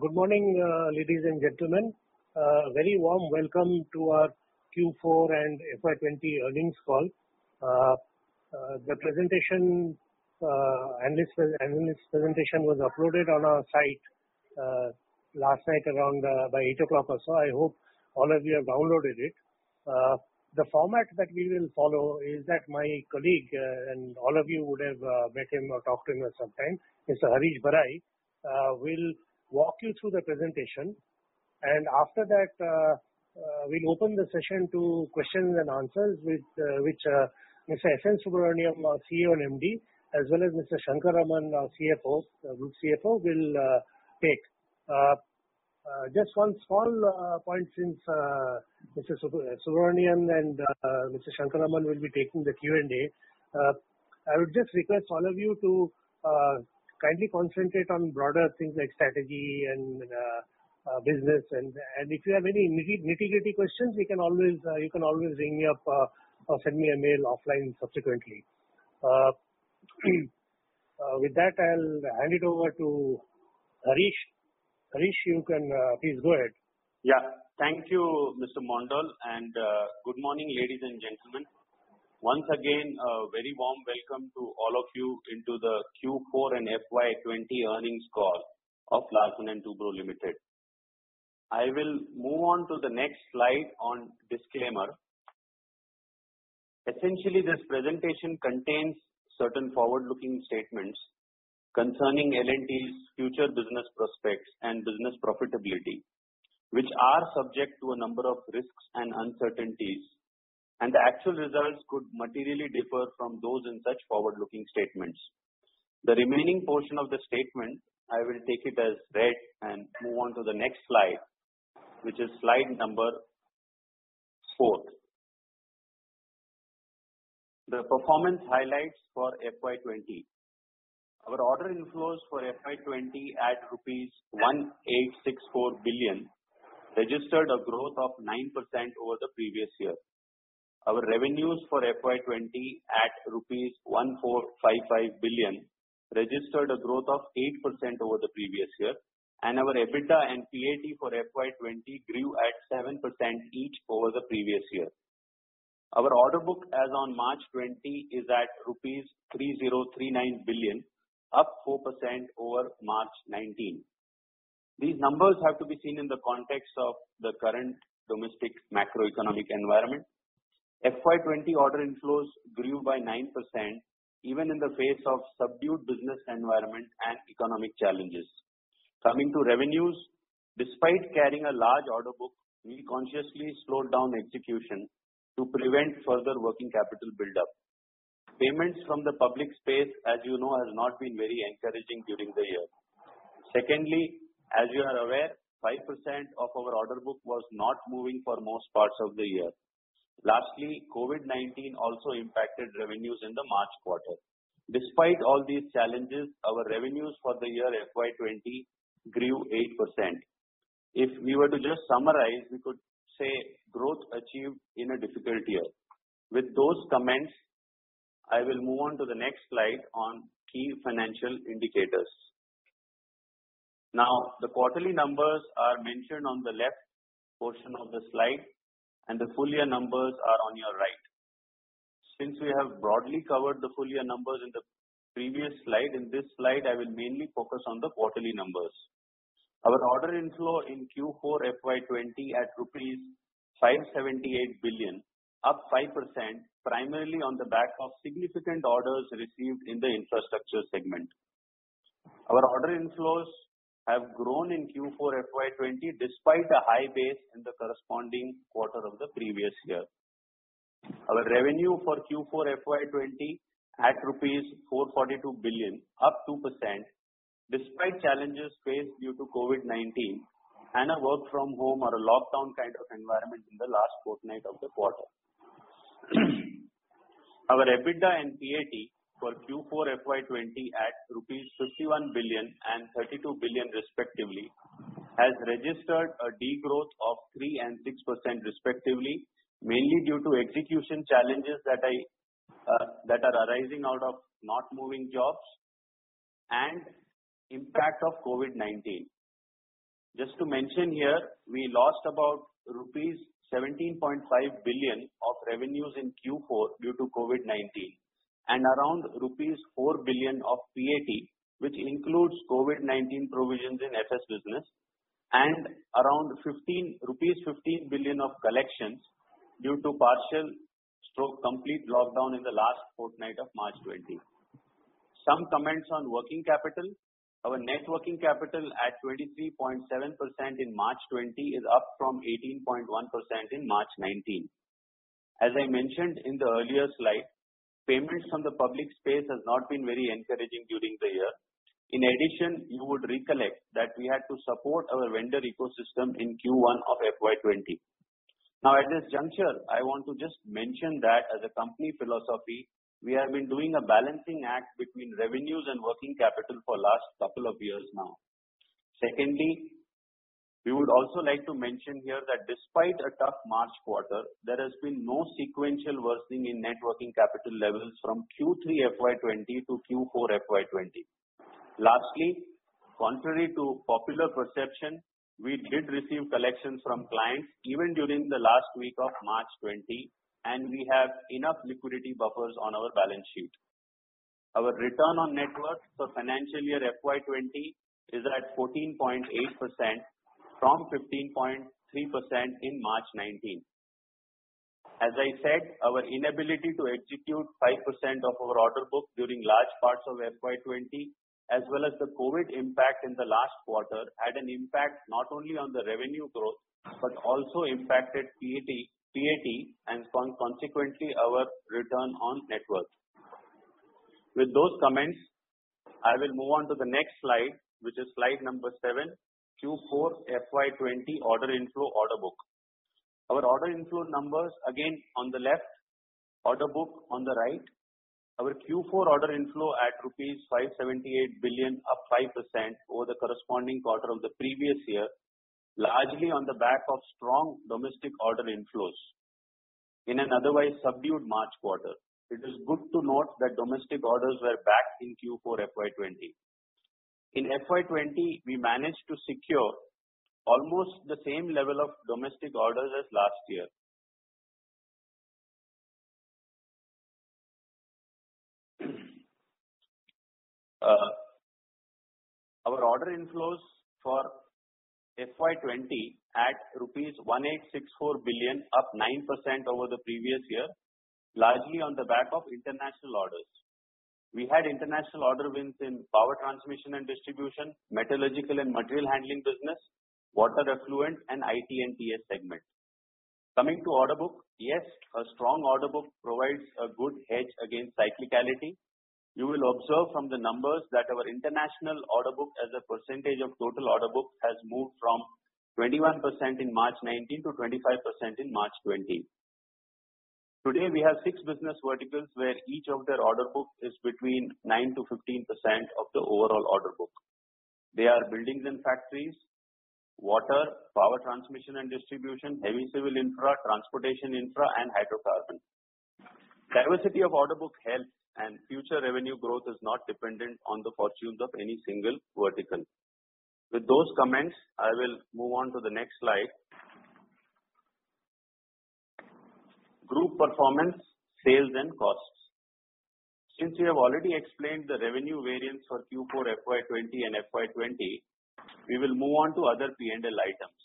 Good morning, ladies and gentlemen. A very warm welcome to our Q4 and FY 2020 Earnings Call. The analyst presentation was uploaded on our site last night around by eight o'clock or so. I hope all of you have downloaded it. The format that we will follow is that my colleague, and all of you would have met him or talked to him some time, Mr. Harish Barai, will walk you through the presentation. After that, we'll open the session to questions and answers, which Mr. S.N. Subrahmanyan, our CEO and MD, as well as Mr. Shankar Raman, our Group CFO, will take. Just one small point since Mr. Subrahmanyan and Mr. Shankar Raman will be taking the Q&A. I would just request all of you to kindly concentrate on broader things like strategy and business. If you have any nitty-gritty questions, you can always ring me up or send me a mail offline subsequently. With that, I'll hand it over to Harish. Harish, you can please go ahead. Yeah. Thank you, Mr. Mondal. Good morning, ladies and gentlemen. Once again, a very warm welcome to all of you into the Q4 and FY 2020 Earnings Call of Larsen & Toubro Limited. I will move on to the next slide on disclaimer. Essentially, this presentation contains certain forward-looking statements concerning L&T's future business prospects and business profitability, which are subject to a number of risks and uncertainties. The actual results could materially differ from those in such forward-looking statements. The remaining portion of the statement, I will take it as read. Move on to the next slide, which is slide number four. The performance highlights for FY 2020. Our order inflows for FY 2020 at rupees 1,864 billion registered a growth of 9% over the previous year. Our revenues for FY 2020 at rupees 1,455 billion registered a growth of 8% over the previous year, and our EBITDA and PAT for FY 2020 grew at 7% each over the previous year. Our order book as on March 2020 is at rupees 3,039 billion, up 4% over March 2019. These numbers have to be seen in the context of the current domestic macroeconomic environment. FY 2020 order inflows grew by 9%, even in the face of subdued business environment and economic challenges. Coming to revenues, despite carrying a large order book, we consciously slowed down execution to prevent further working capital buildup. Payments from the public space, as you know, has not been very encouraging during the year. Secondly, as you are aware, 5% of our order book was not moving for most parts of the year. Lastly, COVID-19 also impacted revenues in the March quarter. Despite all these challenges, our revenues for the year FY 2020 grew 8%. If we were to just summarize, we could say growth achieved in a difficult year. With those comments, I will move on to the next slide on key financial indicators. The quarterly numbers are mentioned on the left portion of the slide, and the full year numbers are on your right. Since we have broadly covered the full year numbers in the previous slide, in this slide, I will mainly focus on the quarterly numbers. Our order inflow in Q4 FY 2020 at rupees 578 billion, up 5%, primarily on the back of significant orders received in the infrastructure segment. Our order inflows have grown in Q4 FY 2020 despite a high base in the corresponding quarter of the previous year. Our revenue for Q4 FY 2020 at 442 billion rupees, up 2%, despite challenges faced due to COVID-19 and a work from home or a lockdown kind of environment in the last fortnight of the quarter. Our EBITDA and PAT for Q4 FY 2020 at rupees 51 billion and 32 billion respectively, has registered a degrowth of 3% and 6% respectively, mainly due to execution challenges that are arising out of not moving jobs and impact of COVID-19. Just to mention here, we lost about rupees 17.5 billion of revenues in Q4 due to COVID-19, and around rupees 4 billion of PAT, which includes COVID-19 provisions in FS business, and around 15 billion of collections due to partial/complete lockdown in the last fortnight of March 2020. Some comments on working capital. Our Net Working Capital at 23.7% in March 2020 is up from 18.1% in March 2019. As I mentioned in the earlier slide, payments from the public space has not been very encouraging during the year. You would recollect that we had to support our vendor ecosystem in Q1 of FY 2020. At this juncture, I want to just mention that as a company philosophy, we have been doing a balancing act between revenues and working capital for last couple of years now. We would also like to mention here that despite a tough March quarter, there has been no sequential worsening in net working capital levels from Q3 FY 2020 to Q4 FY 2020. Contrary to popular perception, we did receive collections from clients even during the last week of March 2020, and we have enough liquidity buffers on our balance sheet. Our return on net worth for financial year FY 2020 is at 14.8% from 15.3% in March 2019. As I said, our inability to execute 5% of our order book during large parts of FY 2020, as well as the COVID-19 impact in the last quarter, had an impact not only on the revenue growth, but also impacted PAT and consequently our return on net worth. With those comments, I will move on to the next slide, which is slide number 7: Q4 FY 2020 order inflow order book. Our order inflow numbers again on the left, order book on the right. Our Q4 order inflow at rupees 578 billion, up 5% over the corresponding quarter of the previous year, largely on the back of strong domestic order inflows. In an otherwise subdued March quarter, it is good to note that domestic orders were back in Q4 FY 2020. In FY 2020, we managed to secure almost the same level of domestic orders as last year. Our order inflows for FY 2020 at rupees 1,864 billion, up 9% over the previous year, largely on the back of international orders. We had international order wins in power transmission and distribution, metallurgical and material handling business, water effluent, and IT and TS segments. Coming to order book. Yes, a strong order book provides a good hedge against cyclicality. You will observe from the numbers that our international order book as a percentage of total order book has moved from 21% in March 2019 to 25% in March 2020. Today, we have six business verticals where each of their order book is between 9%-15% of the overall order book. They are Buildings and Factories, Water, Power Transmission and Distribution, Heavy Civil Infra, Transportation Infra, and Hydrocarbon. Diversity of order book helps and future revenue growth is not dependent on the fortunes of any single vertical. With those comments, I will move on to the next slide. Group performance, sales, and costs. Since we have already explained the revenue variance for Q4 FY 2020 and FY 2020, we will move on to other P&L items.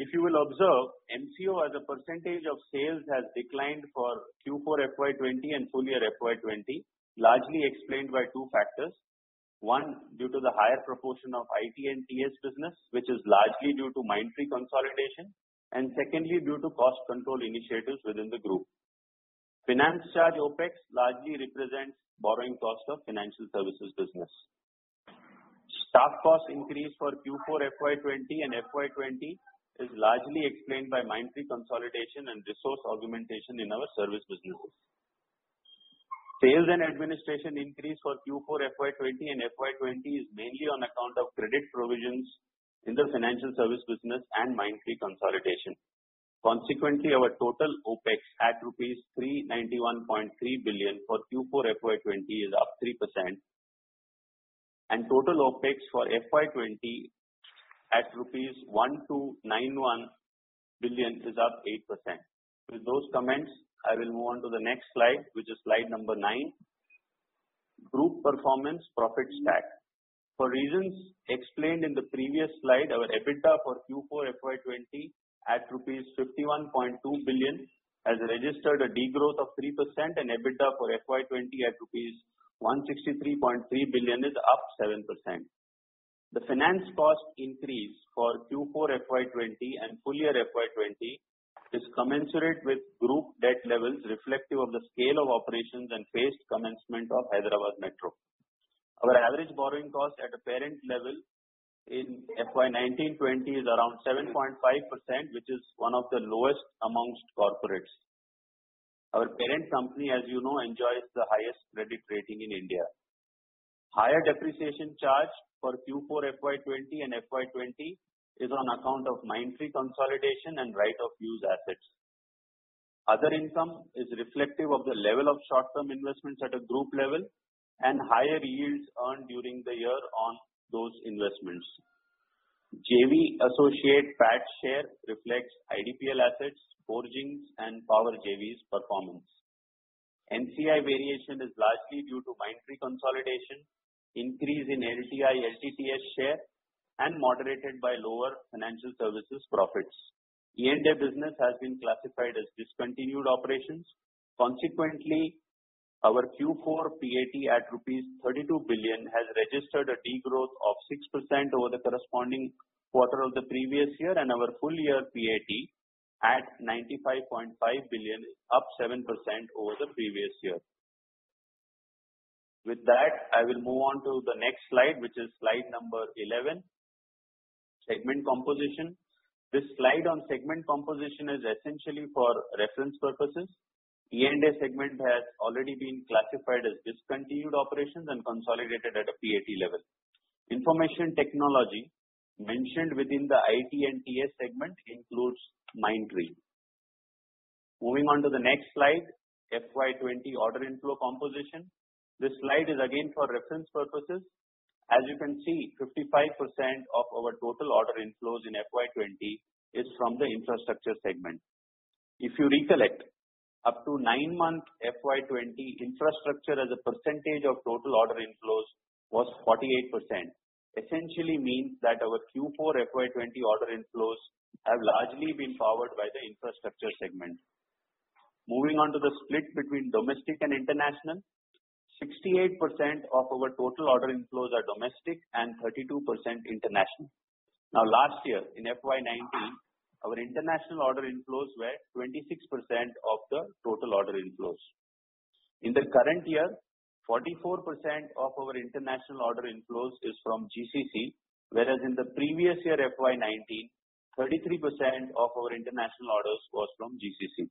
If you will observe, NWC as a percentage of sales has declined for Q4 FY 2020 and full year FY 2020, largely explained by two factors. One, due to the higher proportion of IT and TS business, which is largely due to Mindtree consolidation, and secondly, due to cost control initiatives within the group. Finance charge OPEX largely represents borrowing cost of financial services business. Staff cost increase for Q4 FY 2020 and FY 2020 is largely explained by Mindtree consolidation and resource augmentation in our service businesses. Sales and administration increase for Q4 FY 2020 and FY 2020 is mainly on account of credit provisions in the financial service business and Mindtree consolidation. Consequently, our total OPEX at rupees 391.3 billion for Q4 FY 2020 is up 3%. Total OPEX for FY 2020 at rupees 1,291 billion is up 8%. With those comments, I will move on to the next slide, which is slide number nine, group performance profit stat. For reasons explained in the previous slide, our EBITDA for Q4 FY 2020 at rupees 51.2 billion has registered a degrowth of 3% and EBITDA for FY 2020 at rupees 163.3 billion is up 7%. The finance cost increase for Q4 FY 2020 and full-year FY 2020 is commensurate with group debt levels reflective of the scale of operations and phased commencement of Hyderabad Metro. Our average borrowing cost at a parent level in FY 2019/2020 is around 7.5%, which is one of the lowest amongst corporates. Our parent company, as you know, enjoys the highest credit rating in India. Higher depreciation charge for Q4 FY 2020 and FY 2020 is on account of Mindtree consolidation and right-of-use assets. Other income is reflective of the level of short-term investments at a group level and higher yields earned during the year on those investments. JV associate PAT share reflects IDPL Assets, Forgings, and Power JV's performance. NCI variation is largely due to Mindtree consolidation, increase in LTI, LTTS share, and moderated by lower financial services profits. E&A business has been classified as discontinued operations. Our Q4 PAT at rupees 32 billion has registered a degrowth of 6% over the corresponding quarter of the previous year and our full year PAT at 95.5 billion, up 7% over the previous year. With that, I will move on to the next slide, which is slide number 11, segment composition. This slide on segment composition is essentially for reference purposes. E&A segment has already been classified as discontinued operations and consolidated at a PAT level. Information technology mentioned within the IT and TS segment includes Mindtree. Moving on to the next slide, FY 2020 order inflow composition. This slide is again for reference purposes. As you can see, 55% of our total order inflows in FY 2020 is from the infrastructure segment. If you recollect, up to nine months FY 2020 infrastructure as a percentage of total order inflows was 48%, essentially means that our Q4 FY 2020 order inflows have largely been powered by the infrastructure segment. Moving on to the split between domestic and international. 68% of our total order inflows are domestic and 32% international. Last year in FY 2019, our international order inflows were 26% of the total order inflows. In the current year, 44% of our international order inflows is from GCC, whereas in the previous year FY 2019, 33% of our international orders was from GCC.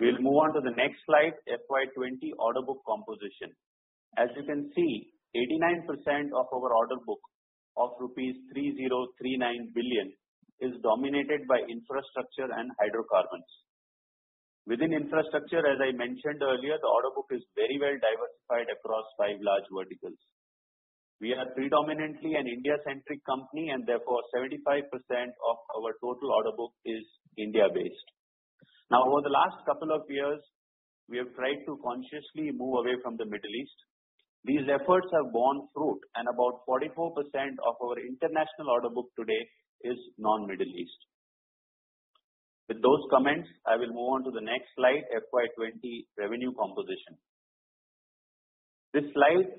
We'll move on to the next slide, FY 2020 order book composition. As you can see, 89% of our order book of rupees 3,039 billion is dominated by infrastructure and hydrocarbons. Within infrastructure, as I mentioned earlier, the order book is very well diversified across five large verticals. We are predominantly an India-centric company, and therefore 75% of our total order book is India-based. Now, over the last couple of years, we have tried to consciously move away from the Middle East. These efforts have borne fruit, and about 44% of our international order book today is non-Middle East. With those comments, I will move on to the next slide, FY 2020 revenue composition. This slide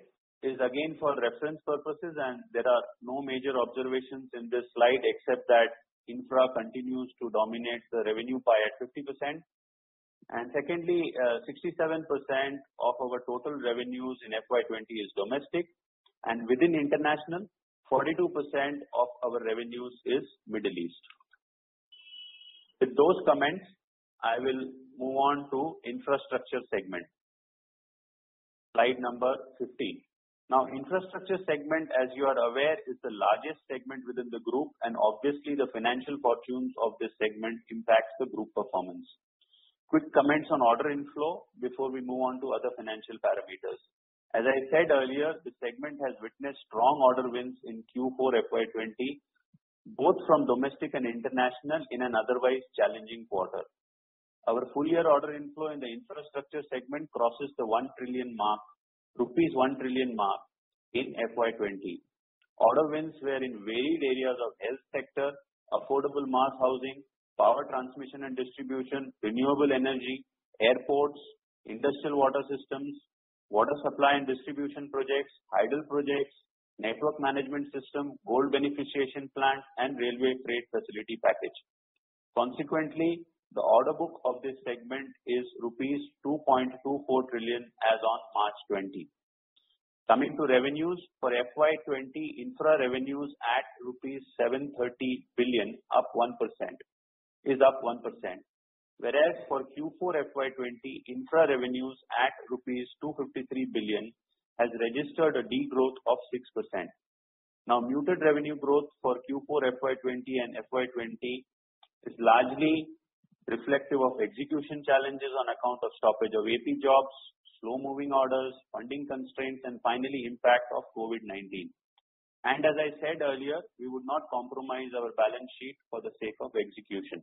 is again for reference purposes, and there are no major observations in this slide except that infra continues to dominate the revenue pie at 50%. Secondly, 67% of our total revenues in FY 2020 is domestic, and within international, 42% of our revenues is Middle East. With those comments, I will move on to infrastructure segment. Slide number 15. Infrastructure segment, as you are aware, is the largest segment within the group, and obviously the financial fortunes of this segment impact the group performance. Quick comments on order inflow before we move on to other financial parameters. As I said earlier, the segment has witnessed strong order wins in Q4 FY 2020, both from domestic and international in an otherwise challenging quarter. Our full-year order inflow in the Infrastructure segment crosses the 1 trillion mark in FY 2020. Order wins were in varied areas of health sector, affordable mass housing, power transmission and distribution, renewable energy, airports, industrial water systems, water supply and distribution projects, hydel projects, network management system, gold beneficiation plant, and railway freight facility package. Consequently, the order book of this segment is rupees 2.24 trillion as on March 2020. Coming to revenues. For FY 2020 infra revenues at rupees 730 billion is up 1%, whereas for Q4 FY 2020 infra revenues at INR 253 billion has registered a degrowth of 6%. Muted revenue growth for Q4 FY 2020 and FY 2020 is largely reflective of execution challenges on account of stoppage of AP jobs, slow moving orders, funding constraints, and finally impact of COVID-19. As I said earlier, we would not compromise our balance sheet for the sake of execution.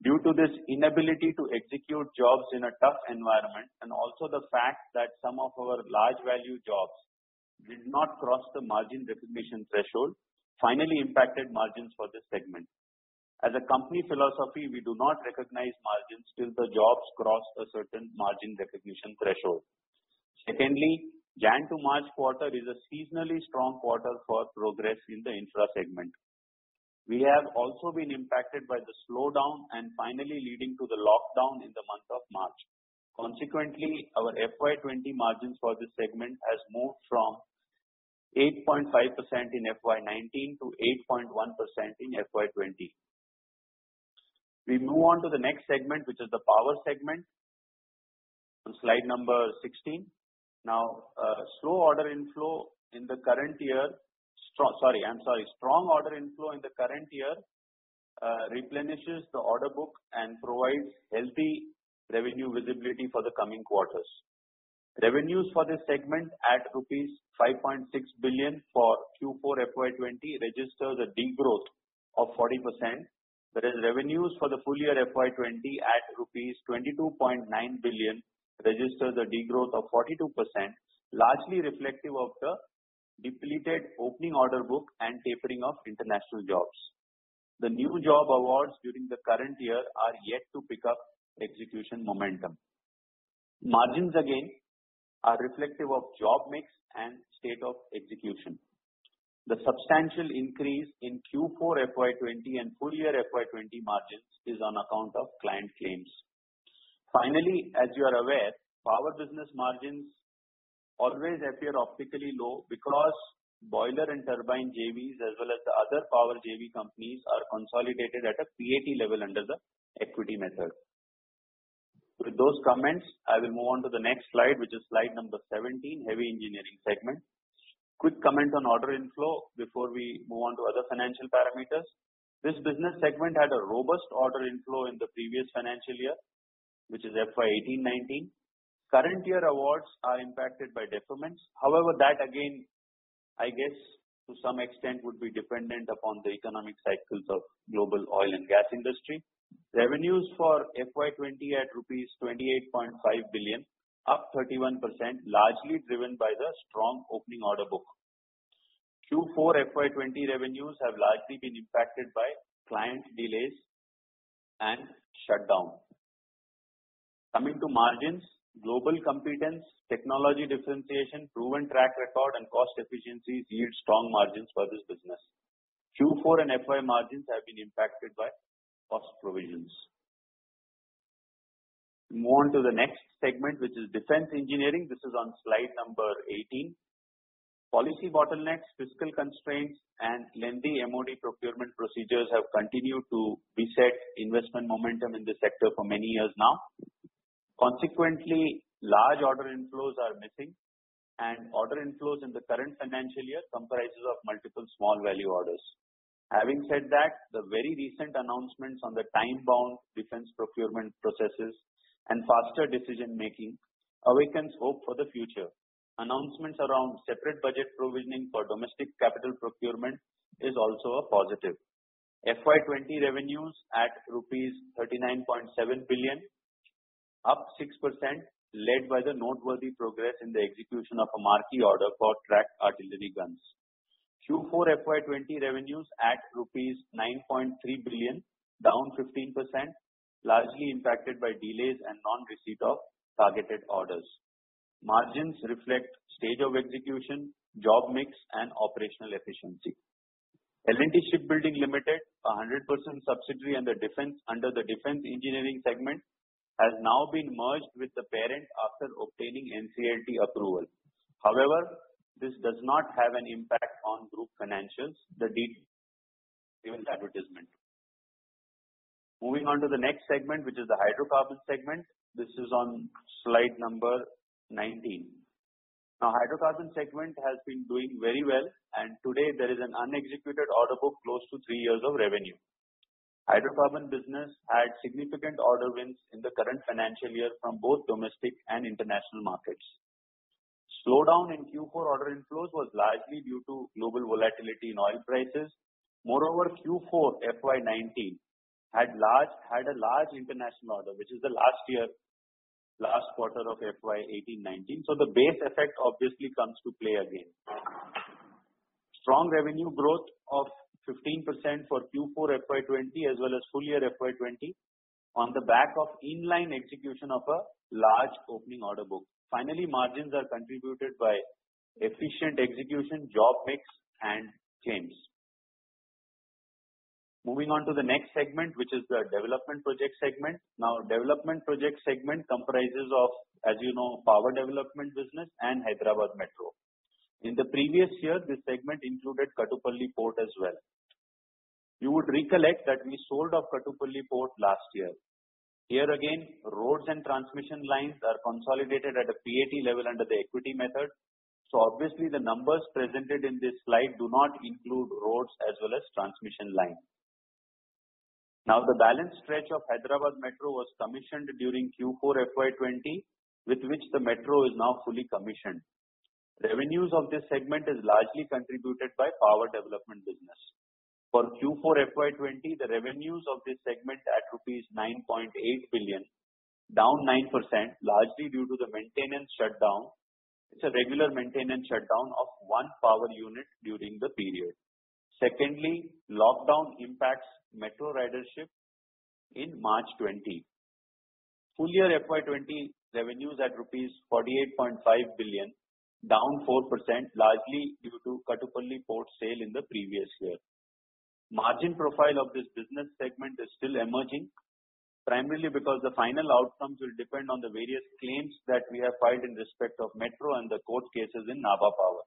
Due to this inability to execute jobs in a tough environment, and also the fact that some of our large value jobs did not cross the margin recognition threshold finally impacted margins for this segment. As a company philosophy, we do not recognize margins till the jobs cross a certain margin recognition threshold. Secondly, January to March quarter is a seasonally strong quarter for progress in the infra segment. We have also been impacted by the slowdown and finally leading to the lockdown in the month of March. Consequently, our FY 2020 margins for this segment has moved from 8.5% in FY 2019 to 8.1% in FY 2020. We move on to the next segment, which is the power segment on slide number 16. Strong order inflow in the current year replenishes the order book and provides healthy revenue visibility for the coming quarters. Revenues for this segment at rupees 5.6 billion for Q4 FY 2020 register the degrowth of 40%, whereas revenues for the full year FY 2020 at rupees 22.9 billion register the degrowth of 42%, largely reflective of the depleted opening order book and tapering of international jobs. The new job awards during the current year are yet to pick up execution momentum. Margins again are reflective of job mix and state of execution. The substantial increase in Q4 FY 2020 and full-year FY 2020 margins is on account of client claims. Finally, as you are aware, power business margins always appear optically low because boiler and turbine JVs, as well as the other power JV companies, are consolidated at a PAT level under the equity method. With those comments, I will move on to the next slide, which is slide number 17, heavy engineering segment. Quick comment on order inflow before we move on to other financial parameters. This business segment had a robust order inflow in the previous financial year, which is FY 2018-2019. Current year awards are impacted by deferments. However, that again, I guess to some extent would be dependent upon the economic cycles of global oil and gas industry. Revenues for FY 2020 at rupees 28.5 billion, up 31%, largely driven by the strong opening order book. Q4 FY 2020 revenues have largely been impacted by client delays and shutdown. Coming to margins, global competence, technology differentiation, proven track record and cost efficiencies yield strong margins for this business. Q4 and FY margins have been impacted by cost provisions. We move on to the next segment, which is defense engineering. This is on slide number 18. Policy bottlenecks, fiscal constraints, and lengthy MOD procurement procedures have continued to reset investment momentum in this sector for many years now. Consequently, large order inflows are missing, and order inflows in the current financial year comprises of multiple small value orders. Having said that, the very recent announcements on the time-bound defense procurement processes and faster decision making awakens hope for the future. Announcements around separate budget provisioning for domestic capital procurement is also a positive. FY 2020 revenues at rupees 39.7 billion, up 6%, led by the noteworthy progress in the execution of a marquee order for tracked artillery guns. Q4 FY 2020 revenues at rupees 9.3 billion, down 15%, largely impacted by delays and non-receipt of targeted orders. Margins reflect stage of execution, job mix, and operational efficiency. L&T Shipbuilding Limited, 100% subsidiary under the defense engineering segment, has now been merged with the parent after obtaining NCLT approval. However, this does not have an impact on group financials. The deet Even advertisement. Moving on to the next segment, which is the hydrocarbon segment. This is on slide number 19. Now, hydrocarbon segment has been doing very well, and today there is an unexecuted order book close to three years of revenue. Hydrocarbon business had significant order wins in the current financial year from both domestic and international markets. Slowdown in Q4 order inflows was largely due to global volatility in oil prices. Q4 FY 2019 had a large international order, which is the last year, last quarter of FY 2018-2019. The base effect obviously comes to play again. Strong revenue growth of 15% for Q4 FY 2020 as well as full-year FY 2020 on the back of inline execution of a large opening order book. Margins are contributed by efficient execution, job mix and change. Moving on to the next segment, which is the development project segment. Development project segment comprises of, as you know, power development business and Hyderabad Metro. In the previous year, this segment included Kattupalli Port as well. You would recollect that we sold off Kattupalli Port last year. Again, roads and transmission lines are consolidated at a PAT level under the equity method. Obviously the numbers presented in this slide do not include roads as well as transmission lines. The balance stretch of Hyderabad Metro was commissioned during Q4 FY 2020, with which the metro is now fully commissioned. Revenues of this segment is largely contributed by power development business. For Q4 FY 2020, the revenues of this segment at rupees 9.8 billion, down 9%, largely due to the maintenance shutdown. It's a regular maintenance shutdown of one power unit during the period. Secondly, lockdown impacts metro ridership in March 2020. Full-year FY 2020 revenues at rupees 48.5 billion, down 4%, largely due to Kattupalli Port sale in the previous year. Margin profile of this business segment is still emerging, primarily because the final outcomes will depend on the various claims that we have filed in respect of Metro and the court cases in Nabha Power.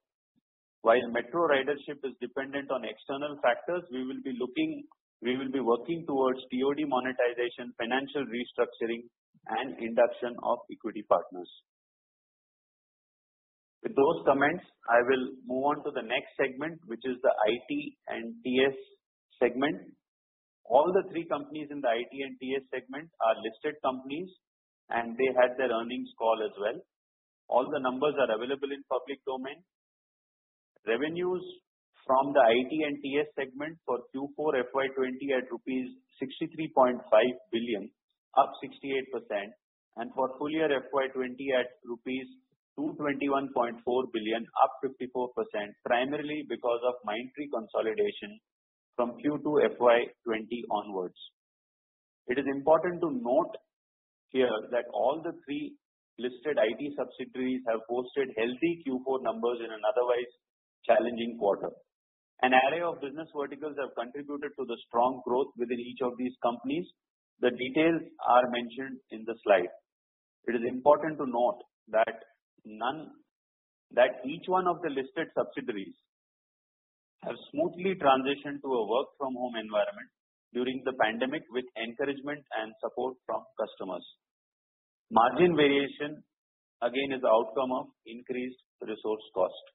While Metro ridership is dependent on external factors, we will be working towards TOD monetization, financial restructuring and induction of equity partners. With those comments, I will move on to the next segment, which is the IT and TS segment. All the three companies in the IT and TS segment are listed companies. They had their earnings call as well. All the numbers are available in public domain. Revenues from the IT and TS segment for Q4 FY 2020 at rupees 63.5 billion, up 68%. For full year FY 2020 at rupees 221.4 billion, up 54%, primarily because of Mindtree consolidation from Q2 FY 2020 onwards. It is important to note here that all the three listed IT subsidiaries have posted healthy Q4 numbers in an otherwise challenging quarter. An array of business verticals have contributed to the strong growth within each of these companies. The details are mentioned in the slide. It is important to note that each one of the listed subsidiaries have smoothly transitioned to a work from home environment during the pandemic, with encouragement and support from customers. Margin variation again is the outcome of increased resource cost.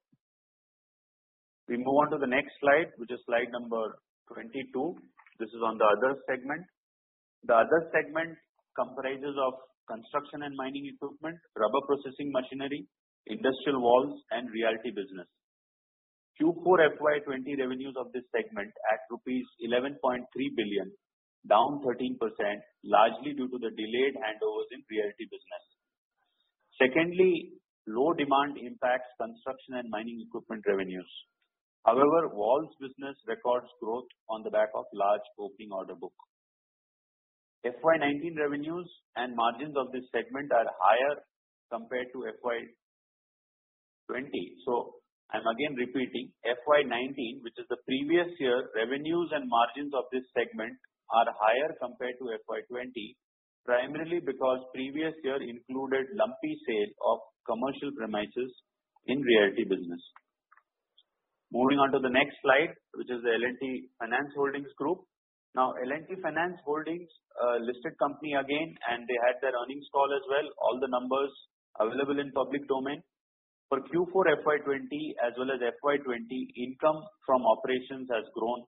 We move on to the next slide, which is slide number 22. This is on the other segment. The other segment comprises of construction and mining equipment, rubber processing machinery, industrial valves and realty business. Q4 FY 2020 revenues of this segment at rupees 11.3 billion, down 13%, largely due to the delayed handovers in realty business. Low demand impacts construction and mining equipment revenues. Valves business records growth on the back of large opening order book. FY 2019 revenues and margins of this segment are higher compared to FY 2020. I'm again repeating, FY 2019, which is the previous year, revenues and margins of this segment are higher compared to FY 2020, primarily because previous year included lumpy sales of commercial premises in realty business. Moving on to the next slide, which is the L&T Finance Holdings Group. L&T Finance Holdings, a listed company again, and they had their earnings call as well. All the numbers available in public domain. For Q4 FY 2020 as well as FY 2020, income from operations has grown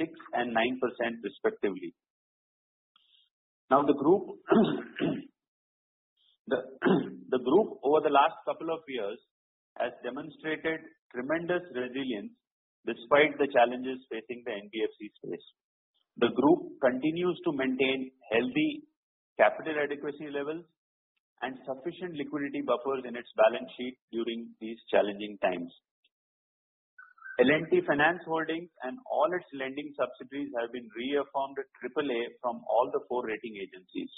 6% and 9% respectively. The group over the last couple of years has demonstrated tremendous resilience despite the challenges facing the NBFC space. The group continues to maintain healthy capital adequacy levels and sufficient liquidity buffers in its balance sheet during these challenging times. L&T Finance Holdings and all its lending subsidiaries have been reaffirmed at triple A from all the four rating agencies.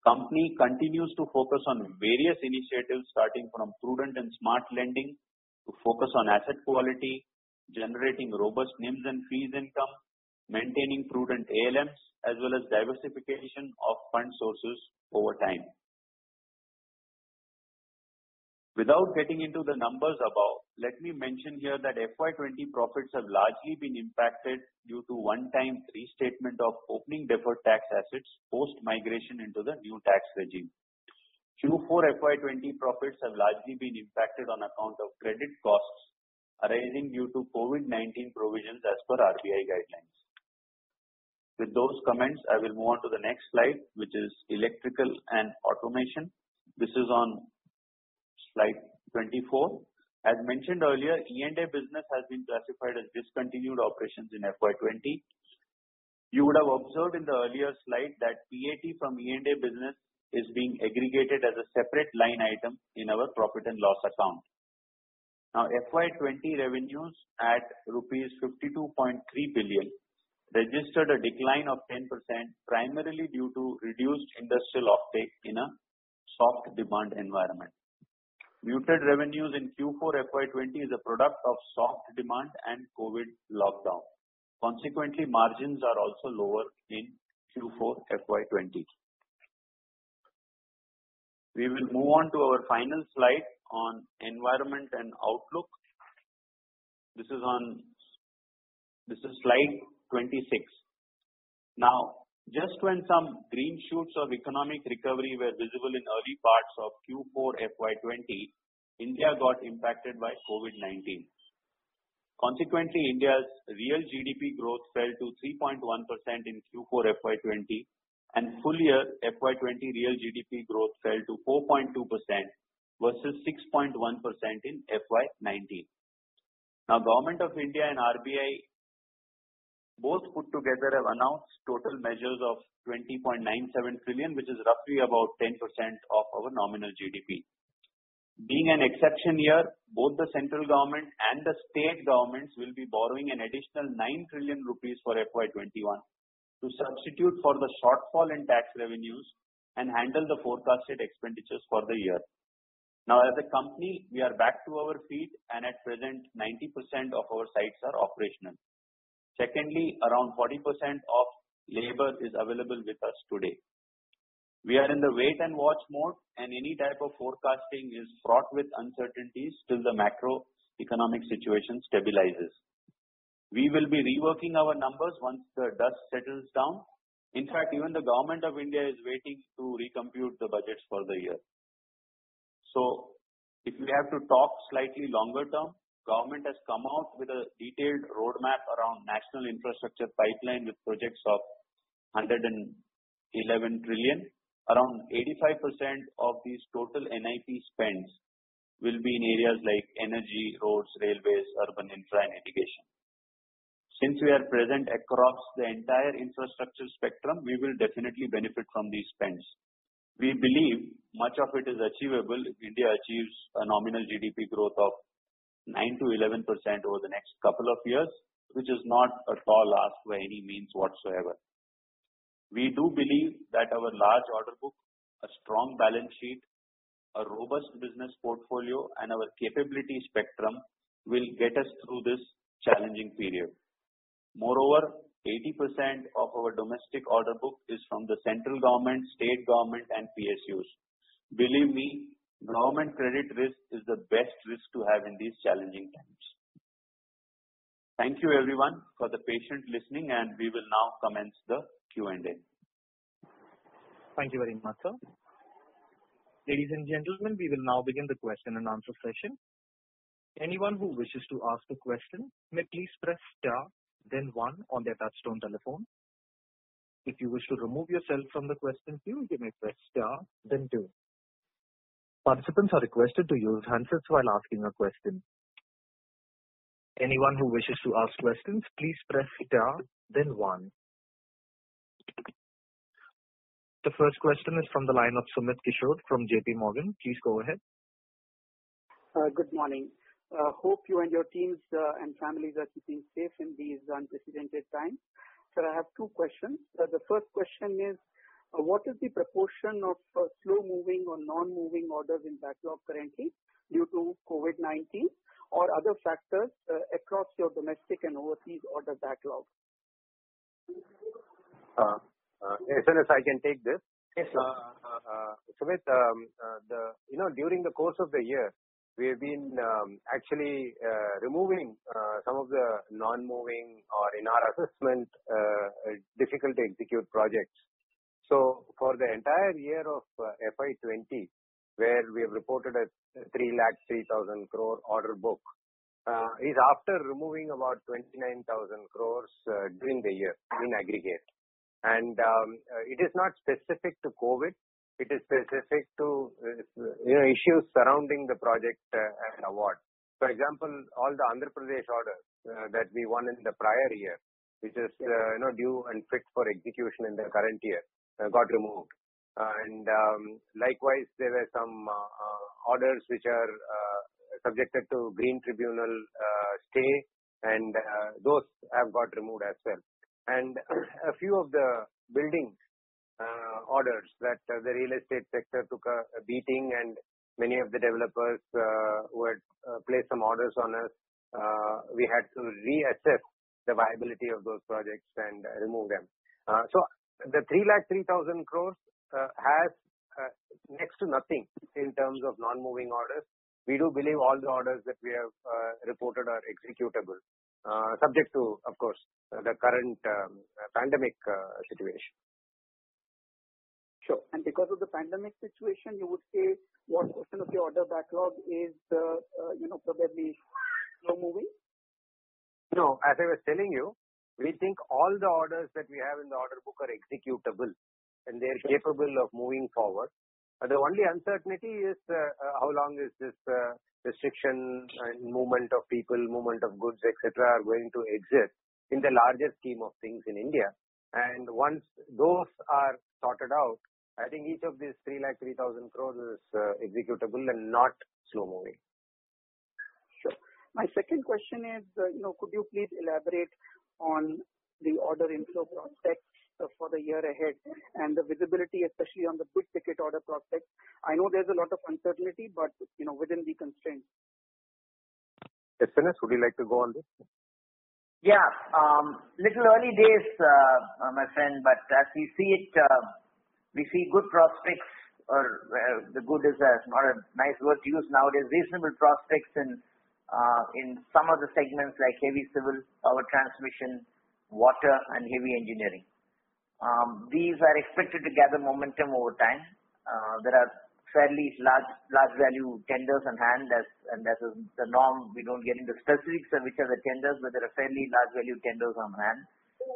Company continues to focus on various initiatives, starting from prudent and smart lending to focus on asset quality, generating robust NIMs and fees income, maintaining prudent ALMs as well as diversification of fund sources over time. Without getting into the numbers above, let me mention here that FY 2020 profits have largely been impacted due to one-time restatement of opening deferred tax assets, post migration into the new tax regime. Q4 FY 2020 profits have largely been impacted on account of credit costs arising due to COVID-19 provisions as per RBI guidelines. With those comments, I will move on to the next slide, which is electrical and automation. This is on slide 24. As mentioned earlier, E&A business has been classified as discontinued operations in FY 2020. You would have observed in the earlier slide that PAT from E&A business is being aggregated as a separate line item in our profit and loss account. FY 2020 revenues at rupees 52.3 billion registered a decline of 10%, primarily due to reduced industrial off take in a soft demand environment. Muted revenues in Q4 FY 2020 is a product of soft demand and COVID-19 lockdown. Consequently, margins are also lower in Q4 FY 2020. We will move on to our final slide on environment and outlook. This is slide 26. Just when some green shoots of economic recovery were visible in early parts of Q4 FY 2020, India got impacted by COVID-19. Consequently, India's real GDP growth fell to 3.1% in Q4 FY 2020 and full year FY 2020 real GDP growth fell to 4.2% versus 6.1% in FY 2019. Government of India and RBI both put together have announced total measures of 20.97 trillion, which is roughly about 10% of our nominal GDP. Being an exception year, both the central government and the state governments will be borrowing an additional 9 trillion rupees for FY 2021 to substitute for the shortfall in tax revenues and handle the forecasted expenditures for the year. As a company, we are back to our feet and at present, 90% of our sites are operational. Secondly, around 40% of labor is available with us today. We are in the wait and watch mode, and any type of forecasting is fraught with uncertainties till the macroeconomic situation stabilizes. We will be reworking our numbers once the dust settles down. In fact, even the Government of India is waiting to recompute the budgets for the year. If we have to talk slightly longer term, Government has come out with a detailed roadmap around National Infrastructure Pipeline with projects of 111 trillion. Around 85% of these total NIP spends will be in areas like energy, roads, railways, urban intra and education. Since we are present across the entire infrastructure spectrum, we will definitely benefit from these spends. We believe much of it is achievable if India achieves a nominal GDP growth of 9%-11% over the next couple of years, which is not at all asked by any means whatsoever. We do believe that our large order book, a strong balance sheet, a robust business portfolio, and our capability spectrum will get us through this challenging period. Moreover, 80% of our domestic order book is from the Central Government, State Government, and PSUs. Believe me, government credit risk is the best risk to have in these challenging times. Thank you everyone for the patient listening, and we will now commence the Q&A. Thank you very much, sir. Ladies and gentlemen, we will now begin the question and answer session. Anyone who wishes to ask a question may please press star, then one on their touch-tone telephone. If you wish to remove yourself from the question queue, you may press star, then two. Participants are requested to use handsets while asking a question. Anyone who wishes to ask questions, please press star, then one. The first question is from the line of Sumit Kishore from JPMorgan. Please go ahead. Good morning. Hope you and your teams and families are keeping safe in these unprecedented times. Sir, I have two questions. The first question is, what is the proportion of slow-moving or non-moving orders in backlog currently due to COVID-19 or other factors across your domestic and overseas order backlog? S.N.S., I can take this. Yes, sir. Sumit, during the course of the year, we have been actually removing some of the non-moving or in our assessment, difficult to execute projects. For the entire year of FY 2020, where we have reported a 303,000 crore order book, is after removing about 29,000 crore during the year in aggregate. It is not specific to COVID-19, it is specific to issues surrounding the project and award. For example, all the Andhra Pradesh orders that we won in the prior year, which is now due and fit for execution in the current year, got removed. Likewise, there were some orders which are subjected to green tribunal stay, and those have got removed as well. A few of the building orders that the real estate sector took a beating and many of the developers who had placed some orders on us, we had to reassess the viability of those projects and remove them. The 303,000 crores has next to nothing in terms of non-moving orders. We do believe all the orders that we have reported are executable, subject to, of course, the current pandemic situation. Sure. Because of the pandemic situation, you would say what portion of your order backlog is probably slow-moving? No, as I was telling you, we think all the orders that we have in the order book are executable, and they're capable of moving forward. The only uncertainty is how long is this restriction and movement of people, movement of goods, et cetera, are going to exist in the larger scheme of things in India. Once those are sorted out, I think each of these 303,000 crores is executable and not slow-moving. Sure. My second question is, could you please elaborate on the order inflow prospects for the year ahead and the visibility, especially on the big-ticket order prospects? I know there's a lot of uncertainty, but within the constraints. S.N.S., would you like to go on this? Yeah. Little early days, my friend, but as we see it, we see good prospects or the good is not a nice word to use nowadays, reasonable prospects in some of the segments like heavy civil, power transmission, water, and heavy engineering. These are expected to gather momentum over time. There are fairly large value tenders on hand as and that is the norm. We don't get into specifics of which are the tenders, but there are fairly large value tenders on hand,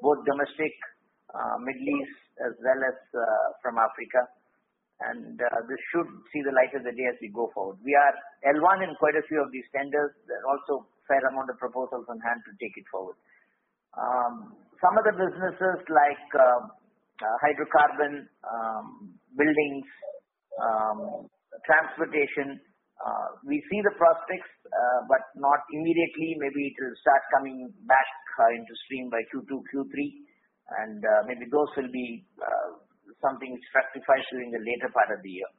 both domestic, Middle East, as well as from Africa. This should see the light of the day as we go forward. We are L1 in quite a few of these tenders. There are also a fair amount of proposals on hand to take it forward. Some of the businesses like hydrocarbon, buildings, transportation, we see the prospects, but not immediately. Maybe it will start coming back into stream by Q2, Q3, and maybe those will be something which fructifies during the later part of the year.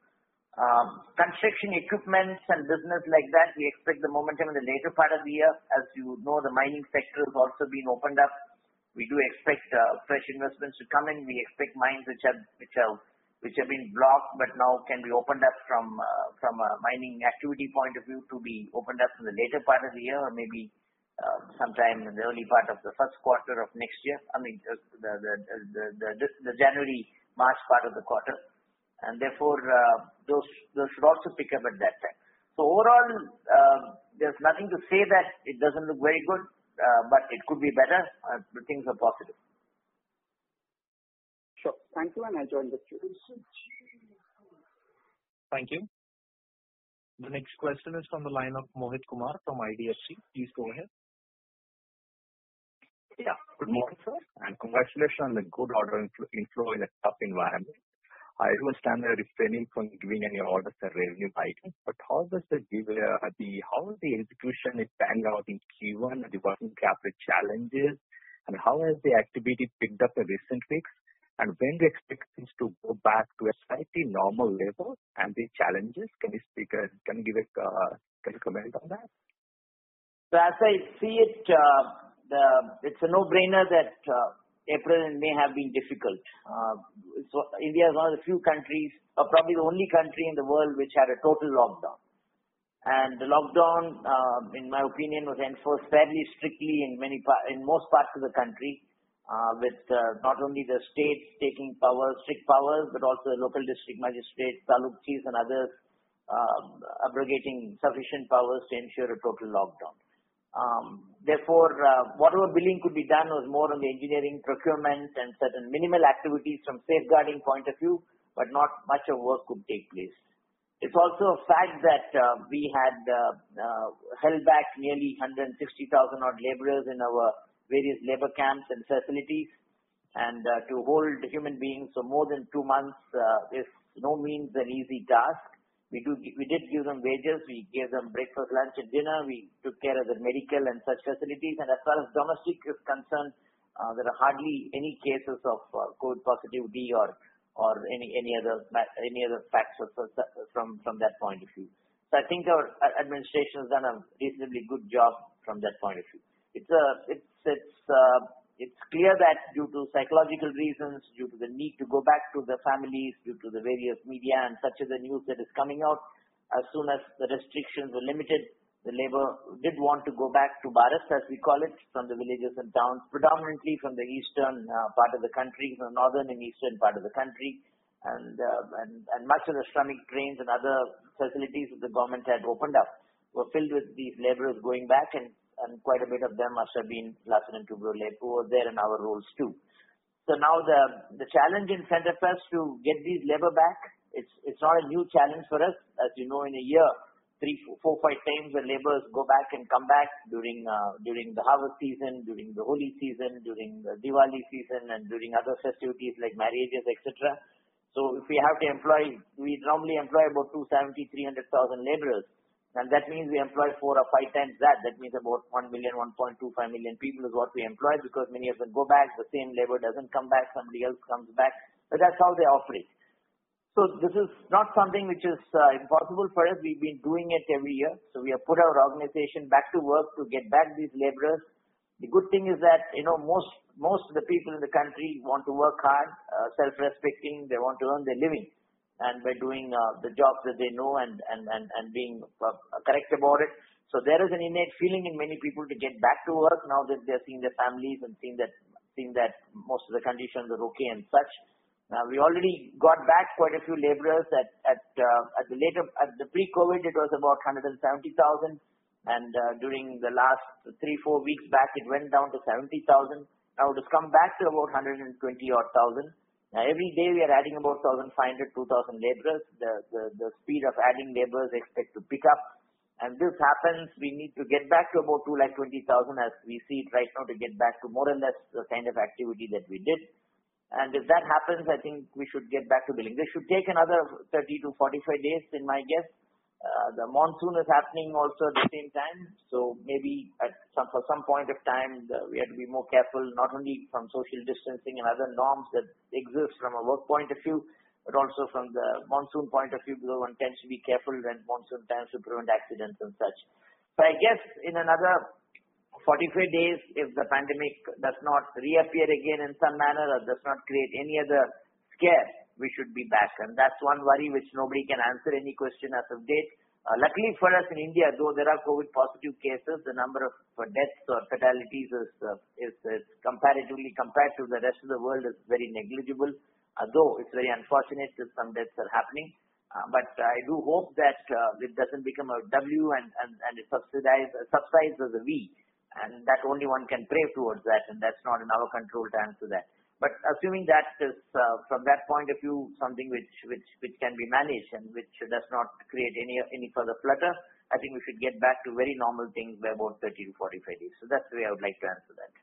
Construction equipment and business like that, we expect the momentum in the later part of the year. As you would know, the mining sector has also been opened up. We do expect fresh investments to come in. We expect mines which have been blocked, but now can be opened up from a mining activity point of view to be opened up in the later part of the year, or maybe sometime in the early part of the first quarter of next year. I mean, the January-March part of the quarter. Therefore, those should also pick up at that time. Overall, there's nothing to say that it doesn't look very good, but it could be better. Things are positive. Sure. Thank you, and I enjoyed the Q&A. Thank you. The next question is from the line of Mohit Kumar from IDFC. Please go ahead. Good morning, sir. Congratulations on the good order inflow in a tough environment. I understand you're refraining from giving any orders or revenue guidance. How is the execution panned out in Q1 and the working capital challenges, and how has the activity picked up in recent weeks? When do you expect things to go back to a slightly normal level and the challenges? Can you comment on that? As I see it's a no-brainer that April and May have been difficult. India is one of the few countries, or probably the only country in the world which had a total lockdown. The lockdown, in my opinion, was enforced fairly strictly in most parts of the country, with not only the states taking strict powers, but also the local district magistrates, taluk tehsildars and others aggregating sufficient powers to ensure a total lockdown. Therefore, whatever billing could be done was more on the engineering procurement and certain minimal activities from safeguarding point of view, but not much of work could take place. It's also a fact that we had held back nearly 160,000 odd laborers in our various labor camps and facilities, and to hold human beings for more than two months is by no means an easy task. We did give them wages, we gave them breakfast, lunch, and dinner. We took care of their medical and such facilities. As far as domestic is concerned, there are hardly any cases of COVID-19 positivity or any other facts from that point of view. I think our administration has done a reasonably good job from that point of view. It's clear that due to psychological reasons, due to the need to go back to their families, due to the various media and such of the news that is coming out, as soon as the restrictions were limited, the labor did want to go back to barracks, as we call it, from the villages and towns, predominantly from the eastern part of the country, from northern and eastern part of the country. Much of the running trains and other facilities that the government had opened up were filled with these laborers going back and quite a bit of them must have been Larsen & Toubro labor who were there in our rolls too. Now the challenge in front of us to get these labor back, it's not a new challenge for us. As you know, in a year, three, four, five times the laborers go back and come back during the harvest season, during the holy season, during the Diwali season, and during other festivities like marriages, et cetera. If we have to employ, we normally employ about 270,000, 300,000 laborers, and that means we employ four or five times that. That means about 1 million, 1.25 million people is what we employ because many of them go back. The same labor doesn't come back, somebody else comes back. That's how they operate. This is not something which is impossible for us. We've been doing it every year. We have put our organization back to work to get back these laborers. The good thing is that most of the people in the country want to work hard, self-respecting. They want to earn their living and by doing the jobs that they know and being correct about it. There is an innate feeling in many people to get back to work now that they're seeing their families and seeing that most of the conditions are okay and such. We already got back quite a few laborers. At the pre-COVID, it was about 170,000, and during the last three, four weeks back, it went down to 70,000. Now it has come back to about 120,000 odd. Every day, we are adding about 1,500, 2,000 laborers. The speed of adding laborers is expected to pick up. As this happens, we need to get back to about 220,000 as we see it right now, to get back to more or less the kind of activity that we did. If that happens, I think we should get back to billing. This should take another 30 to 45 days in my guess. The monsoon is happening also at the same time. Maybe for some point of time, we have to be more careful, not only from social distancing and other norms that exist from a work point of view, but also from the monsoon point of view, because one tends to be careful when monsoon times to prevent accidents and such. I guess in another 45 days, if the pandemic does not reappear again in some manner or does not create any other scare, we should be back. That's one worry which nobody can answer any question as of date. Luckily for us in India, though there are COVID positive cases, the number of deaths or fatalities is comparatively, compared to the rest of the world, is very negligible. Although it's very unfortunate that some deaths are happening. I do hope that this doesn't become a W and it subsides as a V, and that only one can pray towards that, and that's not in our control to answer that. Assuming that from that point of view, something which can be managed and which does not create any further flutter, I think we should get back to very normal things by about 30 to 45 days. That's the way I would like to answer that.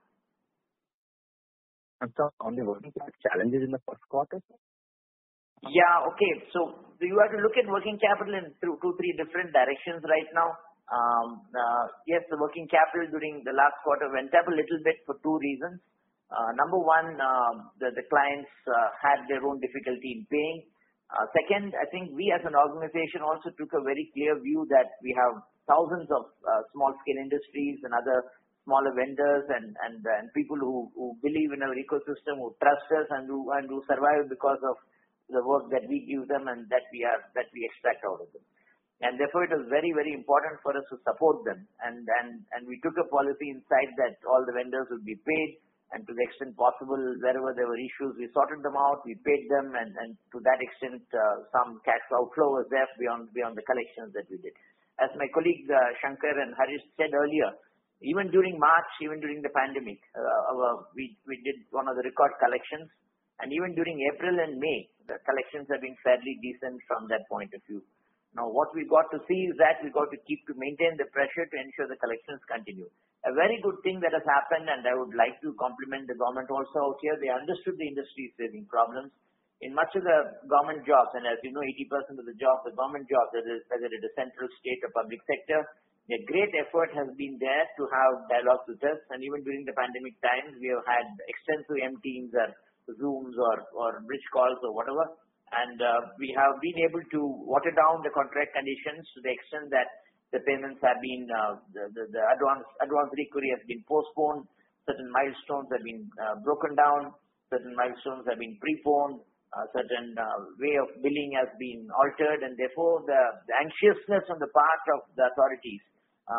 Sir, on the working capital challenges in the Q1? Yeah. Okay. You have to look at working capital in two, three different directions right now. Yes, the working capital during the last quarter went up a little bit for two reasons. Number one, the clients had their own difficulty in paying. Second, I think we as an organization also took a very clear view that we have thousands of small-scale industries and other smaller vendors and people who believe in our ecosystem, who trust us, and who survive because of the work that we give them and that we expect out of them. Therefore, it was very important for us to support them. We took a policy inside that all the vendors will be paid, and to the extent possible, wherever there were issues, we sorted them out, we paid them, and to that extent, some cash outflow was there beyond the collections that we did. As my colleague Shankar and Harish said earlier, even during March, even during the pandemic, we did one of the record collections. Even during April and May, the collections have been fairly decent from that point of view. What we got to see is that we got to keep to maintain the pressure to ensure the collections continue. A very good thing that has happened, I would like to compliment the government also out here, they understood the industry is facing problems. In much of the government jobs, as you know, 80% of the jobs are government jobs, whether it is central, state, or public sector. A great effort has been there to have dialogues with us. Even during the pandemic times, we have had extensive MS Teams or Zooms or bridge calls or whatever. We have been able to water down the contract conditions to the extent that the advance recovery has been postponed. Certain milestones have been broken down, certain milestones have been pre-formed, a certain way of billing has been altered. The anxiousness on the part of the authorities,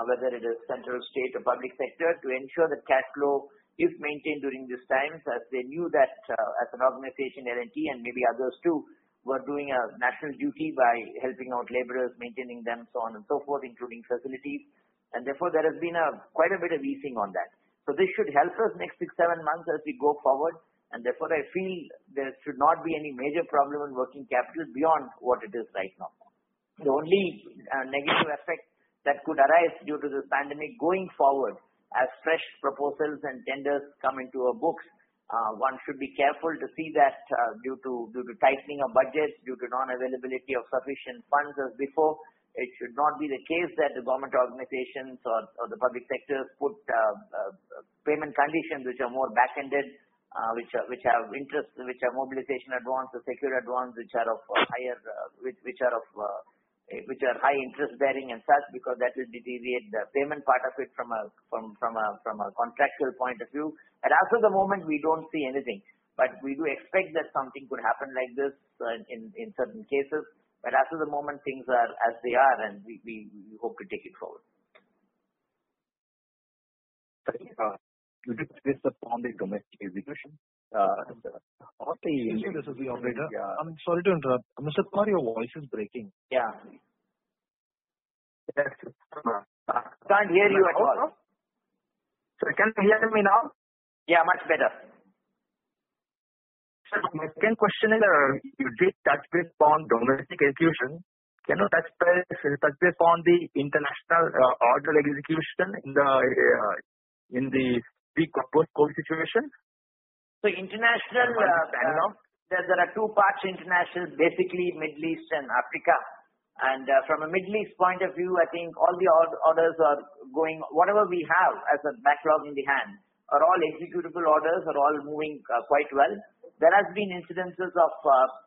whether it is central, state, or public sector, to ensure that cash flow is maintained during these times as they knew that as an organization, L&T and maybe others too, were doing a national duty by helping out laborers, maintaining them, so on and so forth, including facilities. There has been quite a bit of easing on that. This should help us the next six, seven months as we go forward. I feel there should not be any major problem in working capital beyond what it is right now. The only negative effect that could arise due to this pandemic going forward, as fresh proposals and tenders come into our books, one should be careful to see that due to tightening of budgets, due to non-availability of sufficient funds as before, it should not be the case that the government organizations or the public sectors put payment conditions which are more back-ended, which have mobilization advances, secure advance which are high interest-bearing and such, because that will deteriorate the payment part of it from a contractual point of view. As of the moment, we don't see anything. We do expect that something could happen like this in certain cases. As of the moment, things are as they are, and we hope to take it forward. You did touch based on the domestic execution. Excuse me, this is the operator. I'm sorry to interrupt. Mr. Parikshit, your voice is breaking. Yeah. Yes. I can't hear you at all. Sir, can you hear me now? Yeah, much better. Sir, my second question is, you did touch base on domestic execution. Can you touch base on the international order execution in the pre-COVID situation? So international- As of now. There are two parts, international, basically Middle East and Africa. From a Middle East point of view, I think all the orders are going, whatever we have as a backlog in the hand are all executable orders, are all moving quite well. There has been incidences of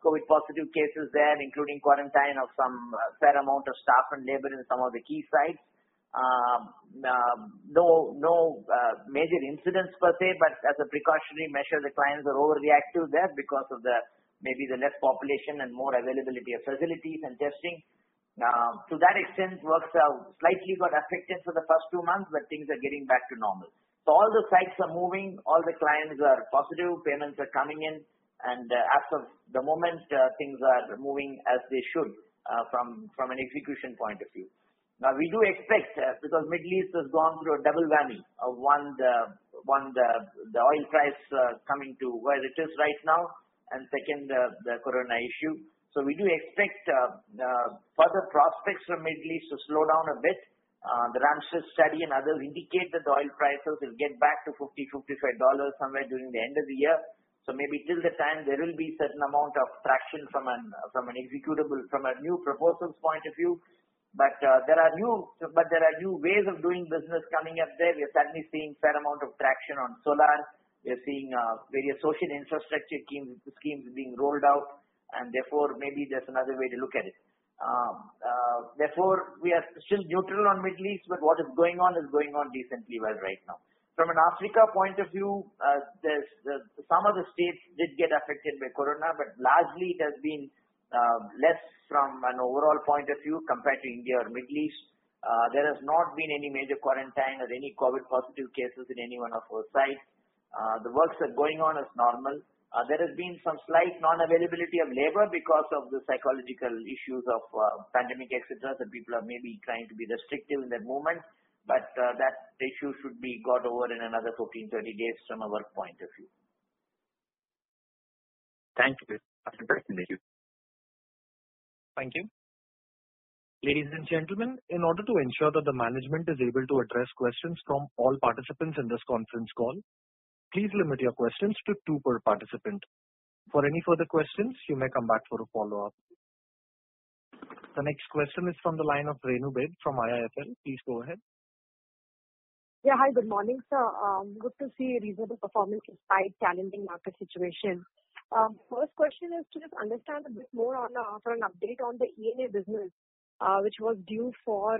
COVID positive cases there, including quarantine of some fair amount of staff and labor in some of the key sites. No major incidents per se, but as a precautionary measure, the clients are overreactive there because of maybe the less population and more availability of facilities and testing. To that extent, works slightly got affected for the first two months, but things are getting back to normal. All the sites are moving, all the clients are positive, payments are coming in, and as of the moment, things are moving as they should from an execution point of view. We do expect because Middle East has gone through a double whammy. One, the oil price coming to where it is right now, and second, the Corona issue. We do expect further prospects from Middle East to slow down a bit. The Rystad study and others indicate that the oil prices will get back to $50, $55 somewhere during the end of the year. Maybe till the time there will be certain amount of traction from a new proposals point of view. There are new ways of doing business coming up there. We are certainly seeing a fair amount of traction on solar. We are seeing various social infrastructure schemes being rolled out, and therefore, maybe there's another way to look at it. We are still neutral on Middle East, but what is going on is going on decently well right now. From an Africa point of view, some of the states did get affected by COVID-19, but largely it has been less from an overall point of view compared to India or Middle East. There has not been any major quarantine or any COVID positive cases in any one of our sites. The works are going on as normal. There has been some slight non-availability of labor because of the psychological issues of pandemic, et cetera. The people are maybe trying to be restrictive in their movement, but that issue should be got over in another 14, 30 days from our point of view. Thank you. I appreciate it. Thank you. Ladies and gentlemen, in order to ensure that the management is able to address questions from all participants in this conference call, please limit your questions to two per participant. For any further questions, you may come back for a follow-up. The next question is from the line of Renu Baid from IIFL. Please go ahead. Hi, good morning, sir. Good to see a reasonable performance despite challenging market situation. First question is to just understand a bit more on or for an update on the E&A business, which was due for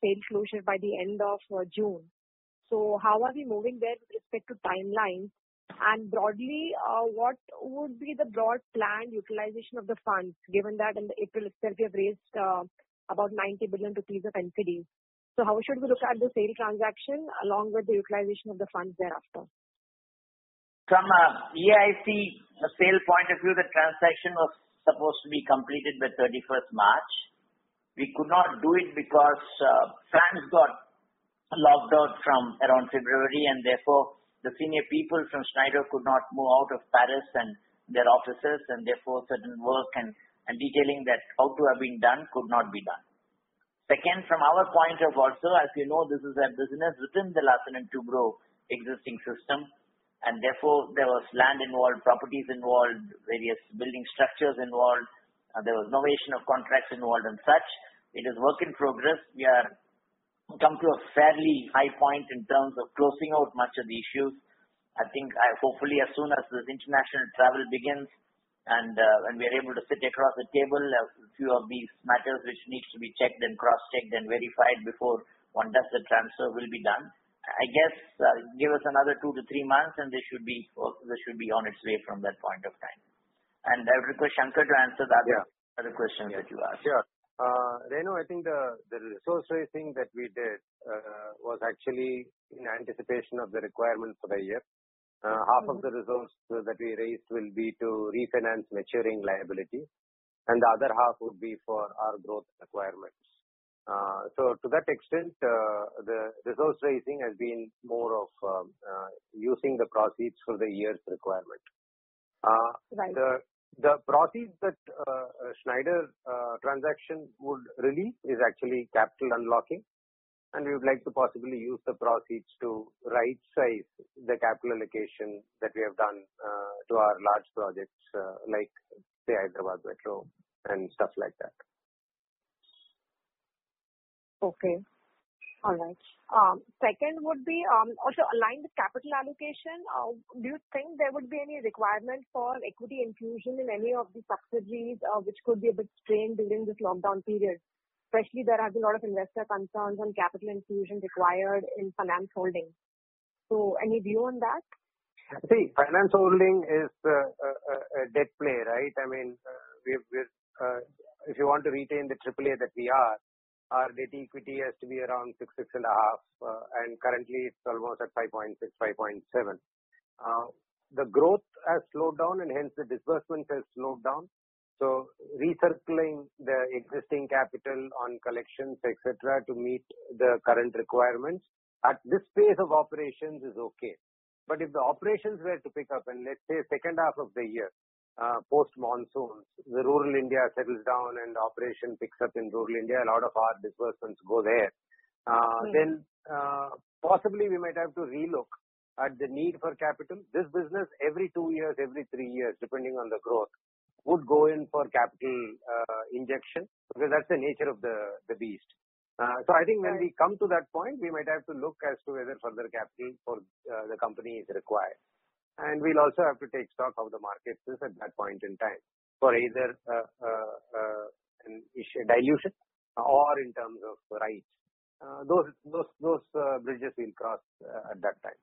sale closure by the end of June. How are we moving there with respect to timeline? Broadly, what would be the broad plan utilization of the funds given that in the April et cetera, you have raised about 90 billion rupees of NCDs? How should we look at the sale transaction along with the utilization of the funds thereafter? From an E&A sale point of view, the transaction was supposed to be completed by March 31st. We could not do it because France got locked out from around February, and therefore the senior people from Schneider could not move out of Paris and their offices, and therefore certain work and detailing that ought to have been done could not be done. Second, from our point of also, as you know, this is a business within the Larsen & Toubro existing system, and therefore there was land involved, properties involved, various building structures involved. There was novation of contracts involved and such. It is work in progress. We are come to a fairly high point in terms of closing out much of the issues. I think hopefully as soon as this international travel begins and we are able to sit across the table, a few of these matters which needs to be checked and cross-checked and verified before one does the transfer will be done. I guess give us another two to three months and this should be on its way from that point of time. I would request Shankar to answer the other questions that you asked. Yeah. Renu, I think the resource raising that we did was actually in anticipation of the requirements for the year. Half of the resource that we raised will be to refinance maturing liability, and the other half would be for our growth requirements. To that extent, the resource raising has been more of using the proceeds for the year's requirement. Right. The proceeds that Schneider transaction would release is actually capital unlocking. We would like to possibly use the proceeds to right-size the capital allocation that we have done to our large projects like the Hyderabad Metro and stuff like that. Okay. All right. Second would be, also aligned with capital allocation, do you think there would be any requirement for equity infusion in any of the subsidiaries which could be a bit strained during this lockdown period? Especially there has been a lot of investor concerns on capital infusion required in Finance Holdings. Any view on that? See, Finance Holdings is a debt play, right? I mean, if you want to retain the triple A that we are, our debt equity has to be around six, 6.5 and currently it's almost at 5.6, 5.7. Hence the disbursements has slowed down. Recirculating the existing capital on collections, et cetera, to meet the current requirements at this phase of operations is okay. If the operations were to pick up and let's say second half of the year, post monsoons, the rural India settles down and operation picks up in rural India, a lot of our disbursements go there. Possibly we might have to re-look at the need for capital. This business every two years, every three years, depending on the growth, would go in for capital injection because that's the nature of the beast. I think when we come to that point, we might have to look as to whether further capital for the company is required. We'll also have to take stock of the market at that point in time for either dilution or in terms of rights. Those bridges we'll cross at that time.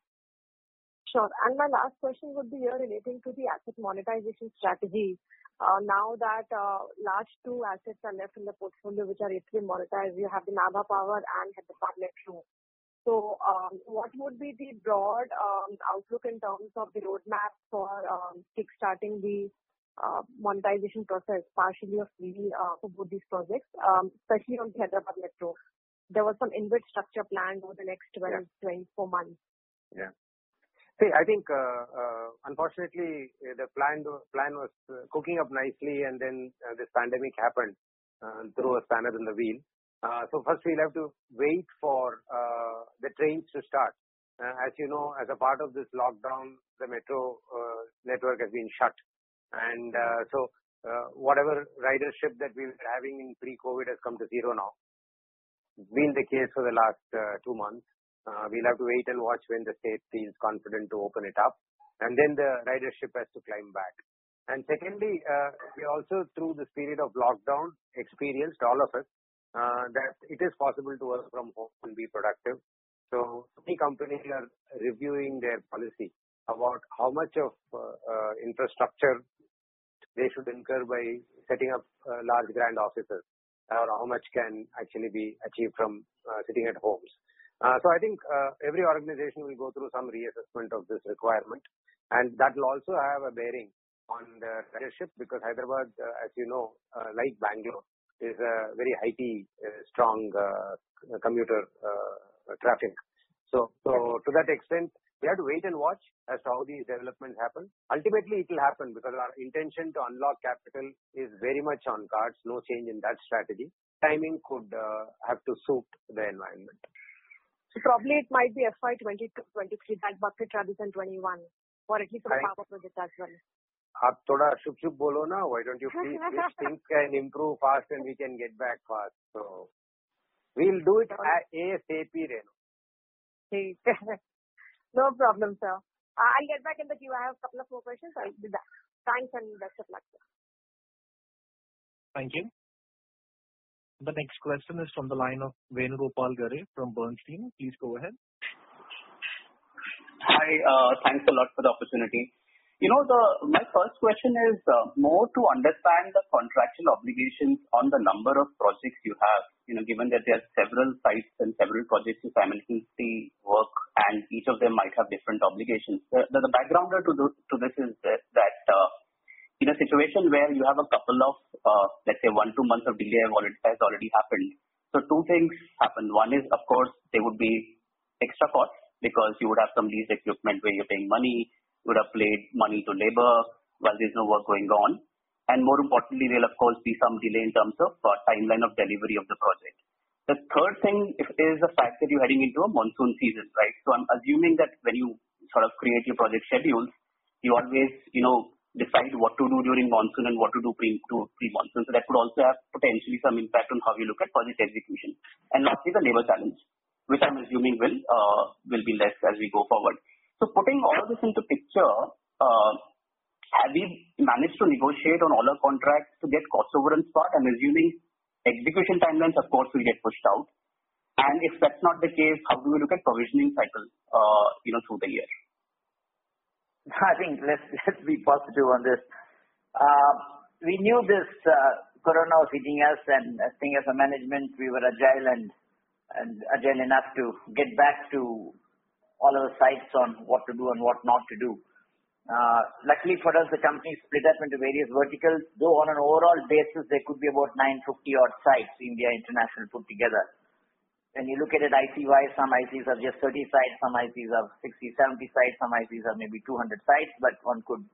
My last question would be here relating to the asset monetization strategy. Now that large two assets are left in the portfolio which are yet to be monetized. You have the Nabha Power and Hyderabad Metro. What would be the broad outlook in terms of the roadmap for kick-starting the monetization process partially or fully for both these projects? Especially on the Hyderabad Metro. There was some InvIT structure planned over the next 12 to 24 months. Yeah. See, I think unfortunately the plan was cooking up nicely and then this pandemic happened and threw a spanner in the wheel. First we'll have to wait for the trains to start. As you know, as a part of this lockdown, the metro network has been shut. Whatever ridership that we were having in pre-COVID has come to zero now. It's been the case for the last two months. We'll have to wait and watch when the state feels confident to open it up, and then the ridership has to climb back. Secondly, we also through this period of lockdown, experienced, all of us, that it is possible to work from home and be productive. Many companies are reviewing their policy about how much of infrastructure they should incur by setting up large grand offices, or how much can actually be achieved from sitting at homes. I think every organization will go through some reassessment of this requirement, and that will also have a bearing on the ridership because Hyderabad, as you know, like Bangalore, is a very IT strong commuter traffic. To that extent, we have to wait and watch as to how these developments happen. Ultimately it will happen because our intention to unlock capital is very much on cards. No change in that strategy. Timing could have to suit the environment. Probably it might be FY 2022-2023 that bucket rather than 2021 for at least the power project as well. Why don't you please wish things can improve fast and we can get back fast. We'll do it ASAP, Renu. No problem, sir. I'll get back in the queue. I have a couple of more questions. I'll be back. Thanks and best of luck to you. Thank you. The next question is from the line of Venugopal Garre from Bernstein. Please go ahead. Hi. Thanks a lot for the opportunity. My first question is more to understand the contractual obligations on the number of projects you have, given that there are several sites and several projects simultaneously work and each of them might have different obligations. The background to this is that. In a situation where you have a couple of, let's say one to two months of delay has already happened. Two things happen. One is, of course, there would be extra costs because you would have some leased equipment where you're paying money. You would have paid money to labor while there's no work going on. More importantly, there will of course, be some delay in terms of timeline of delivery of the project. The third thing is the fact that you're heading into a monsoon season, right? I'm assuming that when you sort of create your project schedules, you always decide what to do during monsoon and what to do pre-monsoon. That could also have potentially some impact on how you look at project execution. Lastly, the labor challenge, which I'm assuming will be less as we go forward. Putting all of this into picture, have we managed to negotiate on all our contracts to get cost overruns spot? I'm assuming execution timelines, of course, will get pushed out. If that's not the case, how do we look at provisioning cycles through the year? I think let's be positive on this. We knew this COVID-19 was hitting us. I think as a management, we were agile enough to get back to all our sites on what to do and what not to do. Luckily for us, the company is split up into various verticals, though, on an overall basis, there could be about 950 odd sites, India and international put together. When you look at it IC-wise, some ICs have just 30 sites, some ICs have 60, 70 sites, some ICs have maybe 200 sites. One could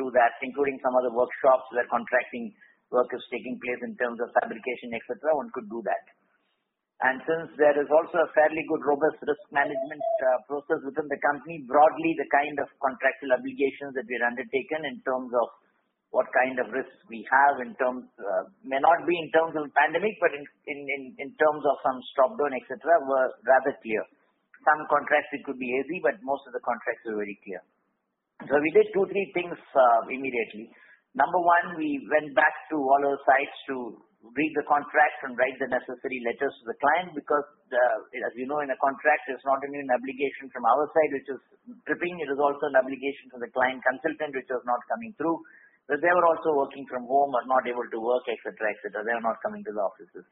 do that, including some of the workshops where contracting work is taking place in terms of fabrication, et cetera. One could do that. Since there is also a fairly good, robust risk management process within the company, broadly the kind of contractual obligations that we had undertaken in terms of what kind of risks we have, may not be in terms of pandemic, but in terms of some stop-down, et cetera, were rather clear. Some contracts, it could be hazy, but most of the contracts were very clear. We did two, three things immediately. Number one, we went back to all our sites to read the contracts and write the necessary letters to the client. As we know, in a contract, there's not only an obligation from our side which is slipping, it is also an obligation from the client consultant, which was not coming through, because they were also working from home or not able to work, et cetera. They are not coming to the offices.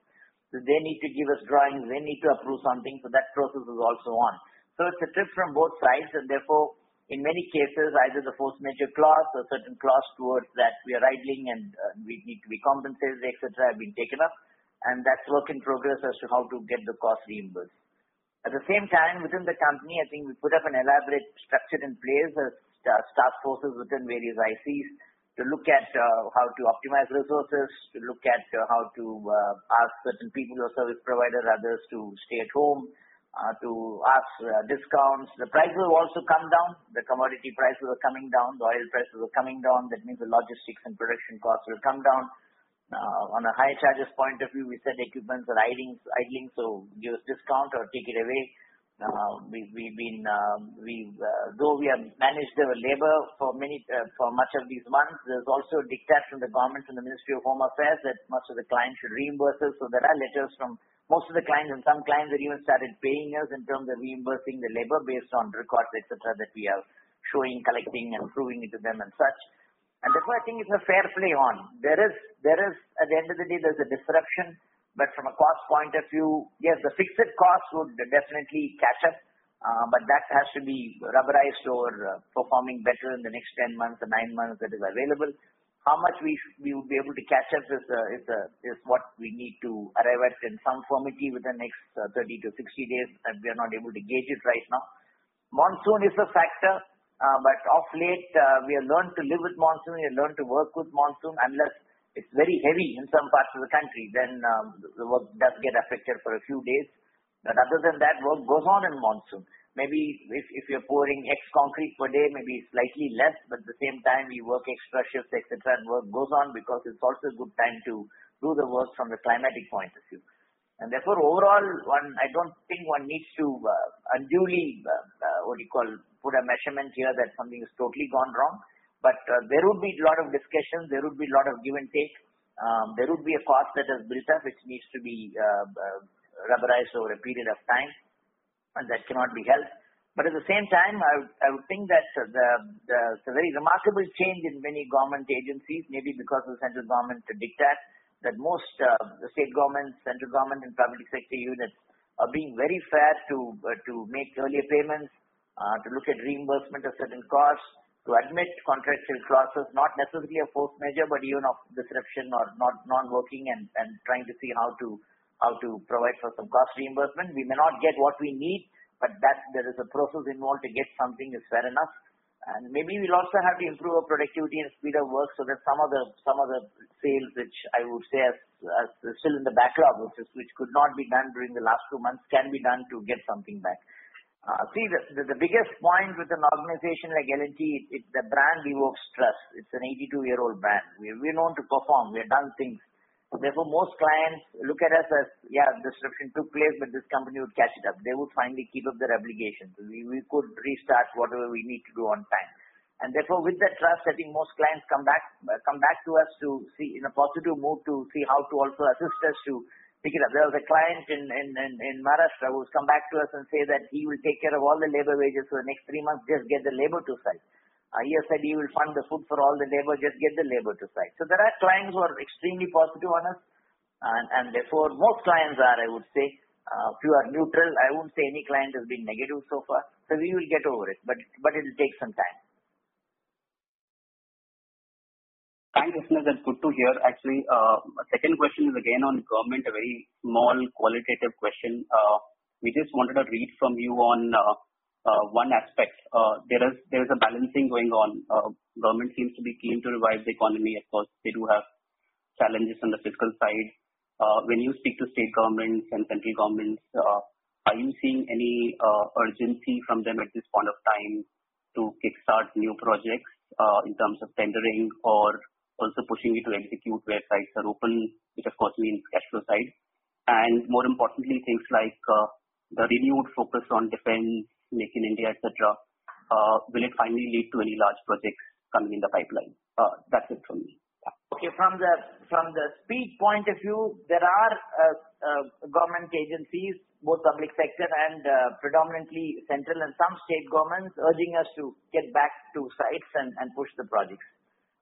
They need to give us drawings, they need to approve something. That process is also on. It's a trip from both sides and therefore in many cases either the force majeure clause or certain clause towards that we are idling and we need to be compensated, et cetera, have been taken up and that's work in progress as to how to get the cost reimbursed. At the same time, within the company, I think we put up an elaborate structure in place as task forces within various ICs to look at how to optimize resources, to look at how to ask certain people or service providers, others to stay at home, to ask discounts. The prices have also come down. The commodity prices are coming down, the oil prices are coming down. That means the logistics and production costs will come down. On a hire charges point of view, we said equipments are idling, so give us discount or take it away. Though we have managed our labor for much of these months, there's also a dictate from the government, from the Ministry of Home Affairs that most of the clients should reimburse us. There are letters from most of the clients and some clients have even started paying us in terms of reimbursing the labor based on records, et cetera, that we are showing, collecting and proving it to them and such. Therefore, I think it's a fair play on. At the end of the day, there's a disruption, but from a cost point of view, yes, the fixed costs would definitely catch up, but that has to be rubberized over performing better in the next 10 months or nine months that is available. How much we would be able to catch up is what we need to arrive at in some certainty within next 30-60 days. We are not able to gauge it right now. Monsoon is a factor. Of late we have learned to live with monsoon. We have learned to work with monsoon. Unless it's very heavy in some parts of the country, then the work does get affected for a few days. Other than that, work goes on in monsoon. Maybe if you're pouring X concrete per day, maybe it's slightly less. At the same time you work extra shifts, et cetera. Work goes on because it's also a good time to do the work from the climatic point of view. Therefore overall, I don't think one needs to unduly, what do you call, put a measurement here that something has totally gone wrong. There would be lot of discussions, there would be lot of give and take. There would be a cost that has built up, which needs to be amortized over a period of time, and that cannot be helped. At the same time, I would think that there's a very remarkable change in many government agencies, maybe because of the central government's dictate, that most of the state governments, central government, and private sector units are being very fair to make earlier payments, to look at reimbursement of certain costs, to admit contractual clauses, not necessarily a force majeure, but even of disruption or non-working and trying to see how to provide for some cost reimbursement. We may not get what we need, but there is a process involved to get something is fair enough, and maybe we'll also have to improve our productivity and speed of work so that some of the sales, which I would say are still in the backlog offices, which could not be done during the last two months, can be done to get something back. See, the biggest point with an organization like L&T, it's the brand evokes trust. It's an 82-year-old brand. We're known to perform. We have done things. Therefore, most clients look at us as, yeah, disruption took place, but this company would catch it up. They would finally keep up their obligations. We could restart whatever we need to do on time. With that trust, I think most clients come back to us in a positive mood to see how to also assist us to pick it up. There was a client in Maharashtra who's come back to us and say that he will take care of all the labor wages for the next three months, just get the labor to site. He has said he will fund the food for all the labor, just get the labor to site. There are clients who are extremely positive on us. Therefore, most clients are, I would say, pure neutral. I won't say any client has been negative so far. We will get over it, but it'll take some time. Thanks, Venupogal here. Actually, second question is again on government, a very small qualitative question. We just wanted a read from you on one aspect. There is a balancing going on. Government seems to be keen to revive the economy. Of course, they do have challenges on the fiscal side. When you speak to state governments and central governments, are you seeing any urgency from them at this point of time to kickstart new projects, in terms of tendering or also pushing me to execute where sites are open, which of course means cash flow side? More importantly, things like the renewed focus on defense, Make in India, et cetera, will it finally lead to any large projects coming in the pipeline? That's it from me. Okay. From the speed point of view, there are government agencies, both public sector and predominantly central and some state governments urging us to get back to sites and push the projects.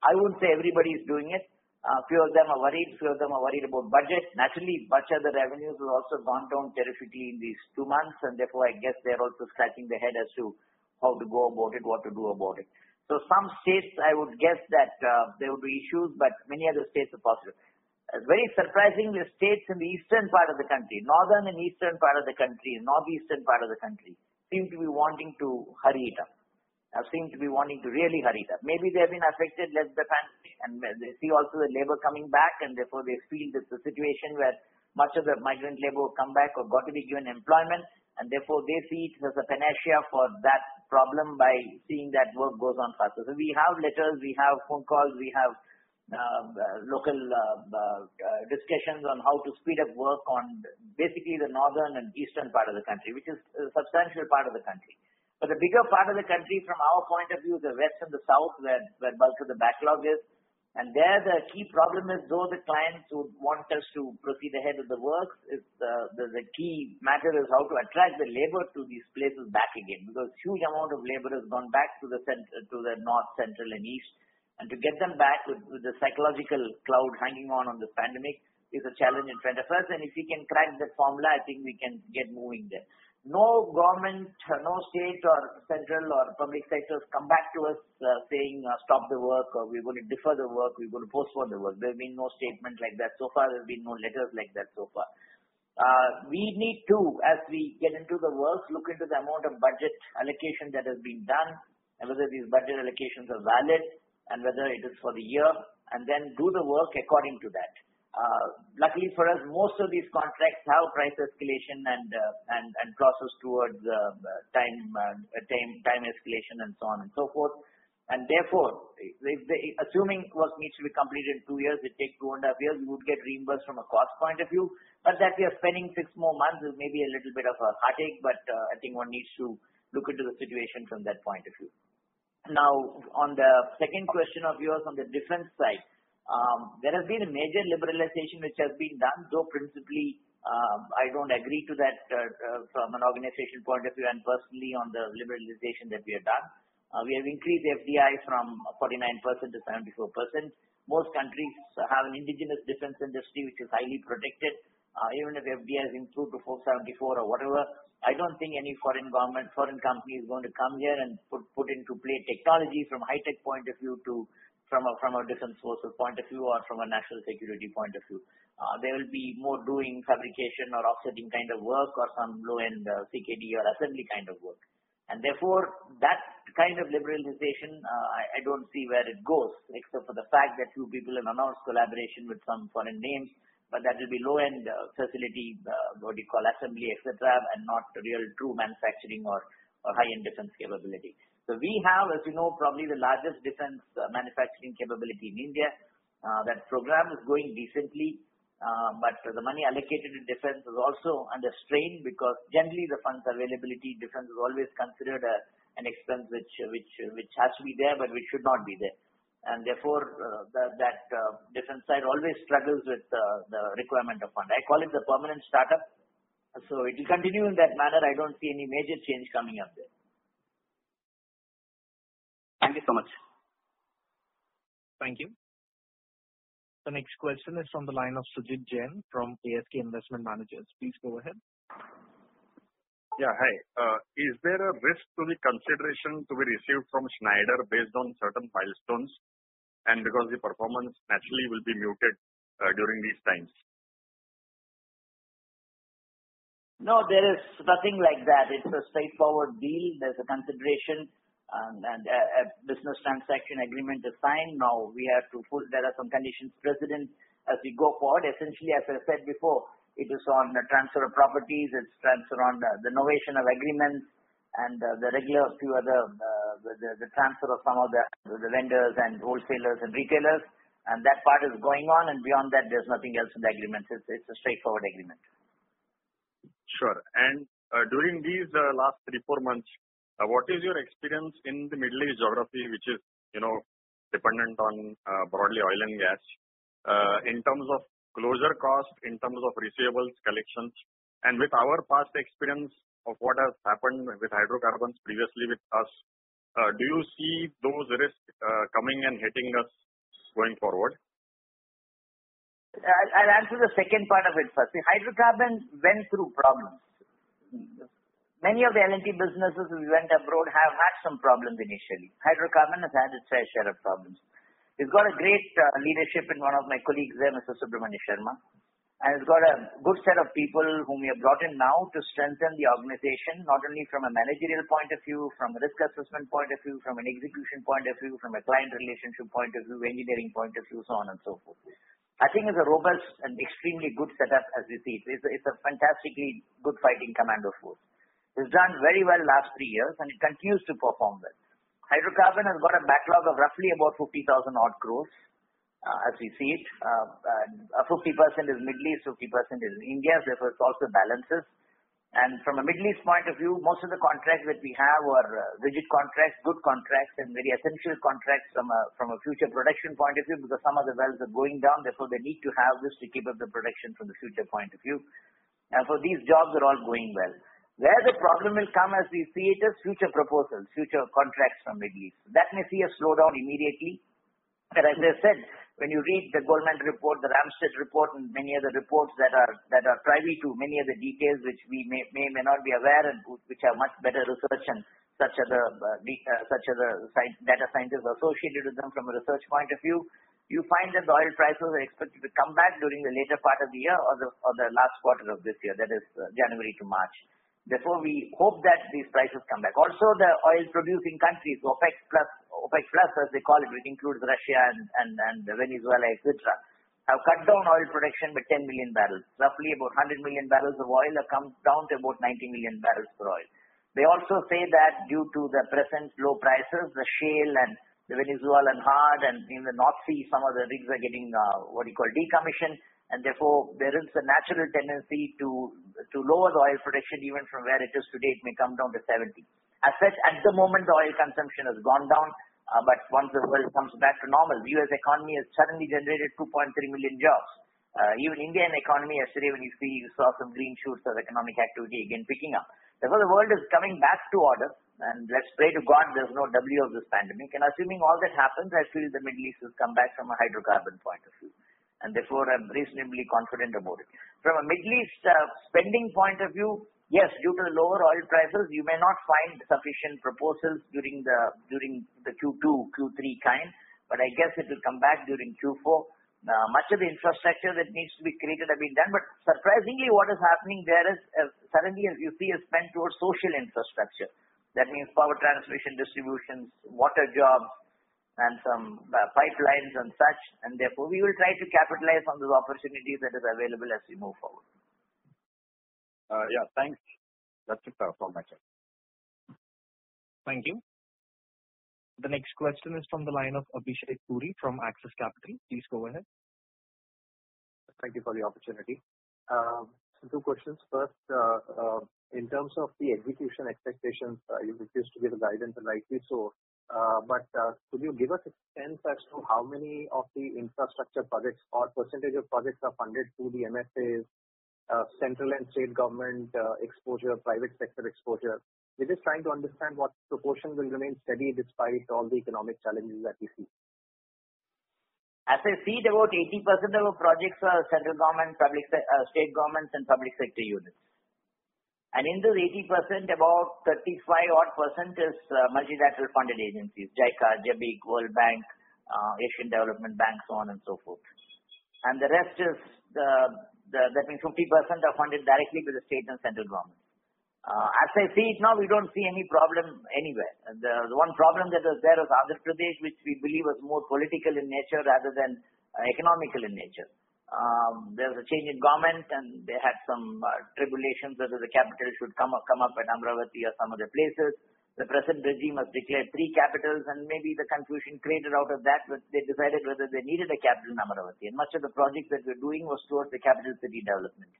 I wouldn't say everybody's doing it. A few of them are worried. Few of them are worried about budget. Naturally, much of the revenues have also gone down terrifically in these two months, and therefore, I guess they're also scratching their head as to how to go about it, what to do about it. Some states, I would guess that there would be issues, but many other states are positive. Very surprisingly, states in the eastern part of the country, northern and eastern part of the country, northeastern part of the country, seem to be wanting to hurry it up or seem to be wanting to really hurry it up. Maybe they've been affected less by the pandemic, they see also the labor coming back, therefore they feel that the situation where much of the migrant labor come back or got to be given employment, therefore they see it as a panacea for that problem by seeing that work goes on faster. We have letters, we have phone calls, we have local discussions on how to speed up work on basically the northern and eastern part of the country, which is a substantial part of the country. The bigger part of the country from our point of view, the west and the south, where bulk of the backlog is, and there the key problem is, though the clients would want us to proceed ahead with the works, is the key matter is how to attract the labor to these places back again. Huge amount of labor has gone back to the North, Central, and East. To get them back with the psychological cloud hanging on of this pandemic is a challenge in front of us. If we can crack that formula, I think we can get moving there. No government, no state or central or public sectors come back to us saying, "Stop the work," or, "We're going to defer the work. We're going to postpone the work." There's been no statement like that so far. There's been no letters like that so far. We need to, as we get into the work, look into the amount of budget allocation that has been done and whether these budget allocations are valid and whether it is for the year, and then do the work according to that. Luckily for us, most of these contracts have price escalation and process towards time escalation and so on and so forth. Therefore, assuming work needs to be completed in two years, it takes two and a half years, we would get reimbursed from a cost point of view. That we are spending six more months is maybe a little bit of a heartache, but I think one needs to look into the situation from that point of view. On the second question of yours on the defense side. There has been a major liberalization which has been done, though principally, I don't agree to that from an organizational point of view and personally on the liberalization that we have done. We have increased FDI from 49%-74%. Most countries have an indigenous defense industry which is highly protected. Even if FDI has improved to 49 to 74 or whatever, I don't think any foreign company is going to come here and put into play technology from a high-tech point of view from a defense source point of view or from a national security point of view. There will be more doing fabrication or offsetting kind of work or some low-end CKD or assembly kind of work. Therefore, that kind of liberalization, I don't see where it goes, except for the fact that few people have announced collaboration with some foreign names, but that will be low-end facility, what you call assembly, et cetera, and not real true manufacturing or high-end defense capability. We have, as you know, probably the largest defense manufacturing capability in India. That program is going decently. The money allocated in defense is also under strain because generally the funds availability, defense is always considered an expense which has to be there, but which should not be there. Therefore, that defense side always struggles with the requirement of fund. I call it the permanent startup. It will continue in that manner. I don't see any major change coming up there. Thank you so much. Thank you. The next question is from the line of Sumit Jain from ASK Investment Managers. Please go ahead. Yeah, hi. Is there a risk to the consideration to be received from Schneider based on certain milestones and because the performance naturally will be muted during these times? No, there is nothing like that. It's a straightforward deal. There's a consideration, and a business transaction agreement is signed. There are some conditions precedent as we go forward. Essentially, as I said before, it is on the transfer of properties, it's transfer on the novation of agreements and the regular few other, the transfer of some of the vendors and wholesalers and retailers, and that part is going on, and beyond that, there's nothing else in the agreement. It's a straightforward agreement. Sure. During these last three, four months, what is your experience in the Middle East geography, which is dependent on broadly oil and gas, in terms of closure cost, in terms of receivables collections, and with our past experience of what has happened with hydrocarbons previously with us? Do you see those risks coming and hitting us going forward? I'll answer the second part of it first. Hydrocarbon went through problems. Many of the L&T businesses we went abroad have had some problems initially. Hydrocarbon has had its fair share of problems. It's got a great leadership in one of my colleagues there, Mr. Subramanian Sarma, and it's got a good set of people whom we have brought in now to strengthen the organization, not only from a managerial point of view, from a risk assessment point of view, from an execution point of view, from a client relationship point of view, engineering point of view, so on and so forth. It's a robust and extremely good setup as we see it. It's a fantastically good fighting commando force. It's done very well the last three years, and it continues to perform well. Hydrocarbon has got a backlog of roughly about 50,000 odd crores. As we see it, 50% is Middle East, 50% is India. Therefore, it also balances. From a Middle East point of view, most of the contracts that we have are rigid contracts, good contracts, and very essential contracts from a future production point of view, because some of the wells are going down, therefore, they need to have this to keep up the production from the future point of view. These jobs are all going well. Where the problem will come as we see it is future proposals, future contracts from Middle East. That may see a slowdown immediately. As I said, when you read the Goldman report, the Rystad report, and many other reports that are privy to many of the details, which we may or may not be aware and which have much better research and such other data scientists associated with them from a research point of view. You find that the oil prices are expected to come back during the later part of the year or the last quarter of this year, that is January to March. Therefore, we hope that these prices come back. Also, the oil-producing countries, OPEC+, as they call it, which includes Russia and Venezuela, et cetera, have cut down oil production by 10 million barrels. Roughly about 100 million barrels of oil have come down to about 90 million barrels per oil. They also say that due to the present low prices, the shale and the Venezuelan hard and in the North Sea, some of the rigs are getting what you call decommissioned, and therefore there is a natural tendency to lower the oil production even from where it is today. It may come down to 70. As such, at the moment, the oil consumption has gone down, but once the world comes back to normal, the U.S. economy has suddenly generated 2.3 million jobs. Even Indian economy yesterday, when you see, you saw some green shoots of economic activity again picking up. Therefore, the world is coming back to order, and let's pray to God there's no W of this pandemic. Assuming all that happens, I feel the Middle East will come back from a hydrocarbon point of view, and therefore I'm reasonably confident about it. From a Middle East spending point of view, yes, due to the lower oil prices, you may not find sufficient proposals during the Q2, Q3 kind, but I guess it will come back during Q4. Much of the infrastructure that needs to be created have been done. Surprisingly, what is happening there is suddenly you see a spend towards social infrastructure. That means power transmission, distributions, water jobs, and some pipelines and such, and therefore we will try to capitalize on those opportunities that are available as we move forward. Yeah, thanks. That's it for my side. Thank you. The next question is from the line of Abhishek Puri from Axis Capital. Please go ahead. Thank you for the opportunity. Two questions. First, in terms of the execution expectations, you refused to give the guidance rightly so. Could you give us a sense as to how many of the infrastructure projects or percentage of projects are funded through the MFAs, central and state government exposure, private sector exposure? We're just trying to understand what proportion will remain steady despite all the economic challenges that we see. As I see it, about 80% of our projects are central government, state governments, and public sector units. In those 80%, about 35-odd% is Multilateral Funding Agencies, JICA, JBIC, World Bank, Asian Development Bank, so on and so forth. The rest is, that means 50% are funded directly with the state and central government. As I see it now, we don't see any problem anywhere. The one problem that was there was Andhra Pradesh, which we believe was more political in nature rather than economical in nature. There was a change in government, and they had some tribulations whether the capital should come up at Amaravati or some other places. The present regime has declared three capitals, and maybe the confusion created out of that was they decided whether they needed a capital in Amaravati. Much of the project that we're doing was towards the capital city development.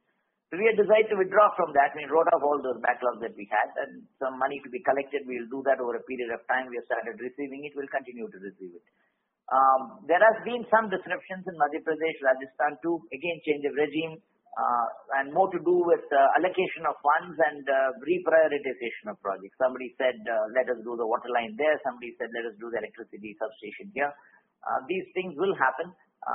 We had decided to withdraw from that, and we wrote off all those backlogs that we had, and some money to be collected. We'll do that over a period of time. We have started receiving it. We'll continue to receive it. There has been some disruptions in Madhya Pradesh, Rajasthan too. Again, change of regime, and more to do with allocation of funds and reprioritization of projects. Somebody said, "Let us do the water line there." Somebody said, "Let us do the electricity substation here." These things will happen.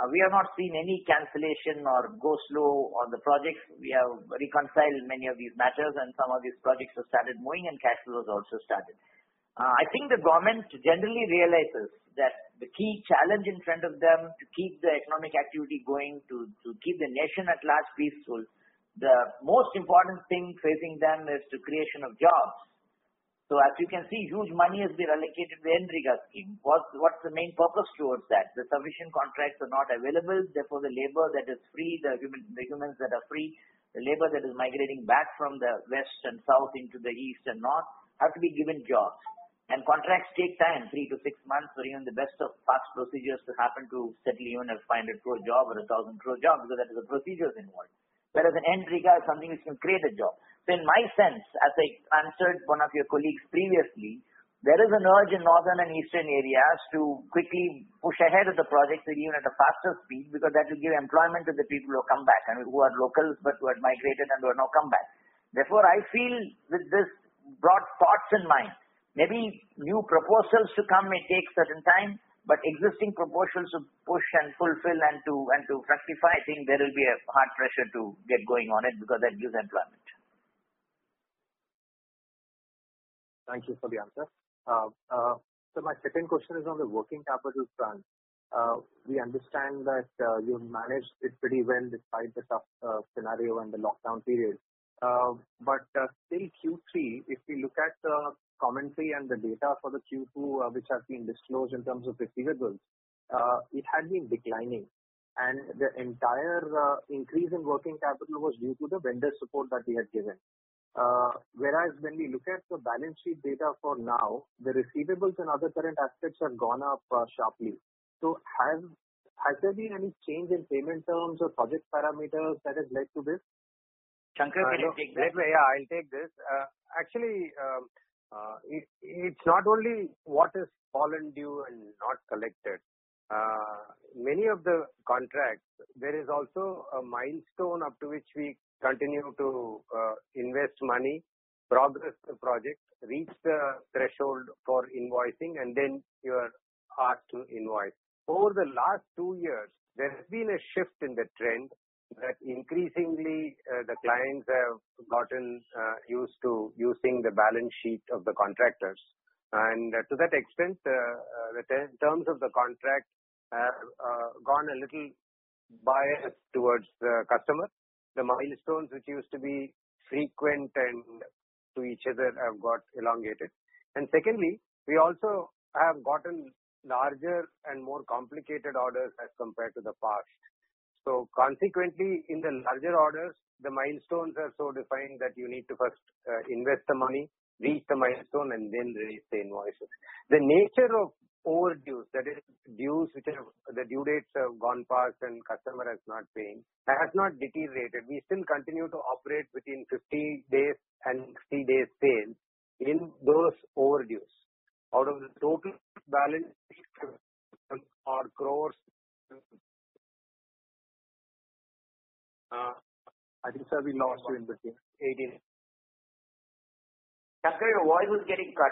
We have not seen any cancellation or go-slow on the projects. We have reconciled many of these matters, and some of these projects have started moving, and cash flow has also started. I think the government generally realizes that the key challenge in front of them to keep the economic activity going, to keep the nation at large peaceful, the most important thing facing them is the creation of jobs. As you can see, huge money has been allocated to the NREGA scheme. What's the main purpose towards that? The sufficient contracts are not available, therefore, the labor that is free, the humans that are free, the labor that is migrating back from the west and south into the east and north have to be given jobs. Contracts take time, three to six months for even the best of fast procedures to happen to settle even an INR 500 crore job or an 1,000 crore job because that is the procedures involved. Whereas an NREGA is something which can create a job. In my sense, as I answered one of your colleagues previously, there is an urge in northern and eastern areas to quickly push ahead with the projects even at a faster speed, because that will give employment to the people who come back and who are locals but who had migrated and who have now come back. Therefore, I feel with this-brought thoughts in mind. Maybe new proposals to come may take certain time, but existing proposals to push and fulfill and to rectify, I think there will be a hard pressure to get going on it because that gives employment. Thank you for the answer. My second question is on the working capital front. We understand that you managed it pretty well despite the tough scenario and the lockdown period. Still Q3, if we look at the commentary and the data for the Q2 which has been disclosed in terms of receivables, it had been declining, and the entire increase in working capital was due to the vendor support that we had given. Whereas when we look at the balance sheet data for now, the receivables and other current assets have gone up sharply. Has there been any change in payment terms or project parameters that has led to this? Shankar can take that. Yeah, I'll take this. Actually, it's not only what is fallen due and not collected. Many of the contracts, there is also a milestone up to which we continue to invest money, progress the project, reach the threshold for invoicing, then you are ought to invoice. Over the last two years, there has been a shift in the trend that increasingly, the clients have gotten used to using the balance sheet of the contractors. To that extent, the terms of the contract have gone a little biased towards the customer. The milestones which used to be frequent and to each other have got elongated. Secondly, we also have gotten larger and more complicated orders as compared to the past. Consequently, in the larger orders, the milestones are so defined that you need to first invest the money, reach the milestone, then release the invoices. The nature of overdue, that is dues which the due dates have gone past and customer has not paid, has not deteriorated. We still continue to operate within 50 days and 60 days pay in those overdues. Out of the total balance sheet odd crores I think, sir, we lost you in between. Shankar, your voice was getting cut.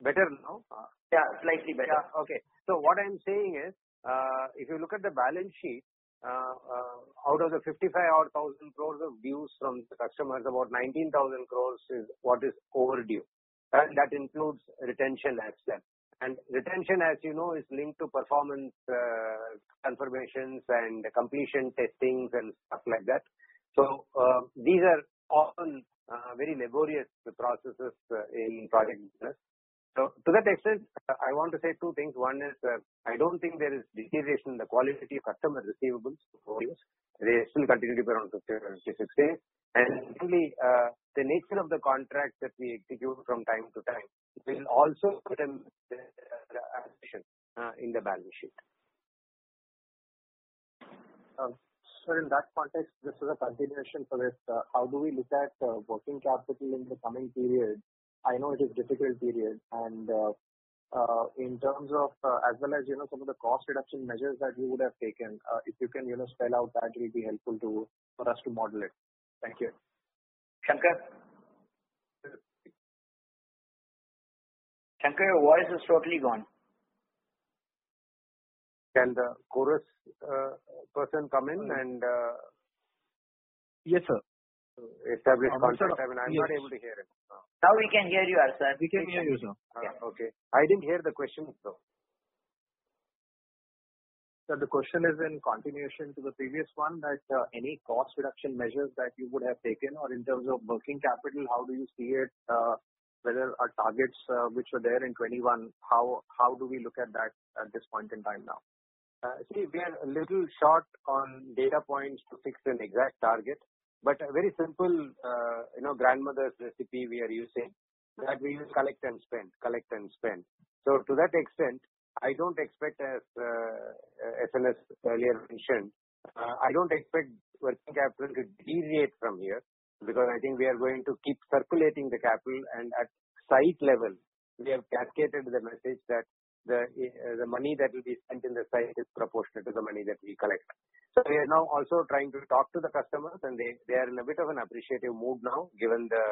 Better now? Yeah, slightly better. Yeah. Okay. What I'm saying is, if you look at the balance sheet, out of the 55,000 odd crores of dues from the customers, about 19,000 crores is what is overdue. That includes retention as well. Retention, as you know, is linked to performance confirmations and completion testings and stuff like that. These are often very laborious processes in project business. To that extent, I want to say two things. One is, I don't think there is deterioration in the quality of customer receivables overdues. They still continue to be around 50 or 60 days. Secondly, the nature of the contract that we execute from time to time will also put in the attrition in the balance sheet. Sir, in that context, this is a continuation to this. How do we look at working capital in the coming period? I know it is difficult period, and in terms of as well as some of the cost reduction measures that you would have taken. If you can spell out that, it'll be helpful for us to model it. Thank you. Shankar. Shankar, your voice is totally gone. Can the Chorus person come in and. Yes, sir. Establish contact. I mean, I'm not able to hear him. Now we can hear you, sir. We can hear you, sir. Okay. I didn't hear the question though. Sir, the question is in continuation to the previous one, that any cost reduction measures that you would have taken or in terms of working capital, how do you see it, whether our targets which were there in 2021, how do we look at that at this point in time now? We are a little short on data points to fix an exact target, but a very simple grandmother's recipe we are using, that we just collect and spend. To that extent, I don't expect, as SNS earlier mentioned, I don't expect working capital to deviate from here because I think we are going to keep circulating the capital and at site level, we have cascaded the message that the money that will be spent in the site is proportionate to the money that we collect. We are now also trying to talk to the customers, and they are in a bit of an appreciative mood now, given the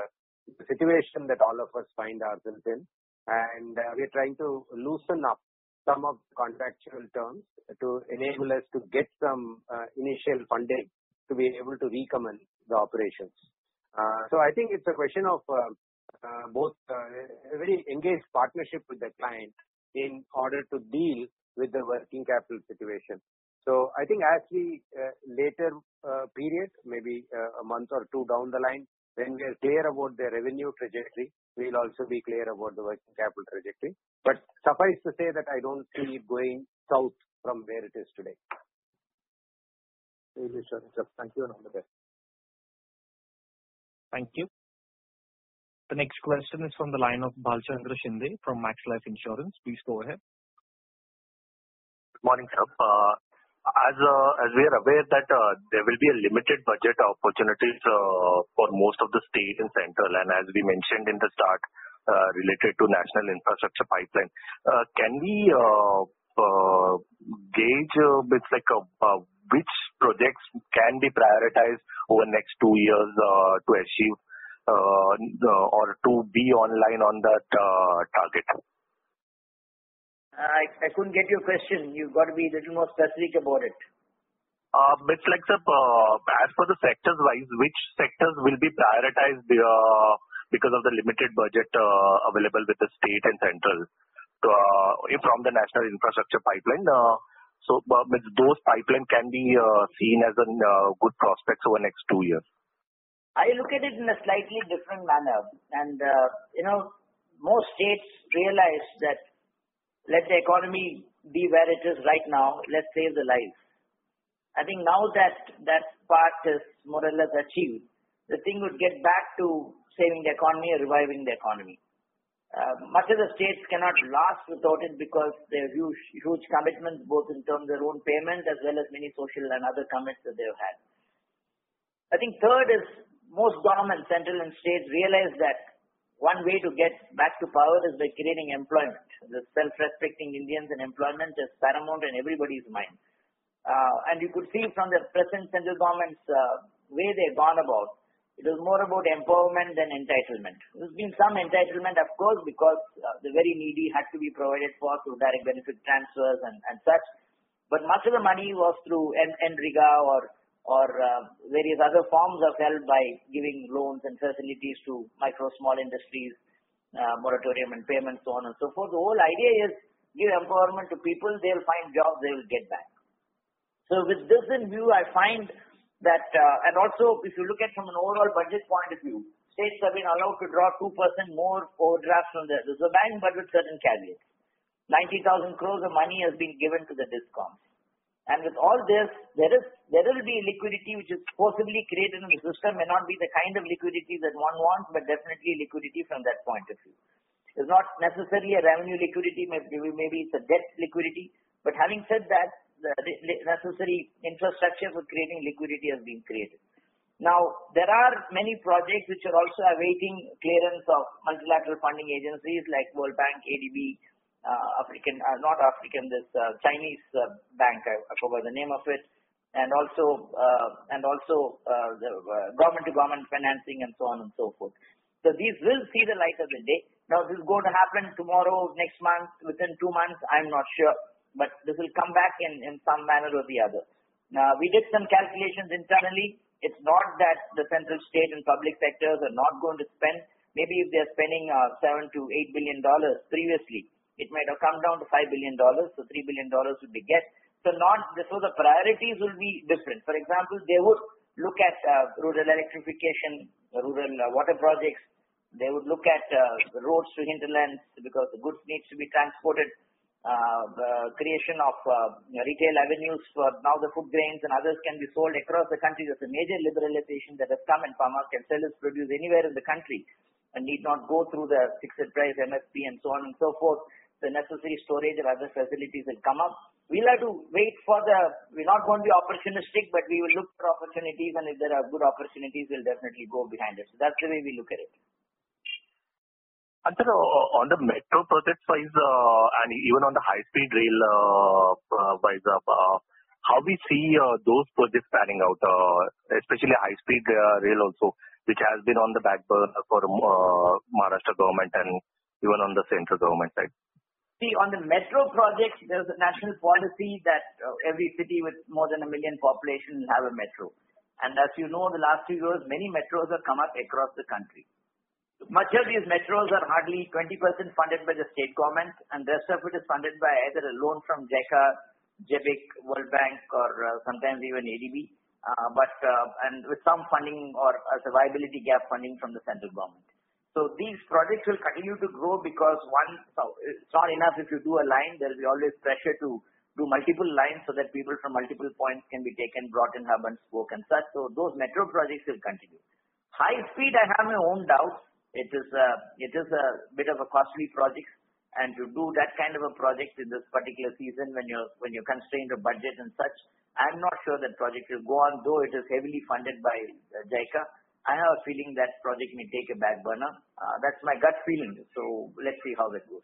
situation that all of us find ourselves in. We are trying to loosen up some of the contractual terms to enable us to get some initial funding to be able to recommence the operations. I think it's a question of both a very engaged partnership with the client in order to deal with the working capital situation. I think actually, later periods, maybe a month or two down the line, when we are clear about the revenue trajectory, we'll also be clear about the working capital trajectory. Suffice to say that I don't see it going south from where it is today. Thank you, sir. Thank you and all the best. Thank you. The next question is from the line of Bhalchandra Shinde from Max Life Insurance. Please go ahead. Good morning, sir. As we are aware that there will be a limited budget opportunities for most of the state and central, and as we mentioned in the start, related to National Infrastructure Pipeline. Can we gauge which projects can be prioritized over the next two years to achieve or to be online on that target? I couldn't get your question. You've got to be a little more specific about it. As for the sectors wise, which sectors will be prioritized because of the limited budget available with the state and central from the National Infrastructure Pipeline? Those pipelines can be seen as a good prospect over the next two years. I look at it in a slightly different manner. Most states realized that let the economy be where it is right now, let's save the lives. I think now that that part is more or less achieved, the thing would get back to saving the economy and reviving the economy. Much of the states cannot last without it because they have huge commitments, both in terms of their own payment as well as many social and other commitments that they've had. I think third is most governments, central and states realize that one way to get back to power is by creating employment. The self-respecting Indians and employment is paramount in everybody's mind. You could see from the present central government's way they've gone about, it is more about empowerment than entitlement. There's been some entitlement, of course, because the very needy had to be provided for through direct benefit transfers and such, but much of the money was through MGNREGA or various other forms of help by giving loans and facilities to micro small industries, moratorium and payments, so on and so forth. The whole idea is give empowerment to people, they'll find jobs, they'll get back. With this in view, also, if you look at from an overall budget point of view, states have been allowed to draw 2% more overdraft from the Reserve Bank, but with certain caveats. 90,000 crores of money has been given to the discoms. With all this, there will be liquidity which is possibly created in the system. May not be the kind of liquidity that one wants, but definitely liquidity from that point of view. It's not necessarily a revenue liquidity, maybe it's a debt liquidity. Having said that, the necessary infrastructure for creating liquidity has been created. There are many projects which are also awaiting clearance of multilateral funding agencies like World Bank, ADB, not African, this Chinese bank, I forgot the name of it, and also the government-to-government financing and so on and so forth. These will see the light of the day. This is going to happen tomorrow, next month, within two months, I'm not sure, but this will come back in some manner or the other. We did some calculations internally. It's not that the central state and public sectors are not going to spend. Maybe if they're spending INR 7 billion-INR 8 billion previously, it might have come down to INR 5 billion or INR 3 billion would be get. The priorities will be different. For example, they would look at rural electrification, rural water projects. They would look at the roads to hinterlands because the goods needs to be transported. The creation of retail avenues for now the food grains and others can be sold across the country. That's a major liberalization that has come. Farmers can sell his produce anywhere in the country and need not go through the fixed price MSP and so on and so forth. The necessary storage and other facilities will come up. We'll have to wait. We're not going to be opportunistic, we will look for opportunities, if there are good opportunities, we'll definitely go behind it. That's the way we look at it. Sir, on the metro project size, and even on the high-speed rail size, how we see those projects panning out, especially high-speed rail also, which has been on the back burner for Maharashtra government and even on the central government side. On the metro project, there is a national policy that every city with more than 1 million population will have a metro. As you know, in the last few years, many metros have come up across the country. Much of these metros are hardly 20% funded by the state government, and the rest of it is funded by either a loan from JICA, JBIC, World Bank or sometimes even ADB, and with some funding or a viability gap funding from the central government. These projects will continue to grow because it's not enough if you do a line, there'll be always pressure to do multiple lines so that people from multiple points can be taken, brought in, hub and spoke and such. Those metro projects will continue. High speed, I have my own doubts. It is a bit of a costly project, and to do that kind of a project in this particular season when you're constrained of budget and such, I'm not sure that project will go on, though it is heavily funded by JICA. I have a feeling that project may take a back burner. That's my gut feeling. Let's see how that goes.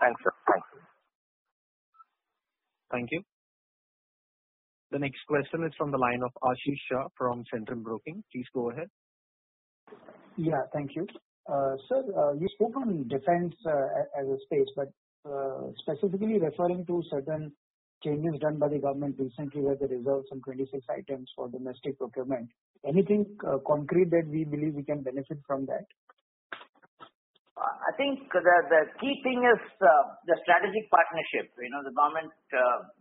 Thanks, sir. Thank you. The next question is from the line of Ashish Shah from Centrum Broking. Please go ahead. Yeah, thank you. Sir, you spoke on defense as a space, but specifically referring to certain changes done by the government recently where they reserved some 26 items for domestic procurement. Anything concrete that we believe we can benefit from that? I think the key thing is the strategic partnership. The government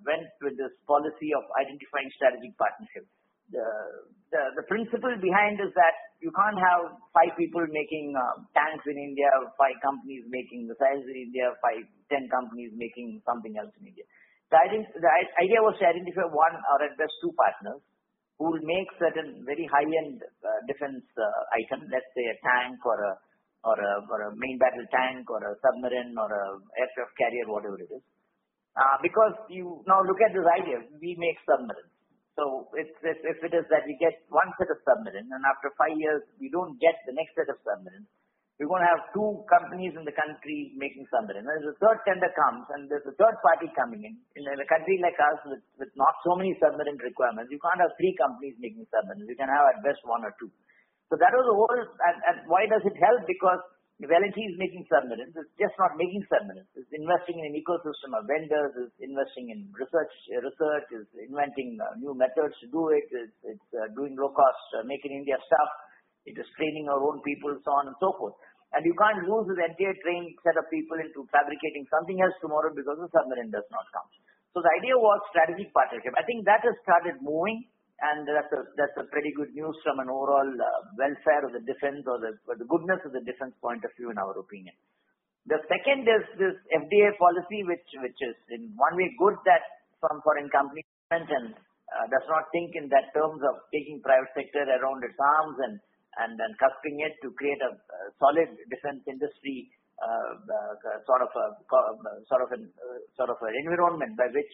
went with this policy of identifying strategic partnerships. The principle behind is that you can't have five people making tanks in India or five companies making missiles in India, five, 10 companies making something else in India. The idea was to identify one or at best two partners who will make certain very high-end defense item, let's say a tank or a main battle tank or a submarine or an aircraft carrier, whatever it is. You now look at this idea, we make submarines. If it is that we get one set of submarine, and after five years, we don't get the next set of submarines. We're going to have two companies in the country making submarines. When the third tender comes, and there's a third party coming in. In a country like ours, with not so many submarine requirements, you can't have three companies making submarines. You can have, at best, one or two. That was the whole-- Why does it help? If L&T is making submarines, it's just not making submarines. It's investing in an ecosystem of vendors. It's investing in research. It's inventing new methods to do it. It's doing low cost, Make in India stuff. It is training our own people, so on and so forth. You can't lose this entire trained set of people into fabricating something else tomorrow because a submarine does not come. The idea was strategic partnership. I think that has started moving, and that's a pretty good news from an overall welfare of the defense or the goodness of the defense point of view, in our opinion. The second is this FDI policy, which is in one way good that some foreign company comes in, and does not think in that terms of taking private sector around its arms and then cusping it to create a solid defense industry, sort of an environment by which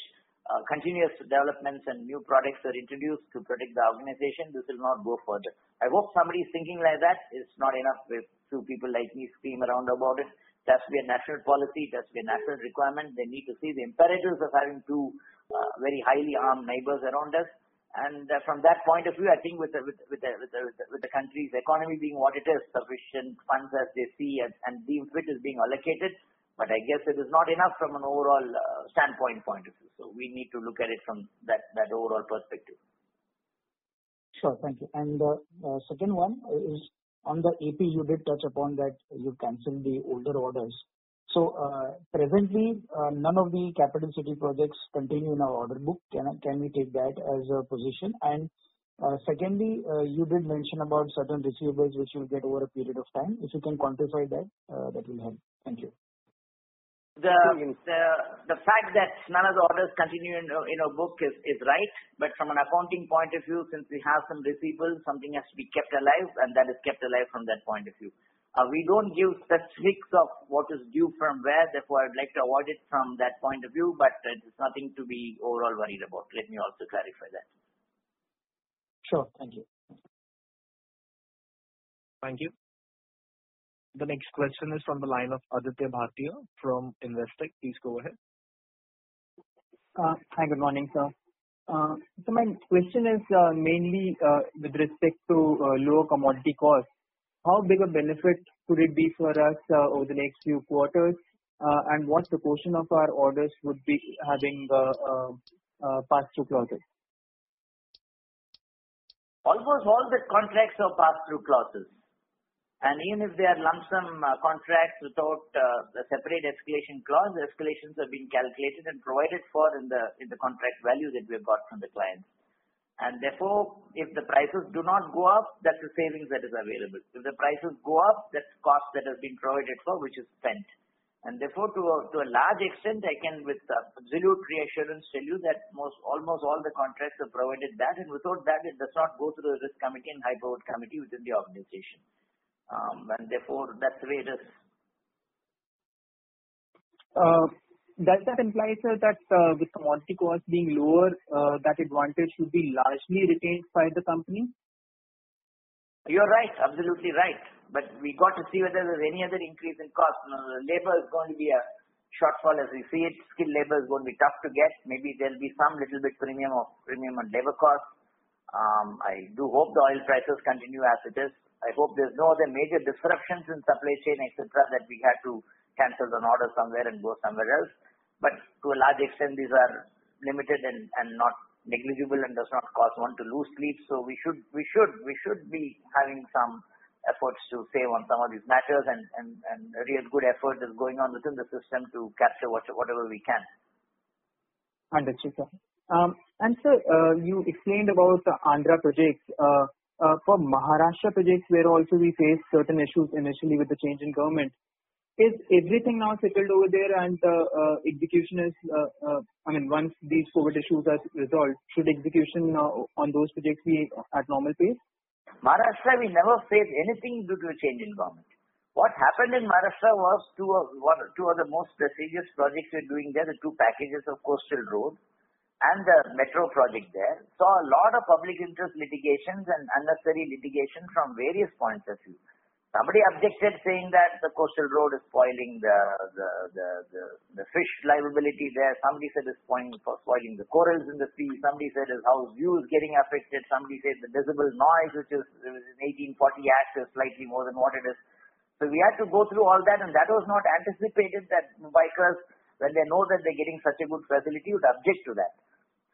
continuous developments and new products are introduced to protect the organization. This will not go further. I hope somebody is thinking like that. It's not enough with two people like me screaming around about it. It has to be a national policy. It has to be a national requirement. They need to see the imperatives of having two very highly armed neighbors around us. From that point of view, I think with the country's economy being what it is, sufficient funds as they see and deem fit is being allocated, but I guess it is not enough from an overall standpoint point of view. We need to look at it from that overall perspective. Sure. Thank you. The second one is on the AP, you did touch upon that you canceled the older orders. Presently, none of the capital city projects continue in our order book. Can we take that as a position? Secondly, you did mention about certain receivables which you'll get over a period of time. If you can quantify that will help. Thank you. The fact that none of the orders continue in our book is right. From an accounting point of view, since we have some receivables, something has to be kept alive, and that is kept alive from that point of view. We don't give such leaks of what is due from where, therefore, I'd like to avoid it from that point of view. It's nothing to be overall worried about. Let me also clarify that. Sure. Thank you. Thank you. The next question is from the line of Aditya Bhartia from Investec. Please go ahead. Hi, good morning, sir. My question is mainly with respect to lower commodity costs. How big a benefit could it be for us over the next few quarters? What proportion of our orders would be having pass-through clauses? Almost all the contracts have pass-through clauses. Even if they are lump sum contracts without a separate escalation clause, the escalations have been calculated and provided for in the contract value that we have got from the clients. Therefore, if the prices do not go up, that's the savings that is available. If the prices go up, that's cost that has been provided for, which is spent. Therefore, to a large extent, I can with absolute reassurance tell you that almost all the contracts have provided that, and without that, it does not go through the risk committee and high board committee within the organization. Therefore, that's the way it is. Does that imply, sir, that with commodity costs being lower, that advantage should be largely retained by the company? You're right. Absolutely right. We got to see whether there's any other increase in cost. labor is going to be a shortfall as we see it. Skilled labor is going to be tough to get. Maybe there'll be some little bit premium on labor cost. I do hope the oil prices continue as it is. I hope there's no other major disruptions in supply chain, et cetera, that we have to cancel an order somewhere and go somewhere else. To a large extent, these are limited and not negligible, and does not cause one to lose sleep. We should be having some efforts to save on some of these matters, and a real good effort is going on within the system to capture whatever we can. Understood, sir. Sir, you explained about the Andhra projects. For Maharashtra projects, where also we faced certain issues initially with the change in government. Is everything now settled over there and the execution is I mean, once these COVID issues are resolved, should execution now on those projects be at normal pace? Maharashtra, we never faced anything due to a change in government. What happened in Maharashtra was two of the most prestigious projects we're doing there, the two packages of coastal road and the metro project there, saw a lot of public interest litigations and unnecessary litigation from various points of view. Somebody objected saying that the coastal road is spoiling the fish liability there. Somebody said it's spoiling the corals in the sea. Somebody said his house view is getting affected. Somebody said the decibel noise, which is in 1840 Ash, is slightly more than what it is. We had to go through all that, and that was not anticipated, that Mumbaikars, when they know that they're getting such a good facility, would object to that.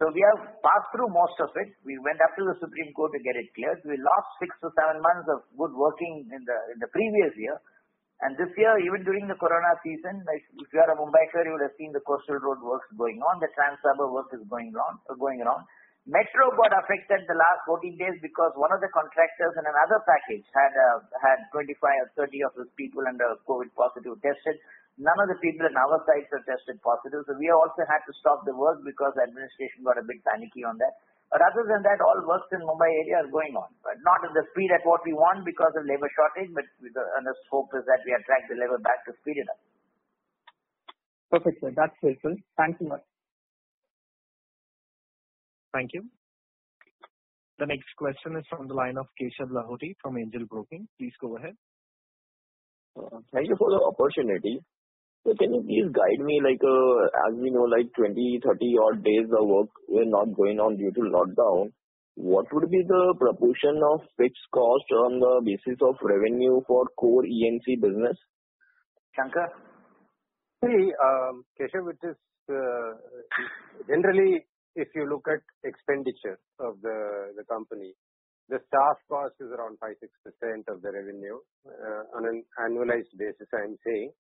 We have passed through most of it. We went up to the Supreme Court to get it cleared. We lost six to seven months of good working in the previous year. This year, even during the COVID-19 season, if you are a Mumbaikar, you would have seen the coastal road works going on, the trans-harbor work is going around. Metro got affected the last 14 days because one of the contractors in another package had 25 or 30 of his people under COVID-19 positive tested. None of the people in our sites are tested positive. We have also had to stop the work because the administration got a bit panicky on that. Other than that, all works in Mumbai area are going on. Not at the speed at what we want because of labor shortage, The scope is that we attract the labor back to speed it up. Perfect, sir. That's helpful. Thanks so much. Thank you. The next question is from the line of Keshav Lahoti from Angel Broking. Please go ahead. Thank you for the opportunity. Can you please guide me, as we know, 20, 30 odd days of work were not going on due to lockdown? What would be the proportion of fixed cost on the basis of revenue for core E&C business? Shankar? Keshav, generally, if you look at expenditure of the company, the staff cost is around 5%-6% of the revenue on an annualized basis, I am saying.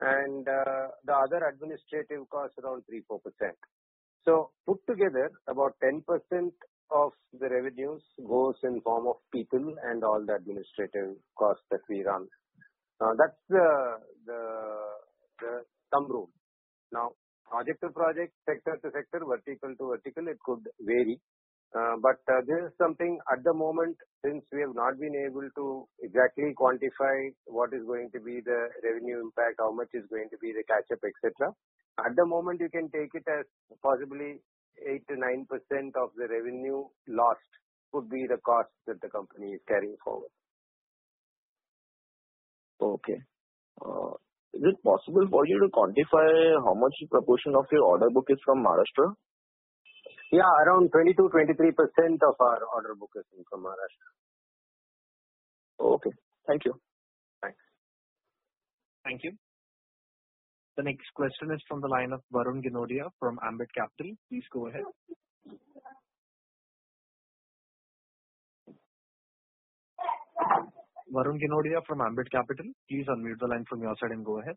The other administrative costs are around 3%-4%. Put together about 10% of the revenues goes in form of people and all the administrative costs that we run. Now, that's the thumb rule. Now, project to project, sector to sector, vertical to vertical, it could vary. This is something at the moment, since we have not been able to exactly quantify what is going to be the revenue impact, how much is going to be the catch-up, et cetera. At the moment, you can take it as possibly 8%-9% of the revenue lost could be the cost that the company is carrying forward. Okay. Is it possible for you to quantify how much proportion of your order book is from Maharashtra? Yeah, around 22%-23% of our order book is from Maharashtra. Okay. Thank you. Thanks. Thank you. The next question is from the line of Varun Ginodia from Ambit Capital. Please go ahead. Varun Ginodia from Ambit Capital, please unmute the line from your side and go ahead.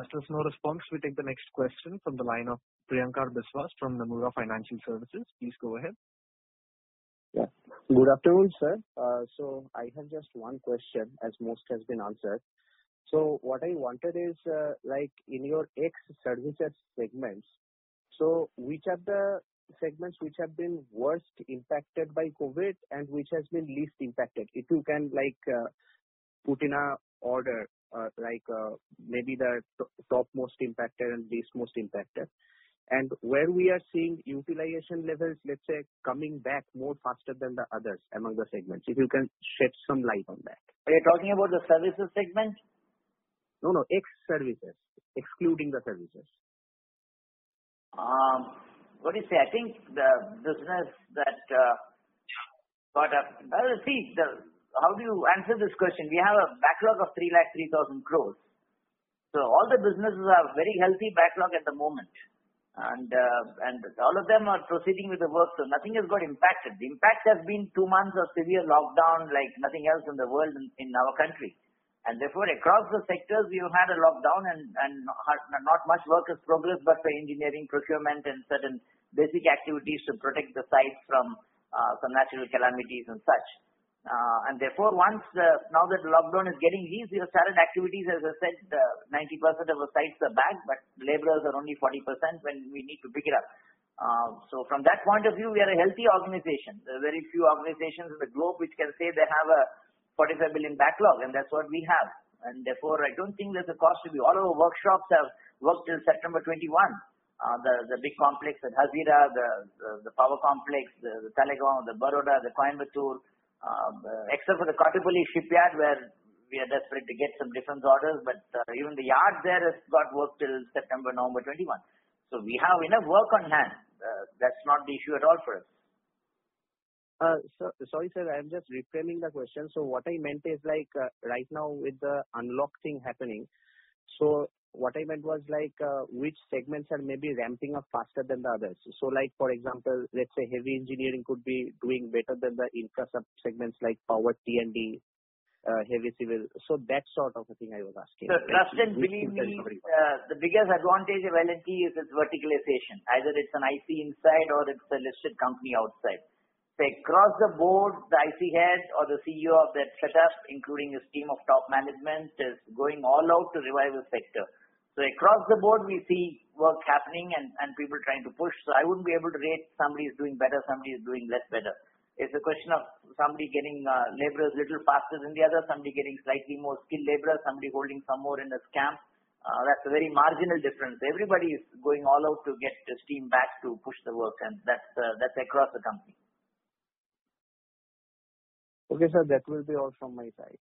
As there is no response, we take the next question from the line of Priyankar Biswas from Nomura Financial Services. Please go ahead. Good afternoon, sir. I have just one question as most has been answered. What I wanted is, in your ex-services segments, which are the segments which have been worst impacted by COVID and which has been least impacted? If you can put in an order, maybe the topmost impacted and least most impacted. Where we are seeing utilization levels, let's say, coming back more faster than the others among the segments, if you can shed some light on that. Are you talking about the services segment? No, ex-services, excluding the services. What do you say? How do you answer this question? We have a backlog of 3,03,000 crores. All the businesses have very healthy backlog at the moment. All of them are proceeding with the work, nothing has got impacted. The impact has been two months of severe lockdown, like nothing else in the world, in our country. Therefore, across the sectors, we have had a lockdown and not much work has progressed but for engineering procurement and certain basic activities to protect the sites from some natural calamities and such. Therefore, now that the lockdown is getting eased, we have started activities. As I said, 90% of our sites are back, laborers are only 40% when we need to pick it up. From that point of view, we are a healthy organization. There are very few organizations in the globe which can say they have an $47 billion backlog, and that's what we have. Therefore, I don't think there's a cost to be. All our workshops have work till September 2021. The big complex at Hazira, the power complex, the Kaliagaon, the Baroda, the Coimbatore. Except for the Kattupalli shipyard where we are desperate to get some defense orders, even the yard there has got work till September, November 2021. We have enough work on hand. That's not the issue at all for us. Sorry, sir, I'm just reframing the question. What I meant is, right now with the unlock thing happening, what I meant was which segments are maybe ramping up faster than the others. Like for example, let's say heavy engineering could be doing better than the infra sub-segments like power, T&D, heavy civil. That sort of a thing I was asking. Trust and believe me, the biggest advantage of L&T is its verticalization. Either it's an IC inside or it's a listed company outside. Across the board, the IC head or the CEO of that setup, including his team of top management, is going all out to revive the sector. Across the board, we see work happening and people trying to push. I wouldn't be able to rate somebody is doing better, somebody is doing less better. It's a question of somebody getting laborers little faster than the other, somebody getting slightly more skilled laborers, somebody holding some more in the camp. That's a very marginal difference. Everybody is going all out to get the steam back to push the work, and that's across the company. Okay, sir. That will be all from my side.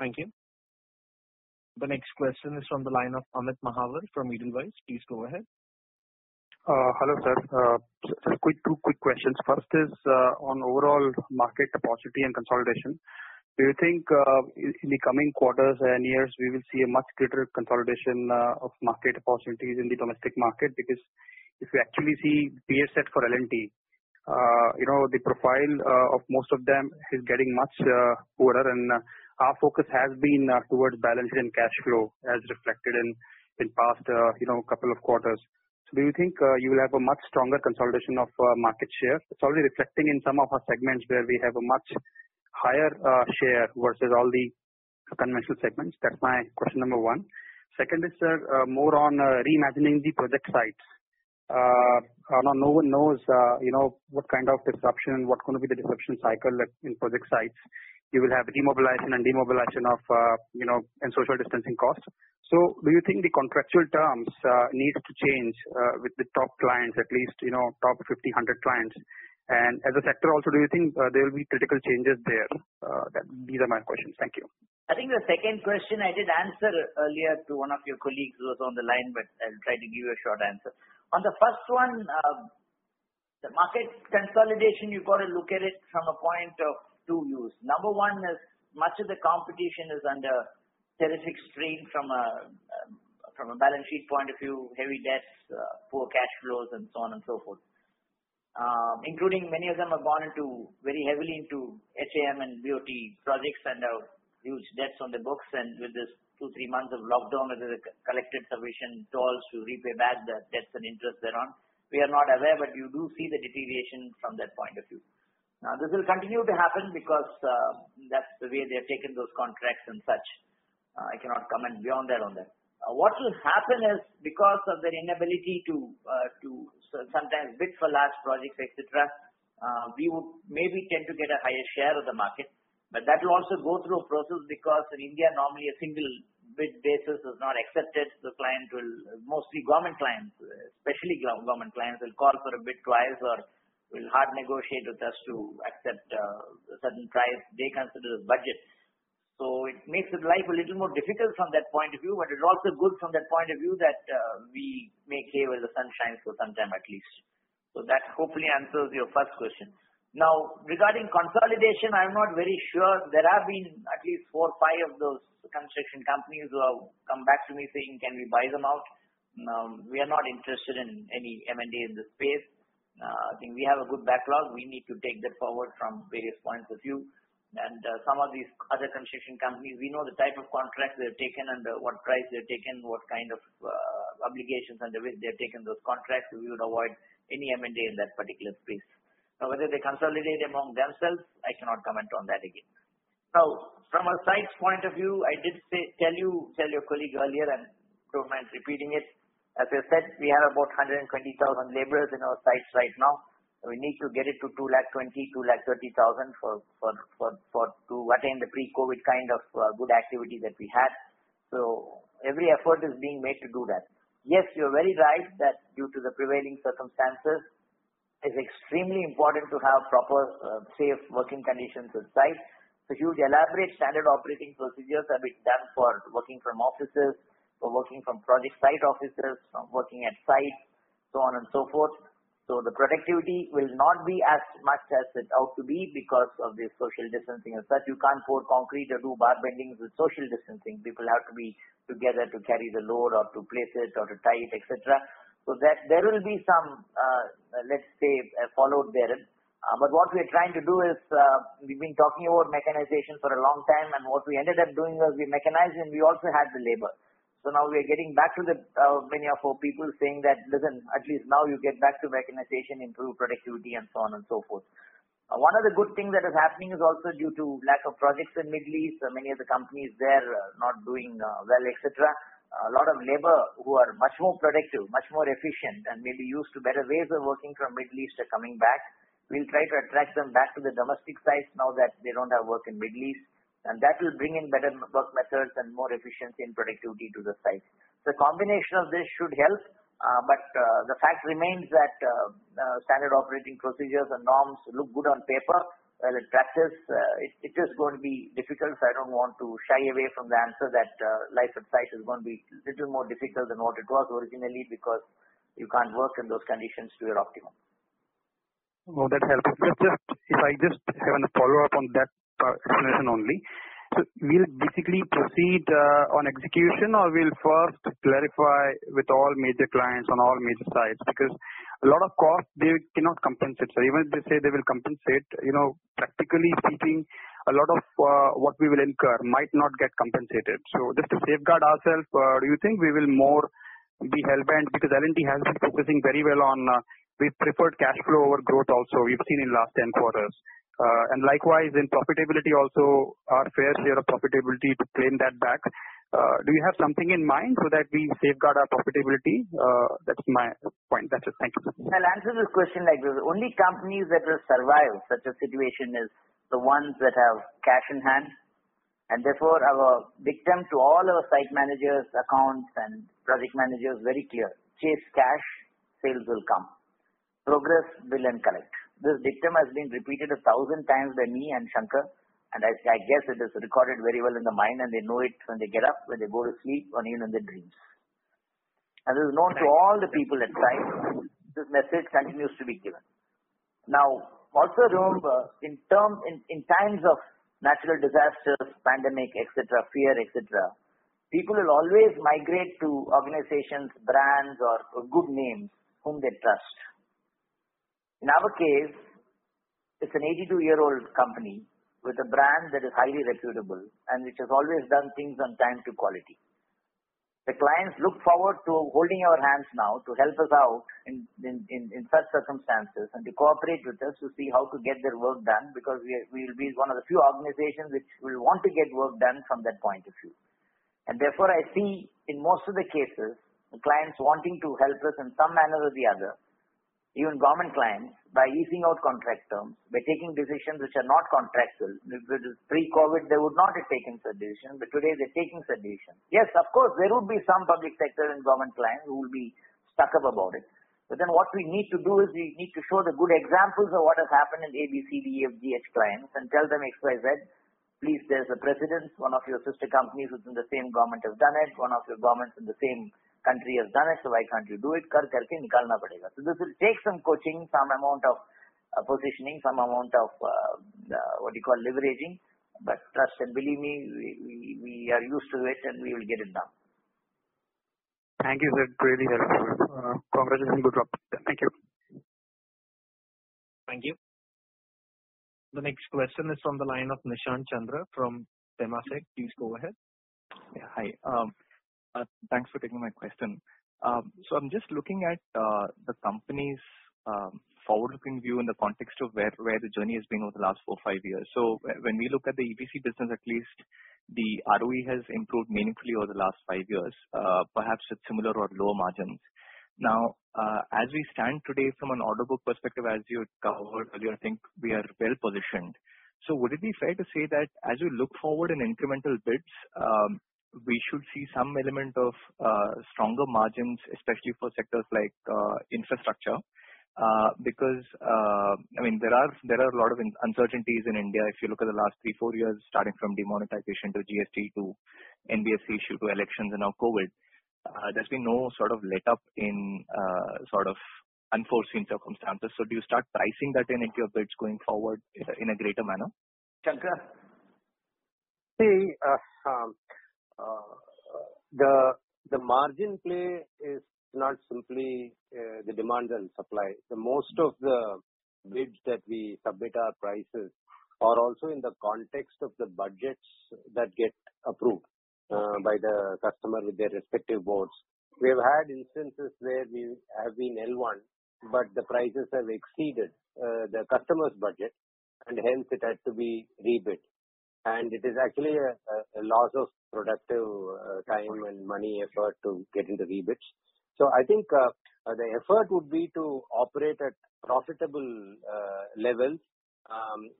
Thank you. The next question is from the line of Amit Mahawar from Edelweiss. Please go ahead. Hello, sir. Two quick questions. First is on overall market opacity and consolidation. Do you think in the coming quarters and years, we will see a much greater consolidation of market opportunities in the domestic market? Because if you actually see peer set for L&T, the profile of most of them is getting much poorer, and our focus has been towards balance sheet and cash flow as reflected in past couple of quarters. Do you think you will have a much stronger consolidation of market share? It's already reflecting in some of our segments where we have a much higher share versus all the conventional segments. That's my question number 1. Second is, sir, more on reimagining the project sites. No one knows what kind of disruption, what's going to be the disruption cycle in project sites. You will have demobilization and social distancing costs. Do you think the contractual terms need to change with the top clients, at least top 1,500 clients? As a sector also, do you think there will be critical changes there? These are my questions. Thank you. I think the second question I did answer earlier to one of your colleagues who was on the line, but I'll try to give you a short answer. On the first one, the market consolidation, you've got to look at it from a point of two views. Number one is much of the competition is under terrific strain from a balance sheet point of view, heavy debts, poor cash flows, and so on and so forth. Including many of them have gone very heavily into HAM and BOT projects and have huge debts on the books. With this two, three months of lockdown, whether they collected submission tolls to repay back the debts and interest thereon, we are not aware, but you do see the deterioration from that point of view. This will continue to happen because that's the way they have taken those contracts and such. I cannot comment beyond that on that. What will happen is because of their inability to sometimes bid for large projects, et cetera, we would maybe tend to get a higher share of the market. That will also go through a process because in India, normally a single bid basis is not accepted. Mostly government clients, especially government clients, will call for a bid twice or will hard negotiate with us to accept a certain price they consider as budget. It makes the life a little more difficult from that point of view, but it's also good from that point of view that we make hay while the sun shines for some time at least. That hopefully answers your first question. Now, regarding consolidation, I'm not very sure. There have been at least four or five of those construction companies who have come back to me saying, "Can we buy them out?" We are not interested in any M&A in this space. I think we have a good backlog. We need to take that forward from various points of view. Some of these other construction companies, we know the type of contracts they've taken and what price they've taken, what kind of obligations under which they have taken those contracts. We would avoid any M&A in that particular space. Now, whether they consolidate among themselves, I cannot comment on that again. From a site's point of view, I did tell your colleague earlier, and if you don't mind, repeating it. As I said, we have about 120,000 laborers in our sites right now. We need to get it to 220,000, 230,000 to attain the pre-COVID kind of good activity that we had. Every effort is being made to do that. Yes, you're very right that due to the prevailing circumstances, it's extremely important to have proper, safe working conditions on site. Huge, elaborate standard operating procedures have been done for working from offices, for working from project site offices, from working at sites, so on and so forth. The productivity will not be as much as it ought to be because of the social distancing and such. You can't pour concrete or do bar bendings with social distancing. People have to be together to carry the load or to place it or to tie it, et cetera. There will be some, let's say, fallout there. What we're trying to do is, we've been talking about mechanization for a long time, and what we ended up doing was we mechanized and we also had the labor. Now we are getting back to many of our people saying that, "Listen, at least now you get back to mechanization, improve productivity," and so on and so forth. One of the good things that is happening is also due to lack of projects in Middle East. Many of the companies there are not doing well, et cetera. A lot of labor who are much more productive, much more efficient, and maybe used to better ways of working from Middle East are coming back. We'll try to attract them back to the domestic sites now that they don't have work in Middle East, that will bring in better work methods and more efficiency and productivity to the sites. The combination of this should help, the fact remains that standard operating procedures and norms look good on paper. While in practice, it is going to be difficult, I don't want to shy away from the answer that life at site is going to be a little more difficult than what it was originally because you can't work in those conditions to your optimum. No, that helps. I just have a follow-up on that explanation only. Will you basically proceed on execution, or will you first clarify with all major clients on all major sites? A lot of costs, they cannot compensate. Even if they say they will compensate, practically speaking, a lot of what we will incur might not get compensated. Just to safeguard ourselves, do you think we will more be hell-bent? L&T has been focusing very well on, we've preferred cash flow over growth also, we've seen in the last 10 quarters. Likewise, in profitability also, our fair share of profitability to claim that back. Do you have something in mind so that we safeguard our profitability? That's my point. That's it. Thank you. I'll answer this question like this. The only companies that will survive such a situation is the ones that have cash in hand. Therefore, our dictum to all our site managers, accounts, and project managers, very clear. Chase cash, sales will come. Progress will correct. This dictum has been repeated a thousand times by me and Shankar, and I guess it is recorded very well in the mind, and they know it when they get up, when they go to sleep, or even in their dreams. It is known to all the people at site. This message continues to be given. Also remember, in times of natural disasters, pandemic, et cetera, fear, et cetera, people will always migrate to organizations, brands, or good names whom they trust. In our case, it is an 82-year-old company with a brand that is highly reputable and which has always done things on time to quality. The clients look forward to holding our hands now to help us out in such circumstances and to cooperate with us to see how to get their work done because we will be one of the few organizations which will want to get work done from that point of view. Therefore, I see in most of the cases, the clients wanting to help us in some manner or the other, even government clients, by easing out contract terms, by taking decisions which are not contractual. If it is pre-COVID, they would not have taken such decisions. Today they are taking such decisions. Yes, of course, there would be some public sector and government clients who will be stuck up about it. What we need to do is we need to show the good examples of what has happened in A, B, C, D, E, F, G, H clients and tell them X, Y, Z. Please, there's a precedent. One of your sister companies within the same government have done it. One of your governments in the same country has done it, so why can't you do it? Thank you, sir. Really helpful. Congratulations and good luck. Thank you. Thank you. The next question is on the line of Nishant Chandra from Temasek. Please go ahead. Yeah. Hi. Thanks for taking my question. I'm just looking at the company's forward-looking view in the context of where the journey has been over the last four, five years. When we look at the EPC business, at least the ROE has improved meaningfully over the last five years. Perhaps it's similar or lower margins. Now, as we stand today from an order book perspective, as you covered earlier, I think we are well-positioned. Would it be fair to say that as we look forward in incremental bids, we should see some element of stronger margins, especially for sectors like infrastructure? Because there are a lot of uncertainties in India. If you look at the last three, four years, starting from demonetization to GST to NBFC issue to elections and now COVID, there's been no letup in unforeseen circumstances. Do you start pricing that in into your bids going forward in a greater manner? Chandra. See, the margin play is not simply the demand and supply. Most of the bids that we submit our prices are also in the context of the budgets that get approved by the customer with their respective boards. We have had instances where we have been L1, but the prices have exceeded the customer's budget, and hence it had to be rebid. It is actually a loss of productive time and money effort to get into rebids. I think the effort would be to operate at profitable levels.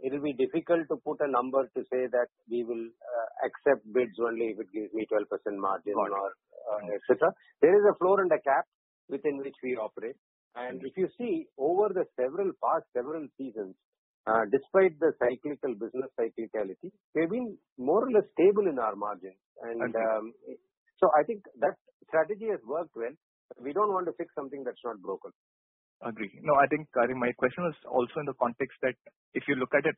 It will be difficult to put a number to say that we will accept bids only if it gives me 12% margin or et cetera. There is a floor and a cap within which we operate. If you see over the past several seasons, despite the cyclical business cyclicality, we've been more or less stable in our margins. Understood. I think that strategy has worked well. We don't want to fix something that's not broken. Agree. No, I think my question was also in the context that if you look at it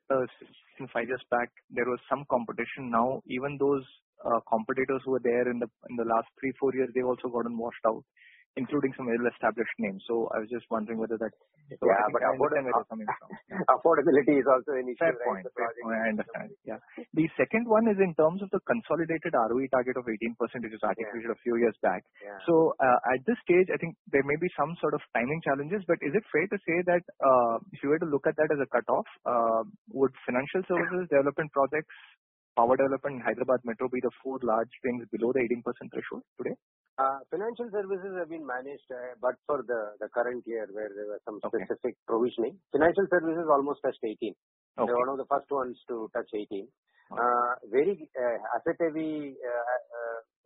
since five years back, there was some competition. Now, even those competitors who were there in the last three, four years, they've also gotten washed out, including some well-established names. I was just wondering whether that- Yeah. Affordability is also an issue. Fair point. The second one is in terms of the consolidated ROE target of 18%, which was articulated a few years back. Yeah. At this stage, I think there may be some sort of timing challenges, but is it fair to say that if you were to look at that as a cutoff, would financial services, development projects, power development, and Hyderabad Metro be the four large things below the 18% threshold today? Financial services have been managed but for the current year where there were some specific provisioning. Financial services almost touched 18. Okay. They were one of the first ones to touch 18. Very asset-heavy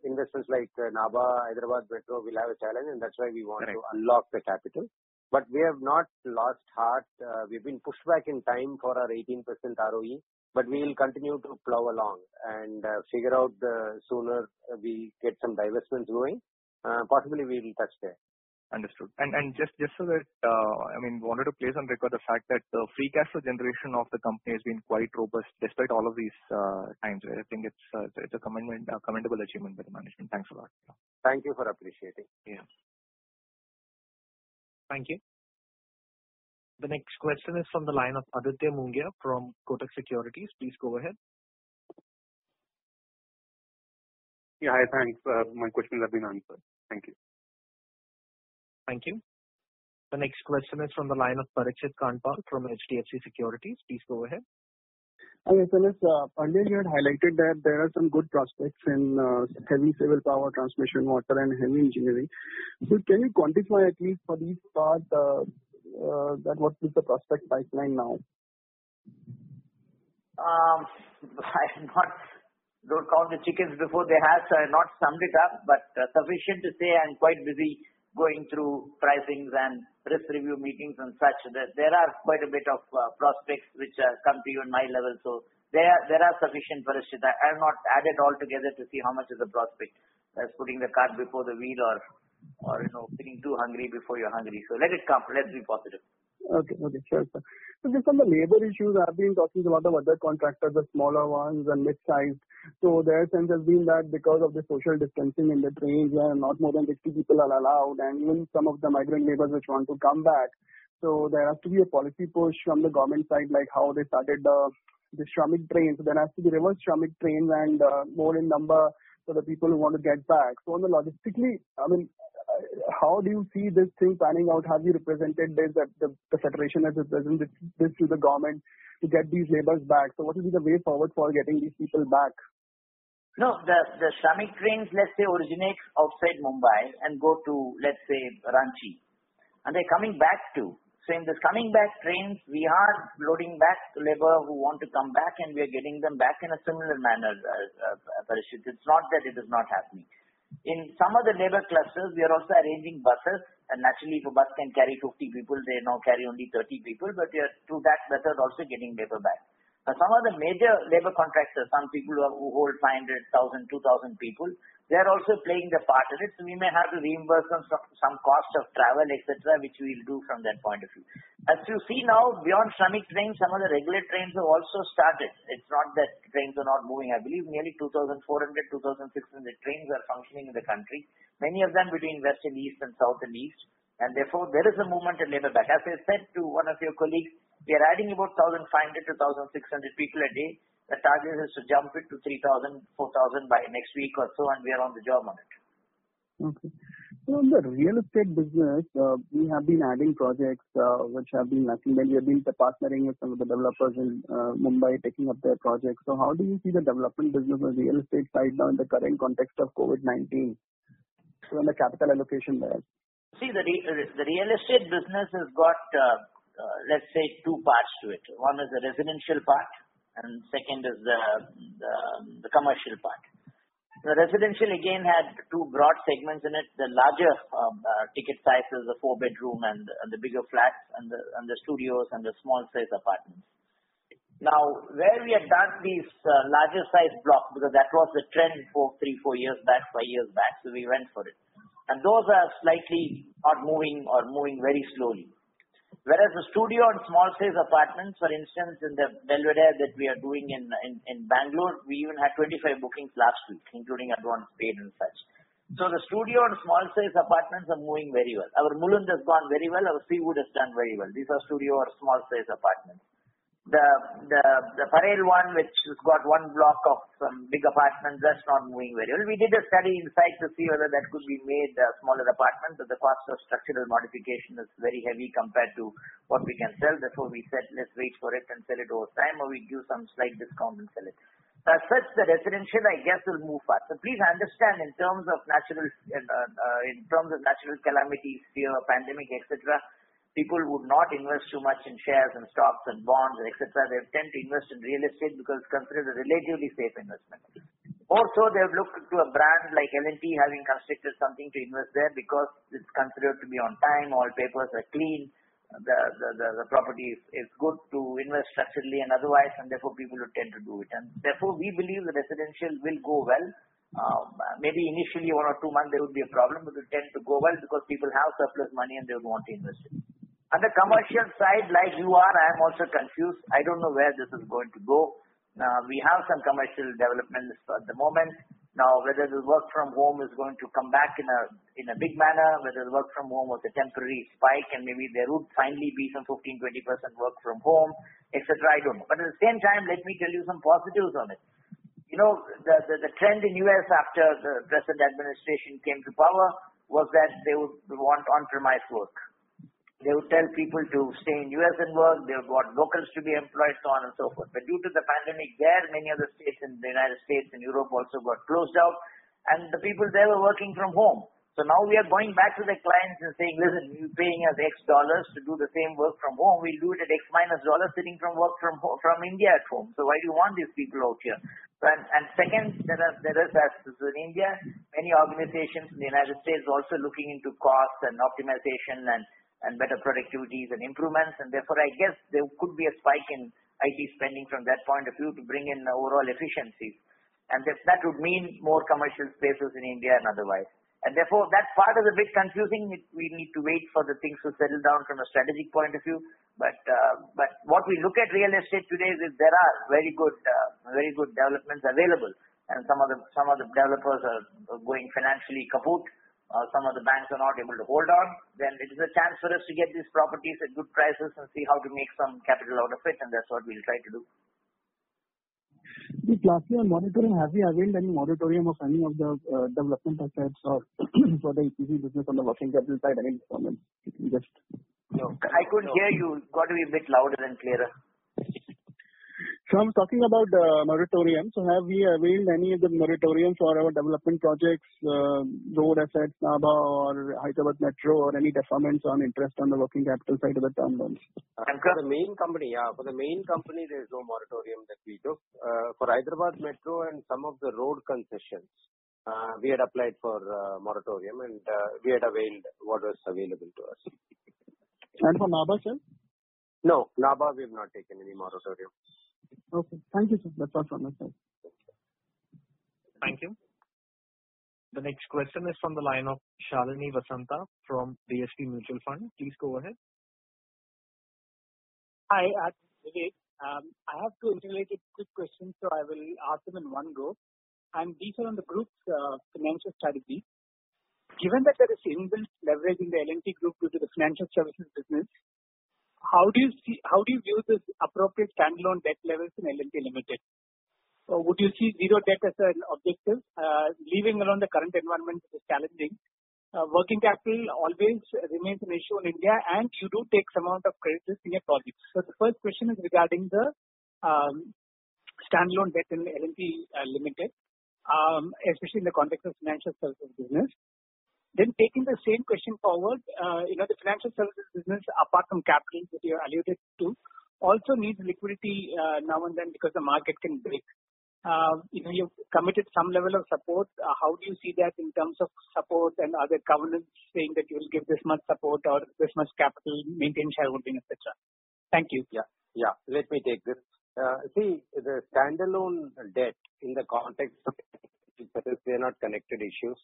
investments like Nabha, Hyderabad Metro will have a challenge, and that's why we want to unlock the capital. We have not lost heart. We've been pushed back in time for our 18% ROE, we will continue to plow along and figure out sooner we get some divestments going. Possibly we will touch there. Understood. I wanted to place on record the fact that the free cash flow generation of the company has been quite robust despite all of these times. I think it's a commendable achievement by the management. Thanks a lot. Thank you for appreciating. Yeah. Thank you. The next question is from the line of Aditya Mongia from Kotak Securities. Please go ahead. Yeah. Hi. Thanks. My questions have been answered. Thank you. Thank you. The next question is from the line of Parikshit Kandpal from HDFC Securities. Please go ahead. Hi, yes. Earlier you had highlighted that there are some good prospects in heavy civil power transmission, water, and heavy engineering. Can you quantify at least for this part what is the prospect pipeline now? I don't count the chickens before they hatch, so I have not summed it up, but sufficient to say I'm quite busy going through pricings and risk review meetings and such, that there are quite a bit of prospects which have come to even my level. There are sufficient, Parikshit. I have not added all together to see how much is the prospect. That's putting the cart before the wheel or feeling too hungry before you're hungry. Let it come. Let's be positive. Okay. Sure, sir. Just on the labor issues, I've been talking to other contractors, the smaller ones and mid-sized. Their sense has been that because of the social distancing in the trains where not more than 50 people are allowed, and even some of the migrant laborers which want to come back. There has to be a policy push from the government side, like how they started the Shramik trains. There has to be reverse Shramik trains and more in number for the people who want to get back. On the logistically, I mean, how do you see this thing panning out? Have you represented this at the federation? Has it presented this to the government to get these laborers back? What will be the way forward for getting these people back? No, the Shramik trains, let's say, originates outside Mumbai and go to, let's say, Ranchi. They're coming back, too. In these coming back trains, we are loading back labor who want to come back, and we are getting them back in a similar manner, Parikshit. It's not that it is not happening. In some of the labor clusters, we are also arranging buses, and naturally, if a bus can carry 50 people, they now carry only 30 people. We are, through that method, also getting labor back. Some of the major labor contractors, some people who hold 500, 1,000, 2,000 people, they are also playing their part in it. We may have to reimburse some cost of travel, et cetera, which we'll do from that point of view. As you see now, beyond Shramik trains, some of the regular trains have also started. It's not that trains are not moving. I believe nearly 2,400, 2,600 trains are functioning in the country, many of them between west and east and south and east, and therefore there is a movement of labor back. As I said to one of your colleagues, we are adding about 1,500 to 1,600 people a day. The target is to jump it to 3,000, 4,000 by next week or so, and we are on the job on it. Okay. Sir, in the real estate business, we have been adding projects. Recently you have been partnering with some of the developers in Mumbai, taking up their projects. How do you see the development business on real estate side now in the current context of COVID-19 from the capital allocation lens? The real estate business has got, let's say, two parts to it. One is the residential part and second is the commercial part. The residential again had two broad segments in it. The larger ticket sizes, the four bedroom and the bigger flats and the studios and the small size apartments. Where we had done these larger size blocks, because that was the trend three, four years back, five years back, we went for it. Those are slightly not moving or moving very slowly. Whereas the studio and small size apartments, for instance, in the Boulevard that we are doing in Bangalore, we even had 25 bookings last week, including advance paid and such. The studio and small size apartments are moving very well. Our Mulund has gone very well. Our Seawoods has done very well. These are studio or small size apartments. The Parel one, which has got one block of some big apartments, that's not moving very well. The cost of structural modification is very heavy compared to what we can sell. Therefore, we said, let's wait for it and sell it over time, or we give some slight discount and sell it. As such, the residential, I guess, will move fast. Please understand, in terms of natural calamities, fear of pandemic, et cetera, people would not invest too much in shares and stocks and bonds, et cetera. They tend to invest in real estate because it's considered a relatively safe investment. Also, they've looked to a brand like L&T, having constructed something to invest there because it's considered to be on time, all papers are clean. The property is good to invest structurally and otherwise. Therefore, people would tend to do it. Therefore, we believe the residential will go well. Maybe initially one or two months there would be a problem, but it'll tend to go well because people have surplus money and they would want to invest it. On the commercial side, like you are, I am also confused. I don't know where this is going to go. We have some commercial developments at the moment. Now, whether the work from home is going to come back in a big manner, whether the work from home was a temporary spike and maybe there would finally be some 15%-20% work from home, et cetera, I don't know. At the same time, let me tell you some positives on it. The trend in U.S. after the present administration came to power was that they would want on-premise work. They would tell people to stay in U.S. and work. They want locals to be employed, so on and so forth. Due to the pandemic there, many of the states in the United States and Europe also got closed out, and the people there were working from home. Now we are going back to the clients and saying, "Listen, you're paying us X dollars to do the same work from home. We'll do it at X minus dollars sitting from India at home. Why do you want these people out here?" Second, there is that in India, many organizations in the United States also looking into costs and optimization and better productivities and improvements. Therefore, I guess there could be a spike in IT spending from that point of view to bring in overall efficiencies. That would mean more commercial spaces in India and otherwise. Therefore, that part is a bit confusing. We need to wait for the things to settle down from a strategic point of view. What we look at real estate today is there are very good developments available, and some of the developers are going financially kaput. Some of the banks are not able to hold on. It is a chance for us to get these properties at good prices and see how to make some capital out of it, and that's what we'll try to do. The cash flow monitoring, have we availed any moratorium of any of the development assets or for the EPC business on the working capital side, any deferment? I couldn't hear you. Got to be a bit louder and clearer. Sir, I'm talking about moratorium. Have we availed any of the moratoriums for our development projects, road assets, Nabha or Hyderabad Metro, or any deferments on interest on the working capital side of the term loans? For the main company, yeah. For the main company, there's no moratorium that we took. For Hyderabad Metro and some of the road concessions, we had applied for a moratorium, and we had availed what was available to us. For Nabha, sir? No, Nabha, we've not taken any moratorium. Okay. Thank you, sir. That's all from my side. Thank you. The next question is from the line of Shalini Vasanta from DSP Mutual Fund. Please go ahead. Hi. I have two interrelated quick questions. I will ask them in one go. These are on the group's financial strategy. Given that there is inbuilt leverage in the L&T group due to the financial services business. How do you view this appropriate standalone debt levels in L&T Limited? Would you see zero debt as an objective? Leaving around the current environment, which is challenging. Working capital always remains an issue in India, and you do take some amount of credits in your projects. The first question is regarding the standalone debt in L&T Limited, especially in the context of financial services business. Taking the same question forward, the financial services business, apart from capital, which you alluded to, also needs liquidity now and then because the market can break. You've committed some level of support. How do you see that in terms of support and other governance saying that you'll give this much support or this much capital maintenance shareholding, et cetera? Thank you. Yeah. Let me take this. The standalone debt in the context of, they're not connected issues.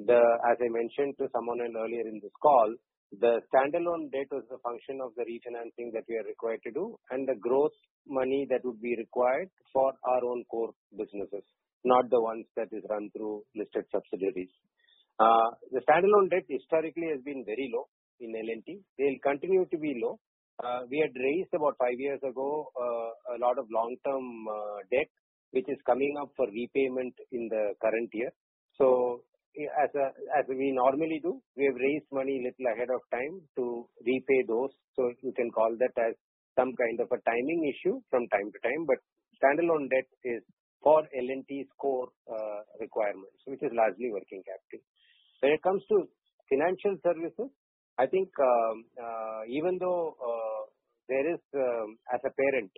As I mentioned to someone earlier in this call, the standalone debt was the function of the refinancing that we are required to do and the gross money that would be required for our own core businesses, not the ones that is run through listed subsidiaries. The standalone debt historically has been very low in L&T. They'll continue to be low. We had raised about five years ago, a lot of long-term debt, which is coming up for repayment in the current year. As we normally do, we have raised money little ahead of time to repay those. You can call that as some kind of a timing issue from time to time. Standalone debt is for L&T's core requirements, which is largely working capital. When it comes to financial services, I think even though there is, as a parent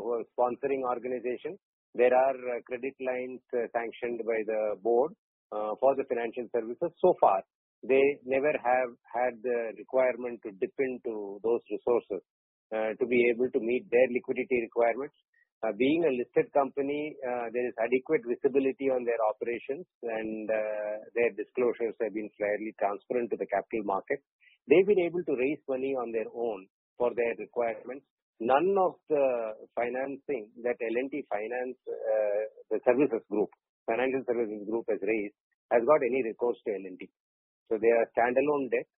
who are sponsoring organization, there are credit lines sanctioned by the board for the financial services so far. They never have had the requirement to dip into those resources to be able to meet their liquidity requirements. Being a listed company, there is adequate visibility on their operations, and their disclosures have been fairly transparent to the capital markets. They've been able to raise money on their own for their requirements. None of the financing that L&T Finance, the services group, financial services group has raised, has got any recourse to L&T. They are standalone debt.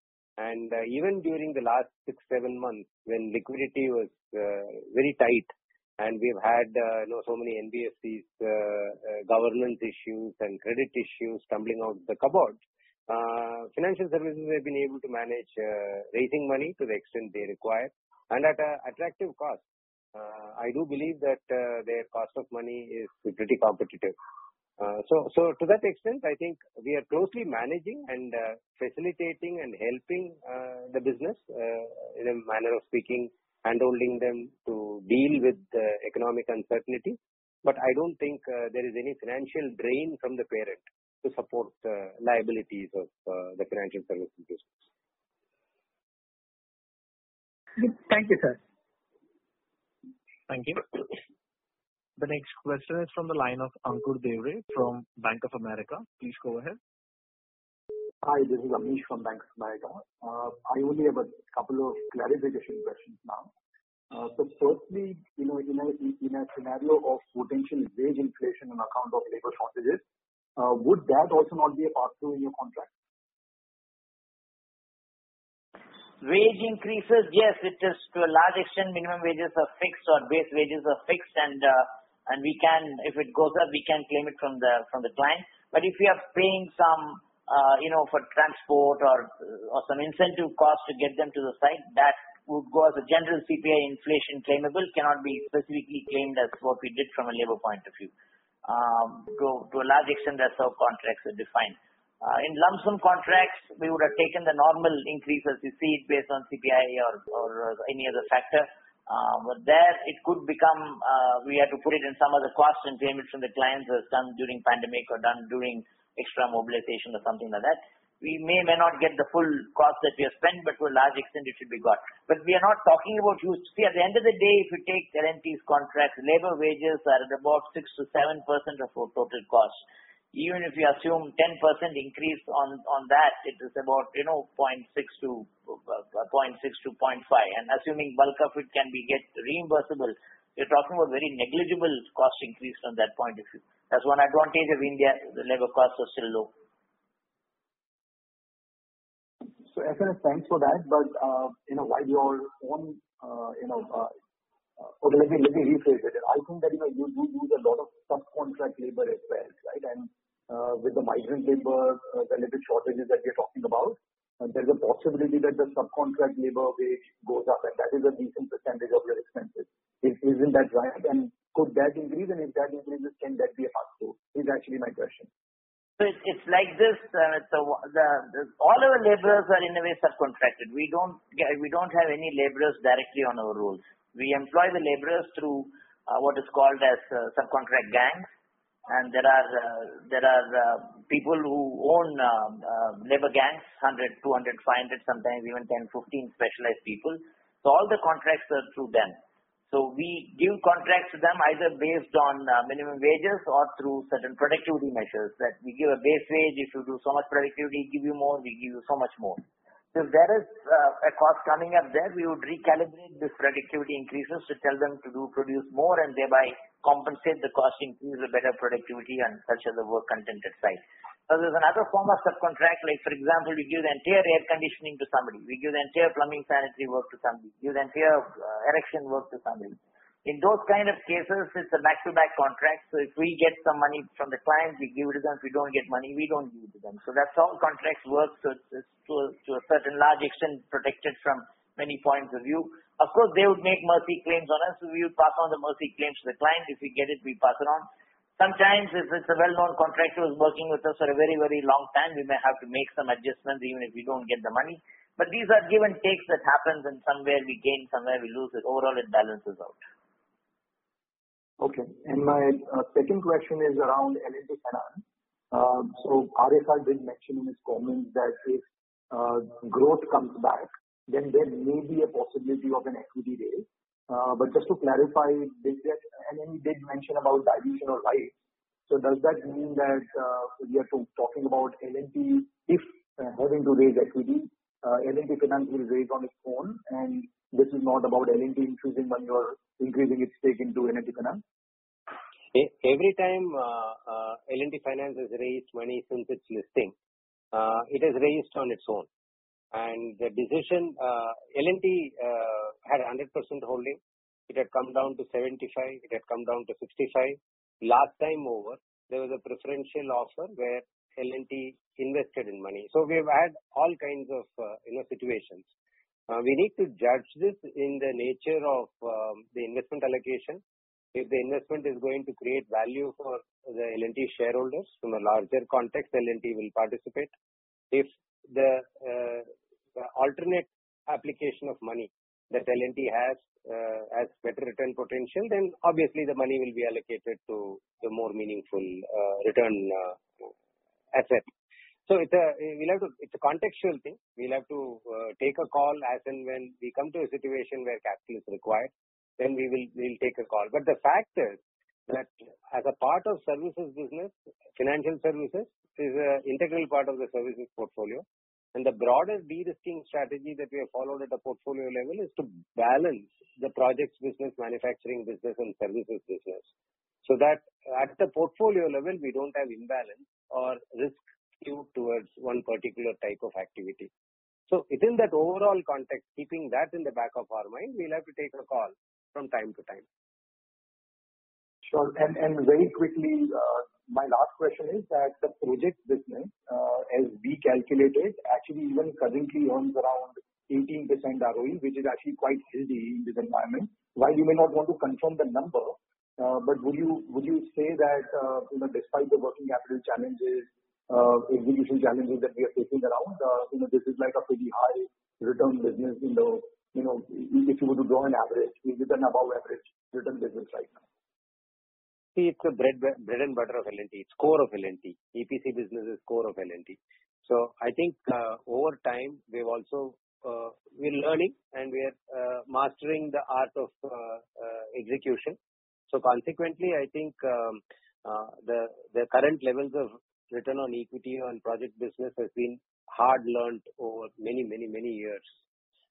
Even during the last six, seven months when liquidity was very tight and we've had so many NBFCs governance issues and credit issues tumbling out of the cupboard. Financial Services have been able to manage raising money to the extent they require and at an attractive cost. I do believe that their cost of money is pretty competitive. To that extent, I think we are closely managing and facilitating and helping the business, in a manner of speaking, handholding them to deal with the economic uncertainty. I don't think there is any financial drain from the parent to support the liabilities of the Financial Services business. Thank you, sir. Thank you. The next question is from the line of Ankur Devre from Bank of America. Please go ahead. Hi, this is Amish from Bank of America. I only have a couple of clarification questions now. Firstly, in a scenario of potential wage inflation on account of labor shortages, would that also not be a pass-through in your contract? Wage increases, yes, it is to a large extent minimum wages are fixed or base wages are fixed, and if it goes up, we can claim it from the client. If we are paying some for transport or some incentive cost to get them to the site, that would go as a general CPI inflation claimable, cannot be specifically claimed as what we did from a labor point of view. To a large extent, that's how contracts are defined. In lump sum contracts, we would have taken the normal increases you see based on CPI or any other factor. There it could become, we have to put it in some other cost and claim it from the clients who has done during pandemic or done during extra mobilization or something like that. We may not get the full cost that we have spent, to a large extent it should be got. We are not talking about huge. See at the end of the day, if you take L&T's contract, labor wages are at about 6% to 7% of our total cost. Even if you assume 10% increase on that, it is about 0.6-0.5. Assuming bulk of it can be get reimbursable, we're talking about very negligible cost increase from that point of view. That's one advantage of India, the labor costs are still low. FS, thanks for that. Let me rephrase it. I think that you do use a lot of subcontract labor as well, right? With the migrant labor availability shortages that we're talking about, there's a possibility that the subcontract labor wage goes up, and that is a decent percentage of your expenses. Isn't that right? Could that increase? If that increases, can that be a pass-through? Is actually my question. It's like this. All our laborers are in a way subcontracted. We don't have any laborers directly on our rolls. We employ the laborers through what is called as subcontract gangs. There are people who own labor gangs, 100, 200, 500, sometimes even 10, 15 specialized people. All the contracts are through them. We give contracts to them either based on minimum wages or through certain productivity measures that we give a base wage. If you do so much productivity, give you more, we give you so much more. If there is a cost coming up there, we would recalibrate these productivity increases to tell them to produce more and thereby compensate the cost increase with better productivity and such other work content at site. There's another form of subcontract, like for example, we give the entire air conditioning to somebody. We give the entire plumbing sanitary work to somebody. We give the entire erection work to somebody. In those kind of cases, it's a back-to-back contract. If we get some money from the client, we give it to them. If we don't get money, we don't give to them. That's how contracts work. It's to a certain large extent protected from many points of view. Of course, they would make mercy claims on us, we would pass on the mercy claims to the client. If we get it, we pass it on. Sometimes if it's a well-known contractor who's working with us for a very long time, we may have to make some adjustments even if we don't get the money. These are give and takes that happens and somewhere we gain, somewhere we lose. Overall, it balances out. Okay. My second question is around L&T Finance. RSR did mention in his comments that if growth comes back, then there may be a possibility of an equity raise. Just to clarify, L&T did mention about dilution of rights. Does that mean that we are talking about L&T, if having to raise equity, L&T Finance will raise on its own, and this is not about L&T increasing its stake into L&T Finance? Every time L&T Finance has raised money since its listing, it has raised on its own. L&T had 100% holding. It had come down to 75%. It had come down to 65%. Last time over, there was a preferential offer where L&T invested in money. We've had all kinds of situations. We need to judge this in the nature of the investment allocation. If the investment is going to create value for the L&T shareholders from a larger context, L&T will participate. If the alternate application of money that L&T has better return potential, then obviously the money will be allocated to the more meaningful return asset. It's a contextual thing. We'll have to take a call as and when we come to a situation where capital is required, then we'll take a call. The fact is that as a part of services business, Financial Services is an integral part of the services portfolio. The broader de-risking strategy that we have followed at a portfolio level is to balance the projects business, manufacturing business, and services business, so that at the portfolio level, we don't have imbalance or risk skewed towards one particular type of activity. Within that overall context, keeping that in the back of our mind, we'll have to take a call from time to time. Sure. Very quickly, my last question is that the projects business, as we calculate it, actually even currently earns around 18% ROE, which is actually quite healthy in this environment. While you may not want to confirm the number, but would you say that despite the working capital challenges, execution challenges that we are facing around, this is like a pretty high return business, if you were to go on average, it's an above-average return business right now. It's the bread and butter of L&T. It's core of L&T. EPC business is core of L&T. I think, over time, we're learning and we are mastering the art of execution. Consequently, I think the current levels of return on equity on project business has been hard-learnt over many years.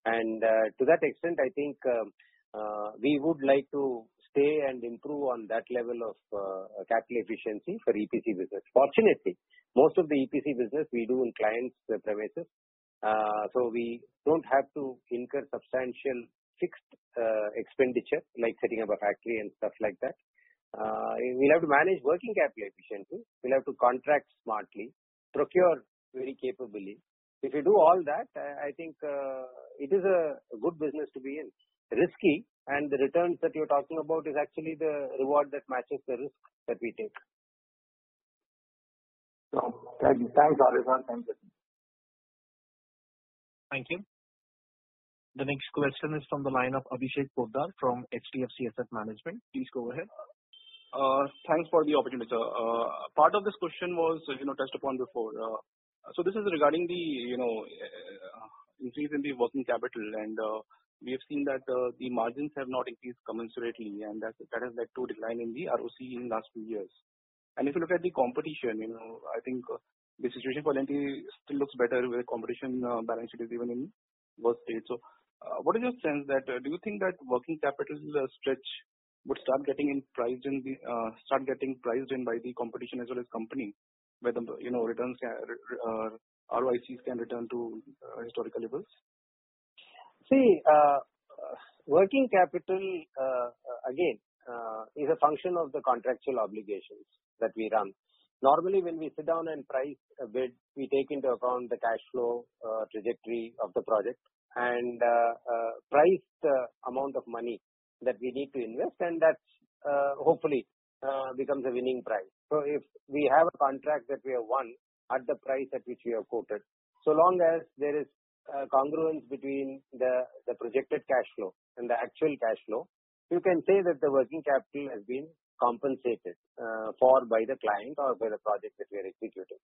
To that extent, I think we would like to stay and improve on that level of capital efficiency for EPC business. Fortunately, most of the EPC business we do in clients' premises, so we don't have to incur substantial fixed expenditure like setting up a factory and stuff like that. We'll have to manage working capital efficiently. We'll have to contract smartly, procure very capably. If you do all that, I think it is a good business to be in. Risky, and the returns that you're talking about is actually the reward that matches the risk that we take. Thank you. Thank you. The next question is from the line of Abhishek Poddar from HDFC Asset Management. Please go ahead. Thanks for the opportunity, sir. Part of this question was touched upon before. This is regarding the increase in the working capital, and we have seen that the margins have not increased commensurately, and that has led to a decline in the ROIC in last few years. If you look at the competition, I think the situation for L&T still looks better where competition balance sheet is even in worse state. What is your sense, do you think that working capital is a stretch would start getting priced in by the competition as well as company, whether ROICs can return to historical levels? See, working capital, again, is a function of the contractual obligations that we run. Normally, when we sit down and price a bid, we take into account the cash flow trajectory of the project and price the amount of money that we need to invest, and that hopefully becomes a winning price. If we have a contract that we have won at the price at which we have quoted, so long as there is congruence between the projected cash flow and the actual cash flow, you can say that the working capital has been compensated for by the client or by the project that we are executing.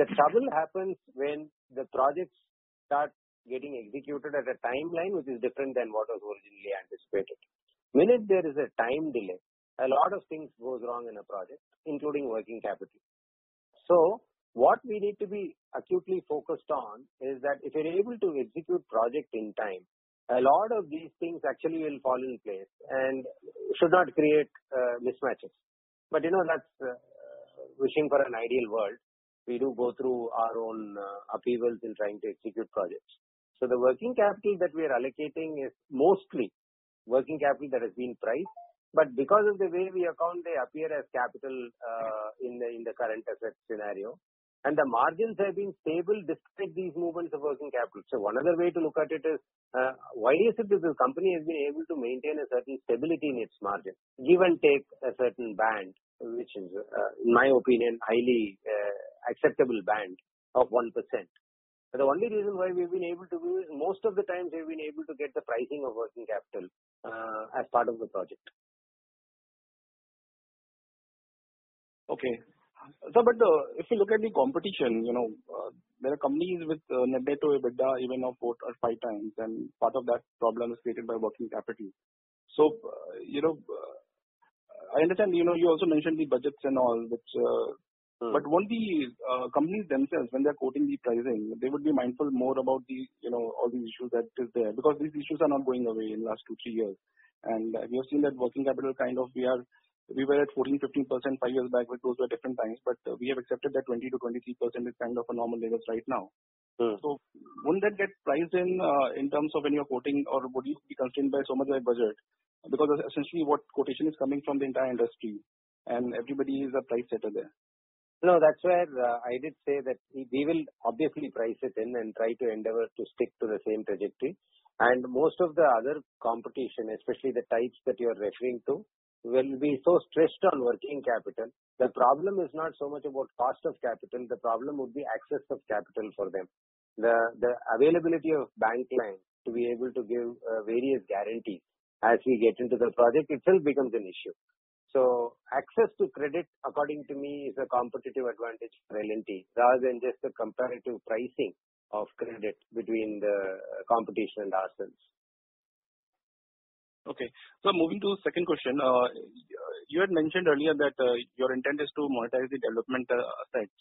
The trouble happens when the projects start getting executed at a timeline which is different than what was originally anticipated. The minute there is a time delay, a lot of things goes wrong in a project, including working capital. What we need to be acutely focused on is that if you're able to execute project in time, a lot of these things actually will fall in place and should not create mismatches. Wishing for an ideal world. We do go through our own upheavals in trying to execute projects. The working capital that we are allocating is mostly working capital that has been priced. Because of the way we account, they appear as capital in the current asset scenario. The margins have been stable despite these movements of working capital. One other way to look at it is, why is it that this company has been able to maintain a certain stability in its margin? Give and take a certain band, which is, in my opinion, highly acceptable band of 1%. The only reason why we've been able to do is most of the times we've been able to get the pricing of working capital as part of the project. Okay. Sir, if you look at the competition, there are companies with net debt to EBITDA even of four or five times, and part of that problem is created by working capital. I understand you also mentioned the budgets and all. Won't the companies themselves, when they're quoting the pricing, they would be mindful more about all these issues that is there, because these issues are not going away in last two, three years. We have seen that working capital kind of we were at 14%-15% five years back, but those were different times, but we have accepted that 20%-23% is kind of a normal level right now. Wouldn't that get priced in terms of when you're quoting or would it be constrained by so much by budget? Essentially what quotation is coming from the entire industry and everybody is a price setter there. That's where I did say that we will obviously price it in and try to endeavor to stick to the same trajectory. Most of the other competition, especially the types that you're referring to, will be so stressed on working capital. The problem is not so much about cost of capital. The problem would be access of capital for them. The availability of bank lines to be able to give various guarantees as we get into the project itself becomes an issue. Access to credit, according to me, is a competitive advantage for L&T rather than just a comparative pricing of credit between the competition and ourselves. Okay. Sir, moving to second question. You had mentioned earlier that your intent is to monetize the development sites,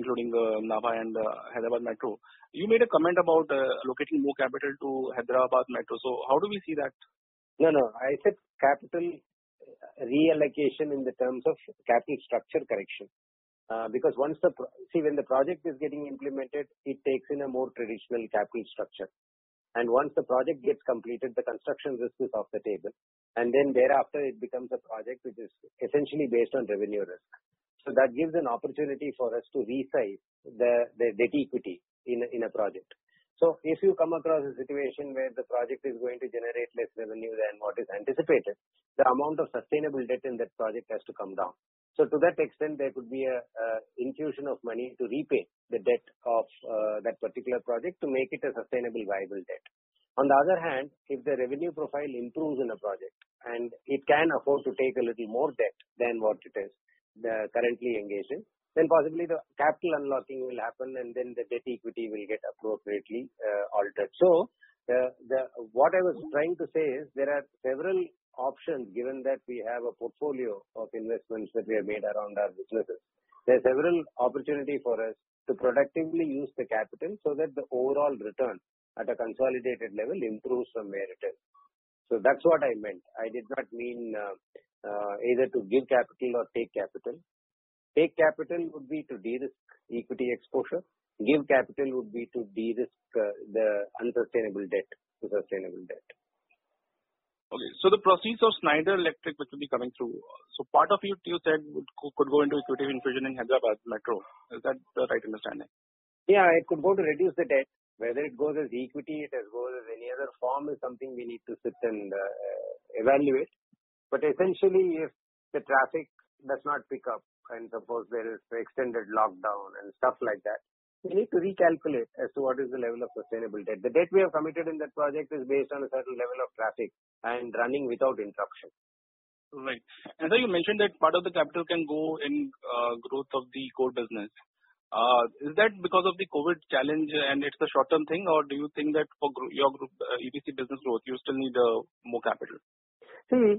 including Nabha and Hyderabad Metro. You made a comment about allocating more capital to Hyderabad Metro. How do we see that? I said capital reallocation in terms of capital structure correction. When the project is getting implemented, it takes in a more traditional capital structure. Once the project gets completed, the construction risk is off the table, thereafter it becomes a project which is essentially based on revenue risk. That gives an opportunity for us to resize the debt equity in a project. If you come across a situation where the project is going to generate less revenue than what is anticipated, the amount of sustainable debt in that project has to come down. To that extent, there could be an infusion of money to repay the debt of that particular project to make it a sustainable, viable debt. If the revenue profile improves in a project and it can afford to take a little more debt than what it is currently engaged in, then possibly the capital unlocking will happen, and then the debt-equity will get appropriately altered. What I was trying to say is there are several options given that we have a portfolio of investments that we have made around our businesses. There are several opportunities for us to productively use the capital so that the overall return at a consolidated level improves from where it is. That's what I meant. I did not mean either to give capital or take capital. Take capital would be to de-risk equity exposure. Give capital would be to de-risk the unsustainable debt to sustainable debt. The proceeds of Schneider Electric, which will be coming through, part of it you said could go into equity infusion in Hyderabad Metro. Is that the right understanding? Yeah, it could go to reduce the debt. Whether it goes as equity, it goes as any other form is something we need to sit and evaluate. Essentially, if the traffic does not pick up, and suppose there is extended lockdown and stuff like that, we need to recalculate as to what is the level of sustainable debt. The debt we have committed in that project is based on a certain level of traffic and running without interruption. Right. Sir, you mentioned that part of the capital can go in growth of the core business. Is that because of the COVID challenge and it's a short-term thing, or do you think that for your EPC business growth, you still need more capital? See,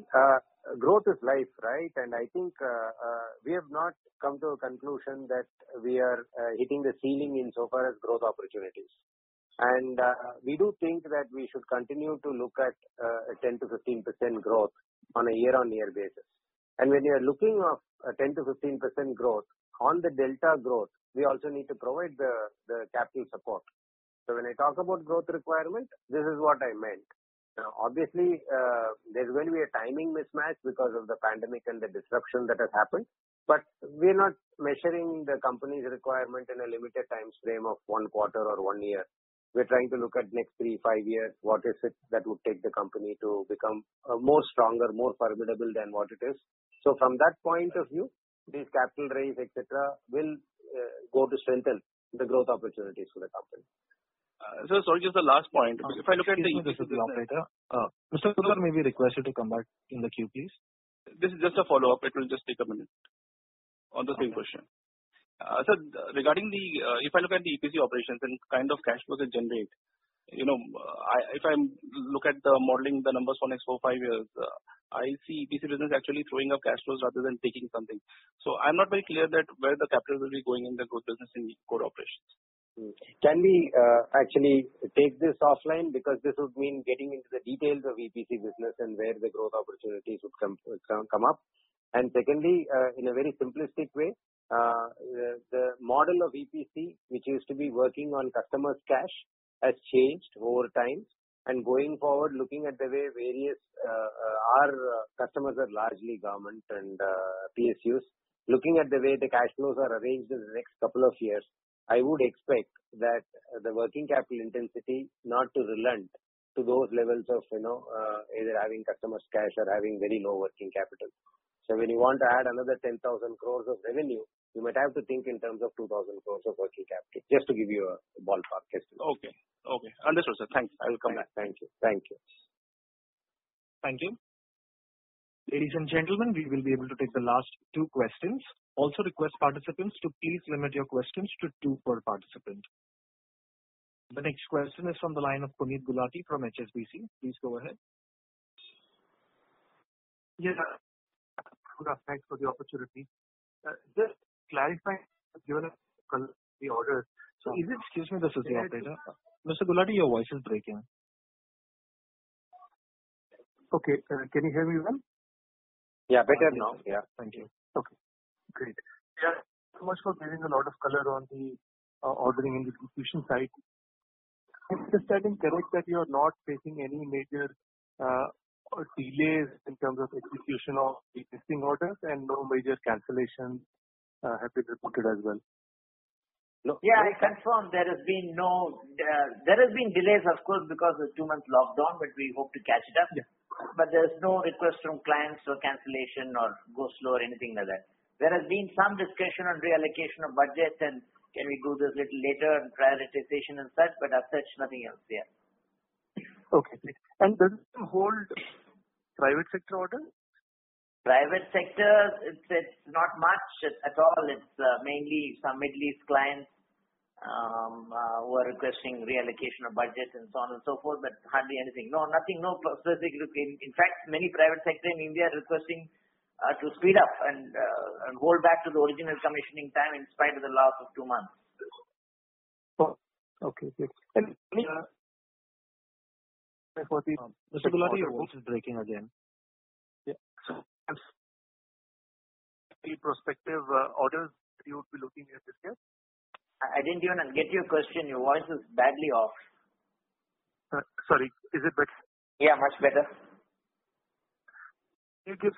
growth is life, right? I think we have not come to a conclusion that we are hitting the ceiling insofar as growth opportunities. We do think that we should continue to look at a 10%-15% growth on a year-on-year basis. When we are looking of a 10%-15% growth, on the delta growth, we also need to provide the capital support. When I talk about growth requirement, this is what I meant. Obviously, there's going to be a timing mismatch because of the pandemic and the disruption that has happened. We are not measuring the company's requirement in a limited time frame of one quarter or one year. We're trying to look at next three, five years. What is it that would take the company to become more stronger, more formidable than what it is? From that point of view, this capital raise, et cetera, will go to strengthen the growth opportunities for the company. Sir, sorry, just the last point. If I look at the. Excuse me, this is the operator. Mr. Poddar, may we request you to come back in the queue, please? This is just a follow-up. It will just take a minute. On the same question. Okay. Sir, regarding If I look at the EPC operations and kind of cash flows they generate. If I look at the modeling the numbers for next four, five years, I see EPC business actually throwing up cash flows rather than taking something. I'm not very clear that where the capital will be going in the growth business in core operations. Can we actually take this offline? This would mean getting into the details of EPC business and where the growth opportunities would come up. Secondly, in a very simplistic way, the model of EPC, which used to be working on customers' cash, has changed over time. Going forward, looking at the way our customers are largely government and PSUs, looking at the way the cash flows are arranged in the next couple of years, I would expect that the working capital intensity not to relent to those levels of either having customers' cash or having very low working capital. When you want to add another 10,000 crores of revenue, you might have to think in terms of 2,000 crores of working capital, just to give you a ballpark estimate. Okay. Understood, sir. Thanks. I will come back. Thank you. Thank you. Ladies and gentlemen, we will be able to take the last two questions. Request participants to please limit your questions to two per participant. The next question is from the line of Puneet Gulati from HSBC. Please go ahead. Yeah. Good afternoon. Thanks for the opportunity. Excuse me, Mr. Gulati. Mr. Gulati, your voice is breaking. Okay. Can you hear me well? Yeah, better now. Thank you. Okay, great. Sir, thank you so much for giving a lot of color on the ordering and execution side. Am I understanding correct that you are not facing any major delays in terms of execution of the existing orders and no major cancellations have been reported as well? Yeah, I confirm there has been delays, of course, because of two months lockdown, but we hope to catch it up. Yeah. There is no request from clients for cancellation or go slow or anything like that. There has been some discussion on reallocation of budget and can we do this little later and prioritization and such, but as such, nothing else there. Okay, great. Does this hold private sector order? Private sector, it's not much at all. It's mainly some Middle East clients, who are requesting reallocation of budgets and so on and so forth, but hardly anything. No, nothing. In fact, many private sector in India are requesting to speed up and go back to the original commissioning time in spite of the lapse of two months. Okay, great. Mr. Gulati, your voice is breaking again. Yeah. Any prospective orders that you would be looking at this year? I didn't even get your question. Your voice is badly off. Sorry. Is it better? Yeah, much better. Can you give-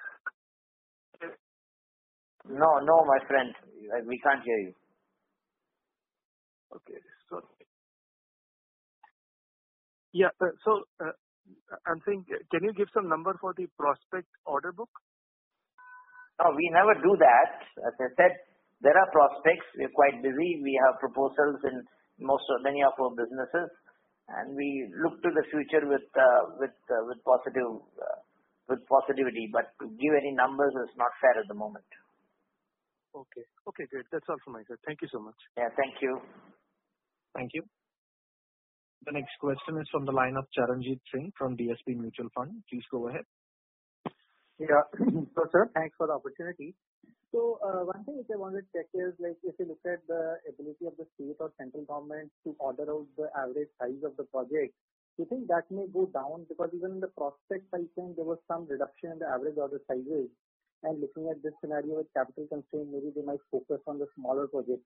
No, my friend, we can't hear you. Okay. Sorry. Yeah. I'm saying, can you give some number for the prospect order book? No, we never do that. As I said, there are prospects. We are quite busy. We have proposals in many of our businesses, and we look to the future with positivity. To give any numbers is not fair at the moment. Okay. Great. That's all from my side. Thank you so much. Yeah, thank you. Thank you. The next question is from the line of Charanjit Singh from DSP Mutual Fund. Please go ahead. Sir, thanks for the opportunity. One thing which I wanted to check is if you look at the ability of the state or central government to order out the average size of the project, do you think that may go down? Because even in the prospect, I think there was some reduction in the average order sizes. Looking at this scenario with capital constraint, maybe they might focus on the smaller projects.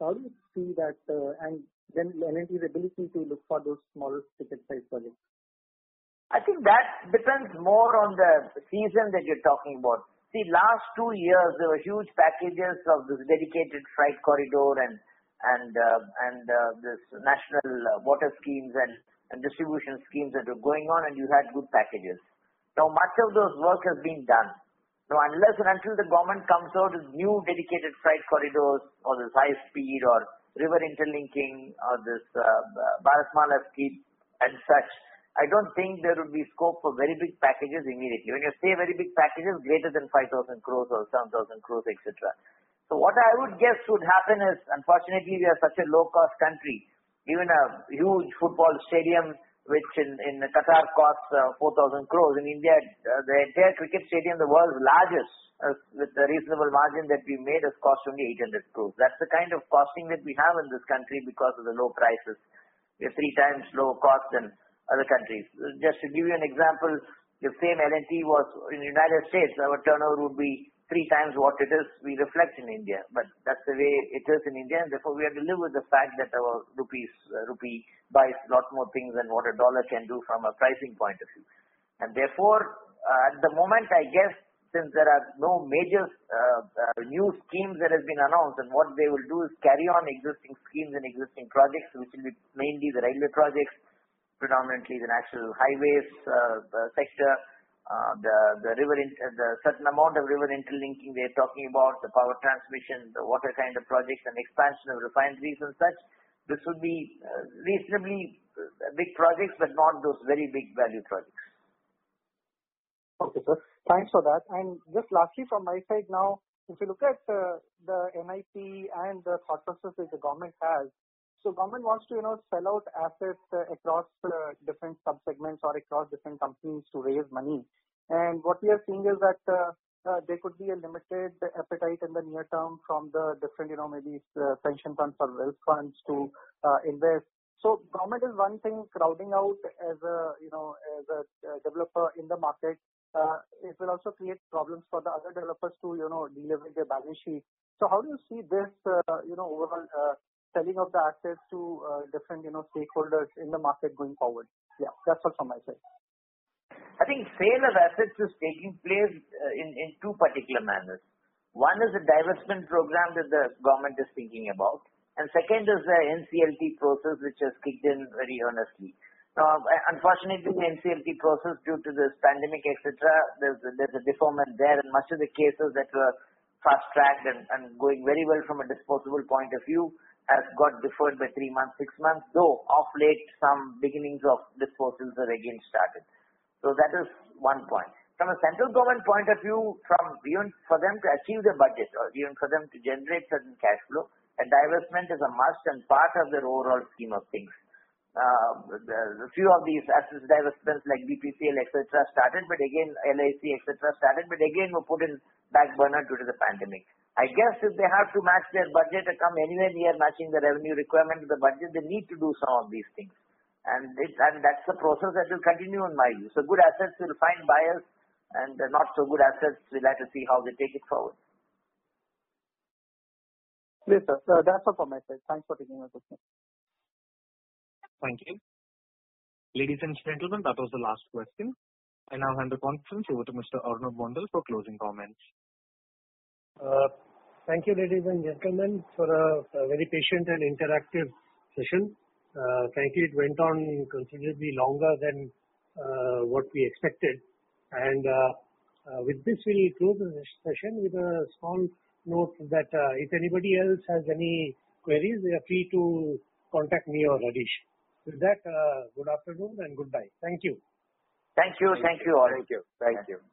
How do you see that, and then L&T's ability to look for those smaller ticket size projects? I think that depends more on the season that you're talking about. Last two years, there were huge packages of this dedicated freight corridor and this national water schemes and distribution schemes that were going on, and you had good packages. Much of those work has been done. Unless and until the government comes out with new dedicated freight corridors or this high speed or river interlinking or this Bharatmala scheme and such, I don't think there would be scope for very big packages immediately. When you say very big packages, greater than 5,000 crore or 7,000 crore, et cetera. What I would guess would happen is, unfortunately, we are such a low-cost country. Even a huge football stadium, which in Qatar costs 4,000 crore, in India, the entire cricket stadium, the world's largest, with the reasonable margin that we made, has cost only 800 crore. That's the kind of costing that we have in this country because of the low prices. We have three times lower cost than other countries. Just to give you an example, if same L&T was in U.S., our turnover would be three times what it is we reflect in India. That's the way it is in India, and therefore, we have to live with the fact that our rupee buys lot more things than what a dollar can do from a pricing point of view. Therefore, at the moment, I guess, since there are no major new schemes that has been announced, and what they will do is carry on existing schemes and existing projects, which will be mainly the railway projects, predominantly the National Highways sector, the certain amount of river interlinking they're talking about, the power transmission, the water kind of projects and expansion of refineries and such. This would be reasonably big projects, but not those very big value projects. Okay, sir. Thanks for that. Just lastly from my side now, if you look at the NIP and the thought process that the Government has. Government wants to sell out assets across different sub-segments or across different companies to raise money. What we are seeing is that there could be a limited appetite in the near term from the different, maybe pension funds or wealth funds to invest. Government is one thing, crowding out as a developer in the market. It will also create problems for the other developers to de-leverage their balance sheet. How do you see this overall selling of the assets to different stakeholders in the market going forward? That's all from my side. I think sale of assets is taking place in two particular manners. One is the divestment program that the government is thinking about, and second is the NCLT process, which has kicked in very earnestly. Unfortunately, the NCLT process, due to this pandemic, et cetera, there's a deferment there in much of the cases that were fast-tracked and going very well from a disposable point of view, has got deferred by three months, six months. Of late, some beginnings of disposals have again started. That is one point. From a central government point of view, for them to achieve their budget or even for them to generate certain cash flow, a divestment is a must and part of their overall scheme of things. A few of these assets divestments like BPCL, et cetera, started, but again, LIC, et cetera, started, but again, were put in back burner due to the pandemic. I guess if they have to match their budget or come anywhere near matching the revenue requirement to the budget, they need to do some of these things. That's a process that will continue, in my view. Good assets will find buyers and the not so good assets, we'll have to see how they take it forward. Great, sir. That's all from my side. Thanks for taking the question. Thank you. Ladies and gentlemen, that was the last question. I now hand the conference over to Mr. Arnob Mondal for closing comments. Thank you, ladies and gentlemen, for a very patient and interactive session. Frankly, it went on considerably longer than what we expected. With this, we'll close the session with a small note that if anybody else has any queries, they are free to contact me or Harish. With that, good afternoon and goodbye. Thank you. Thank you. Thank you all. Thank you. Thank you.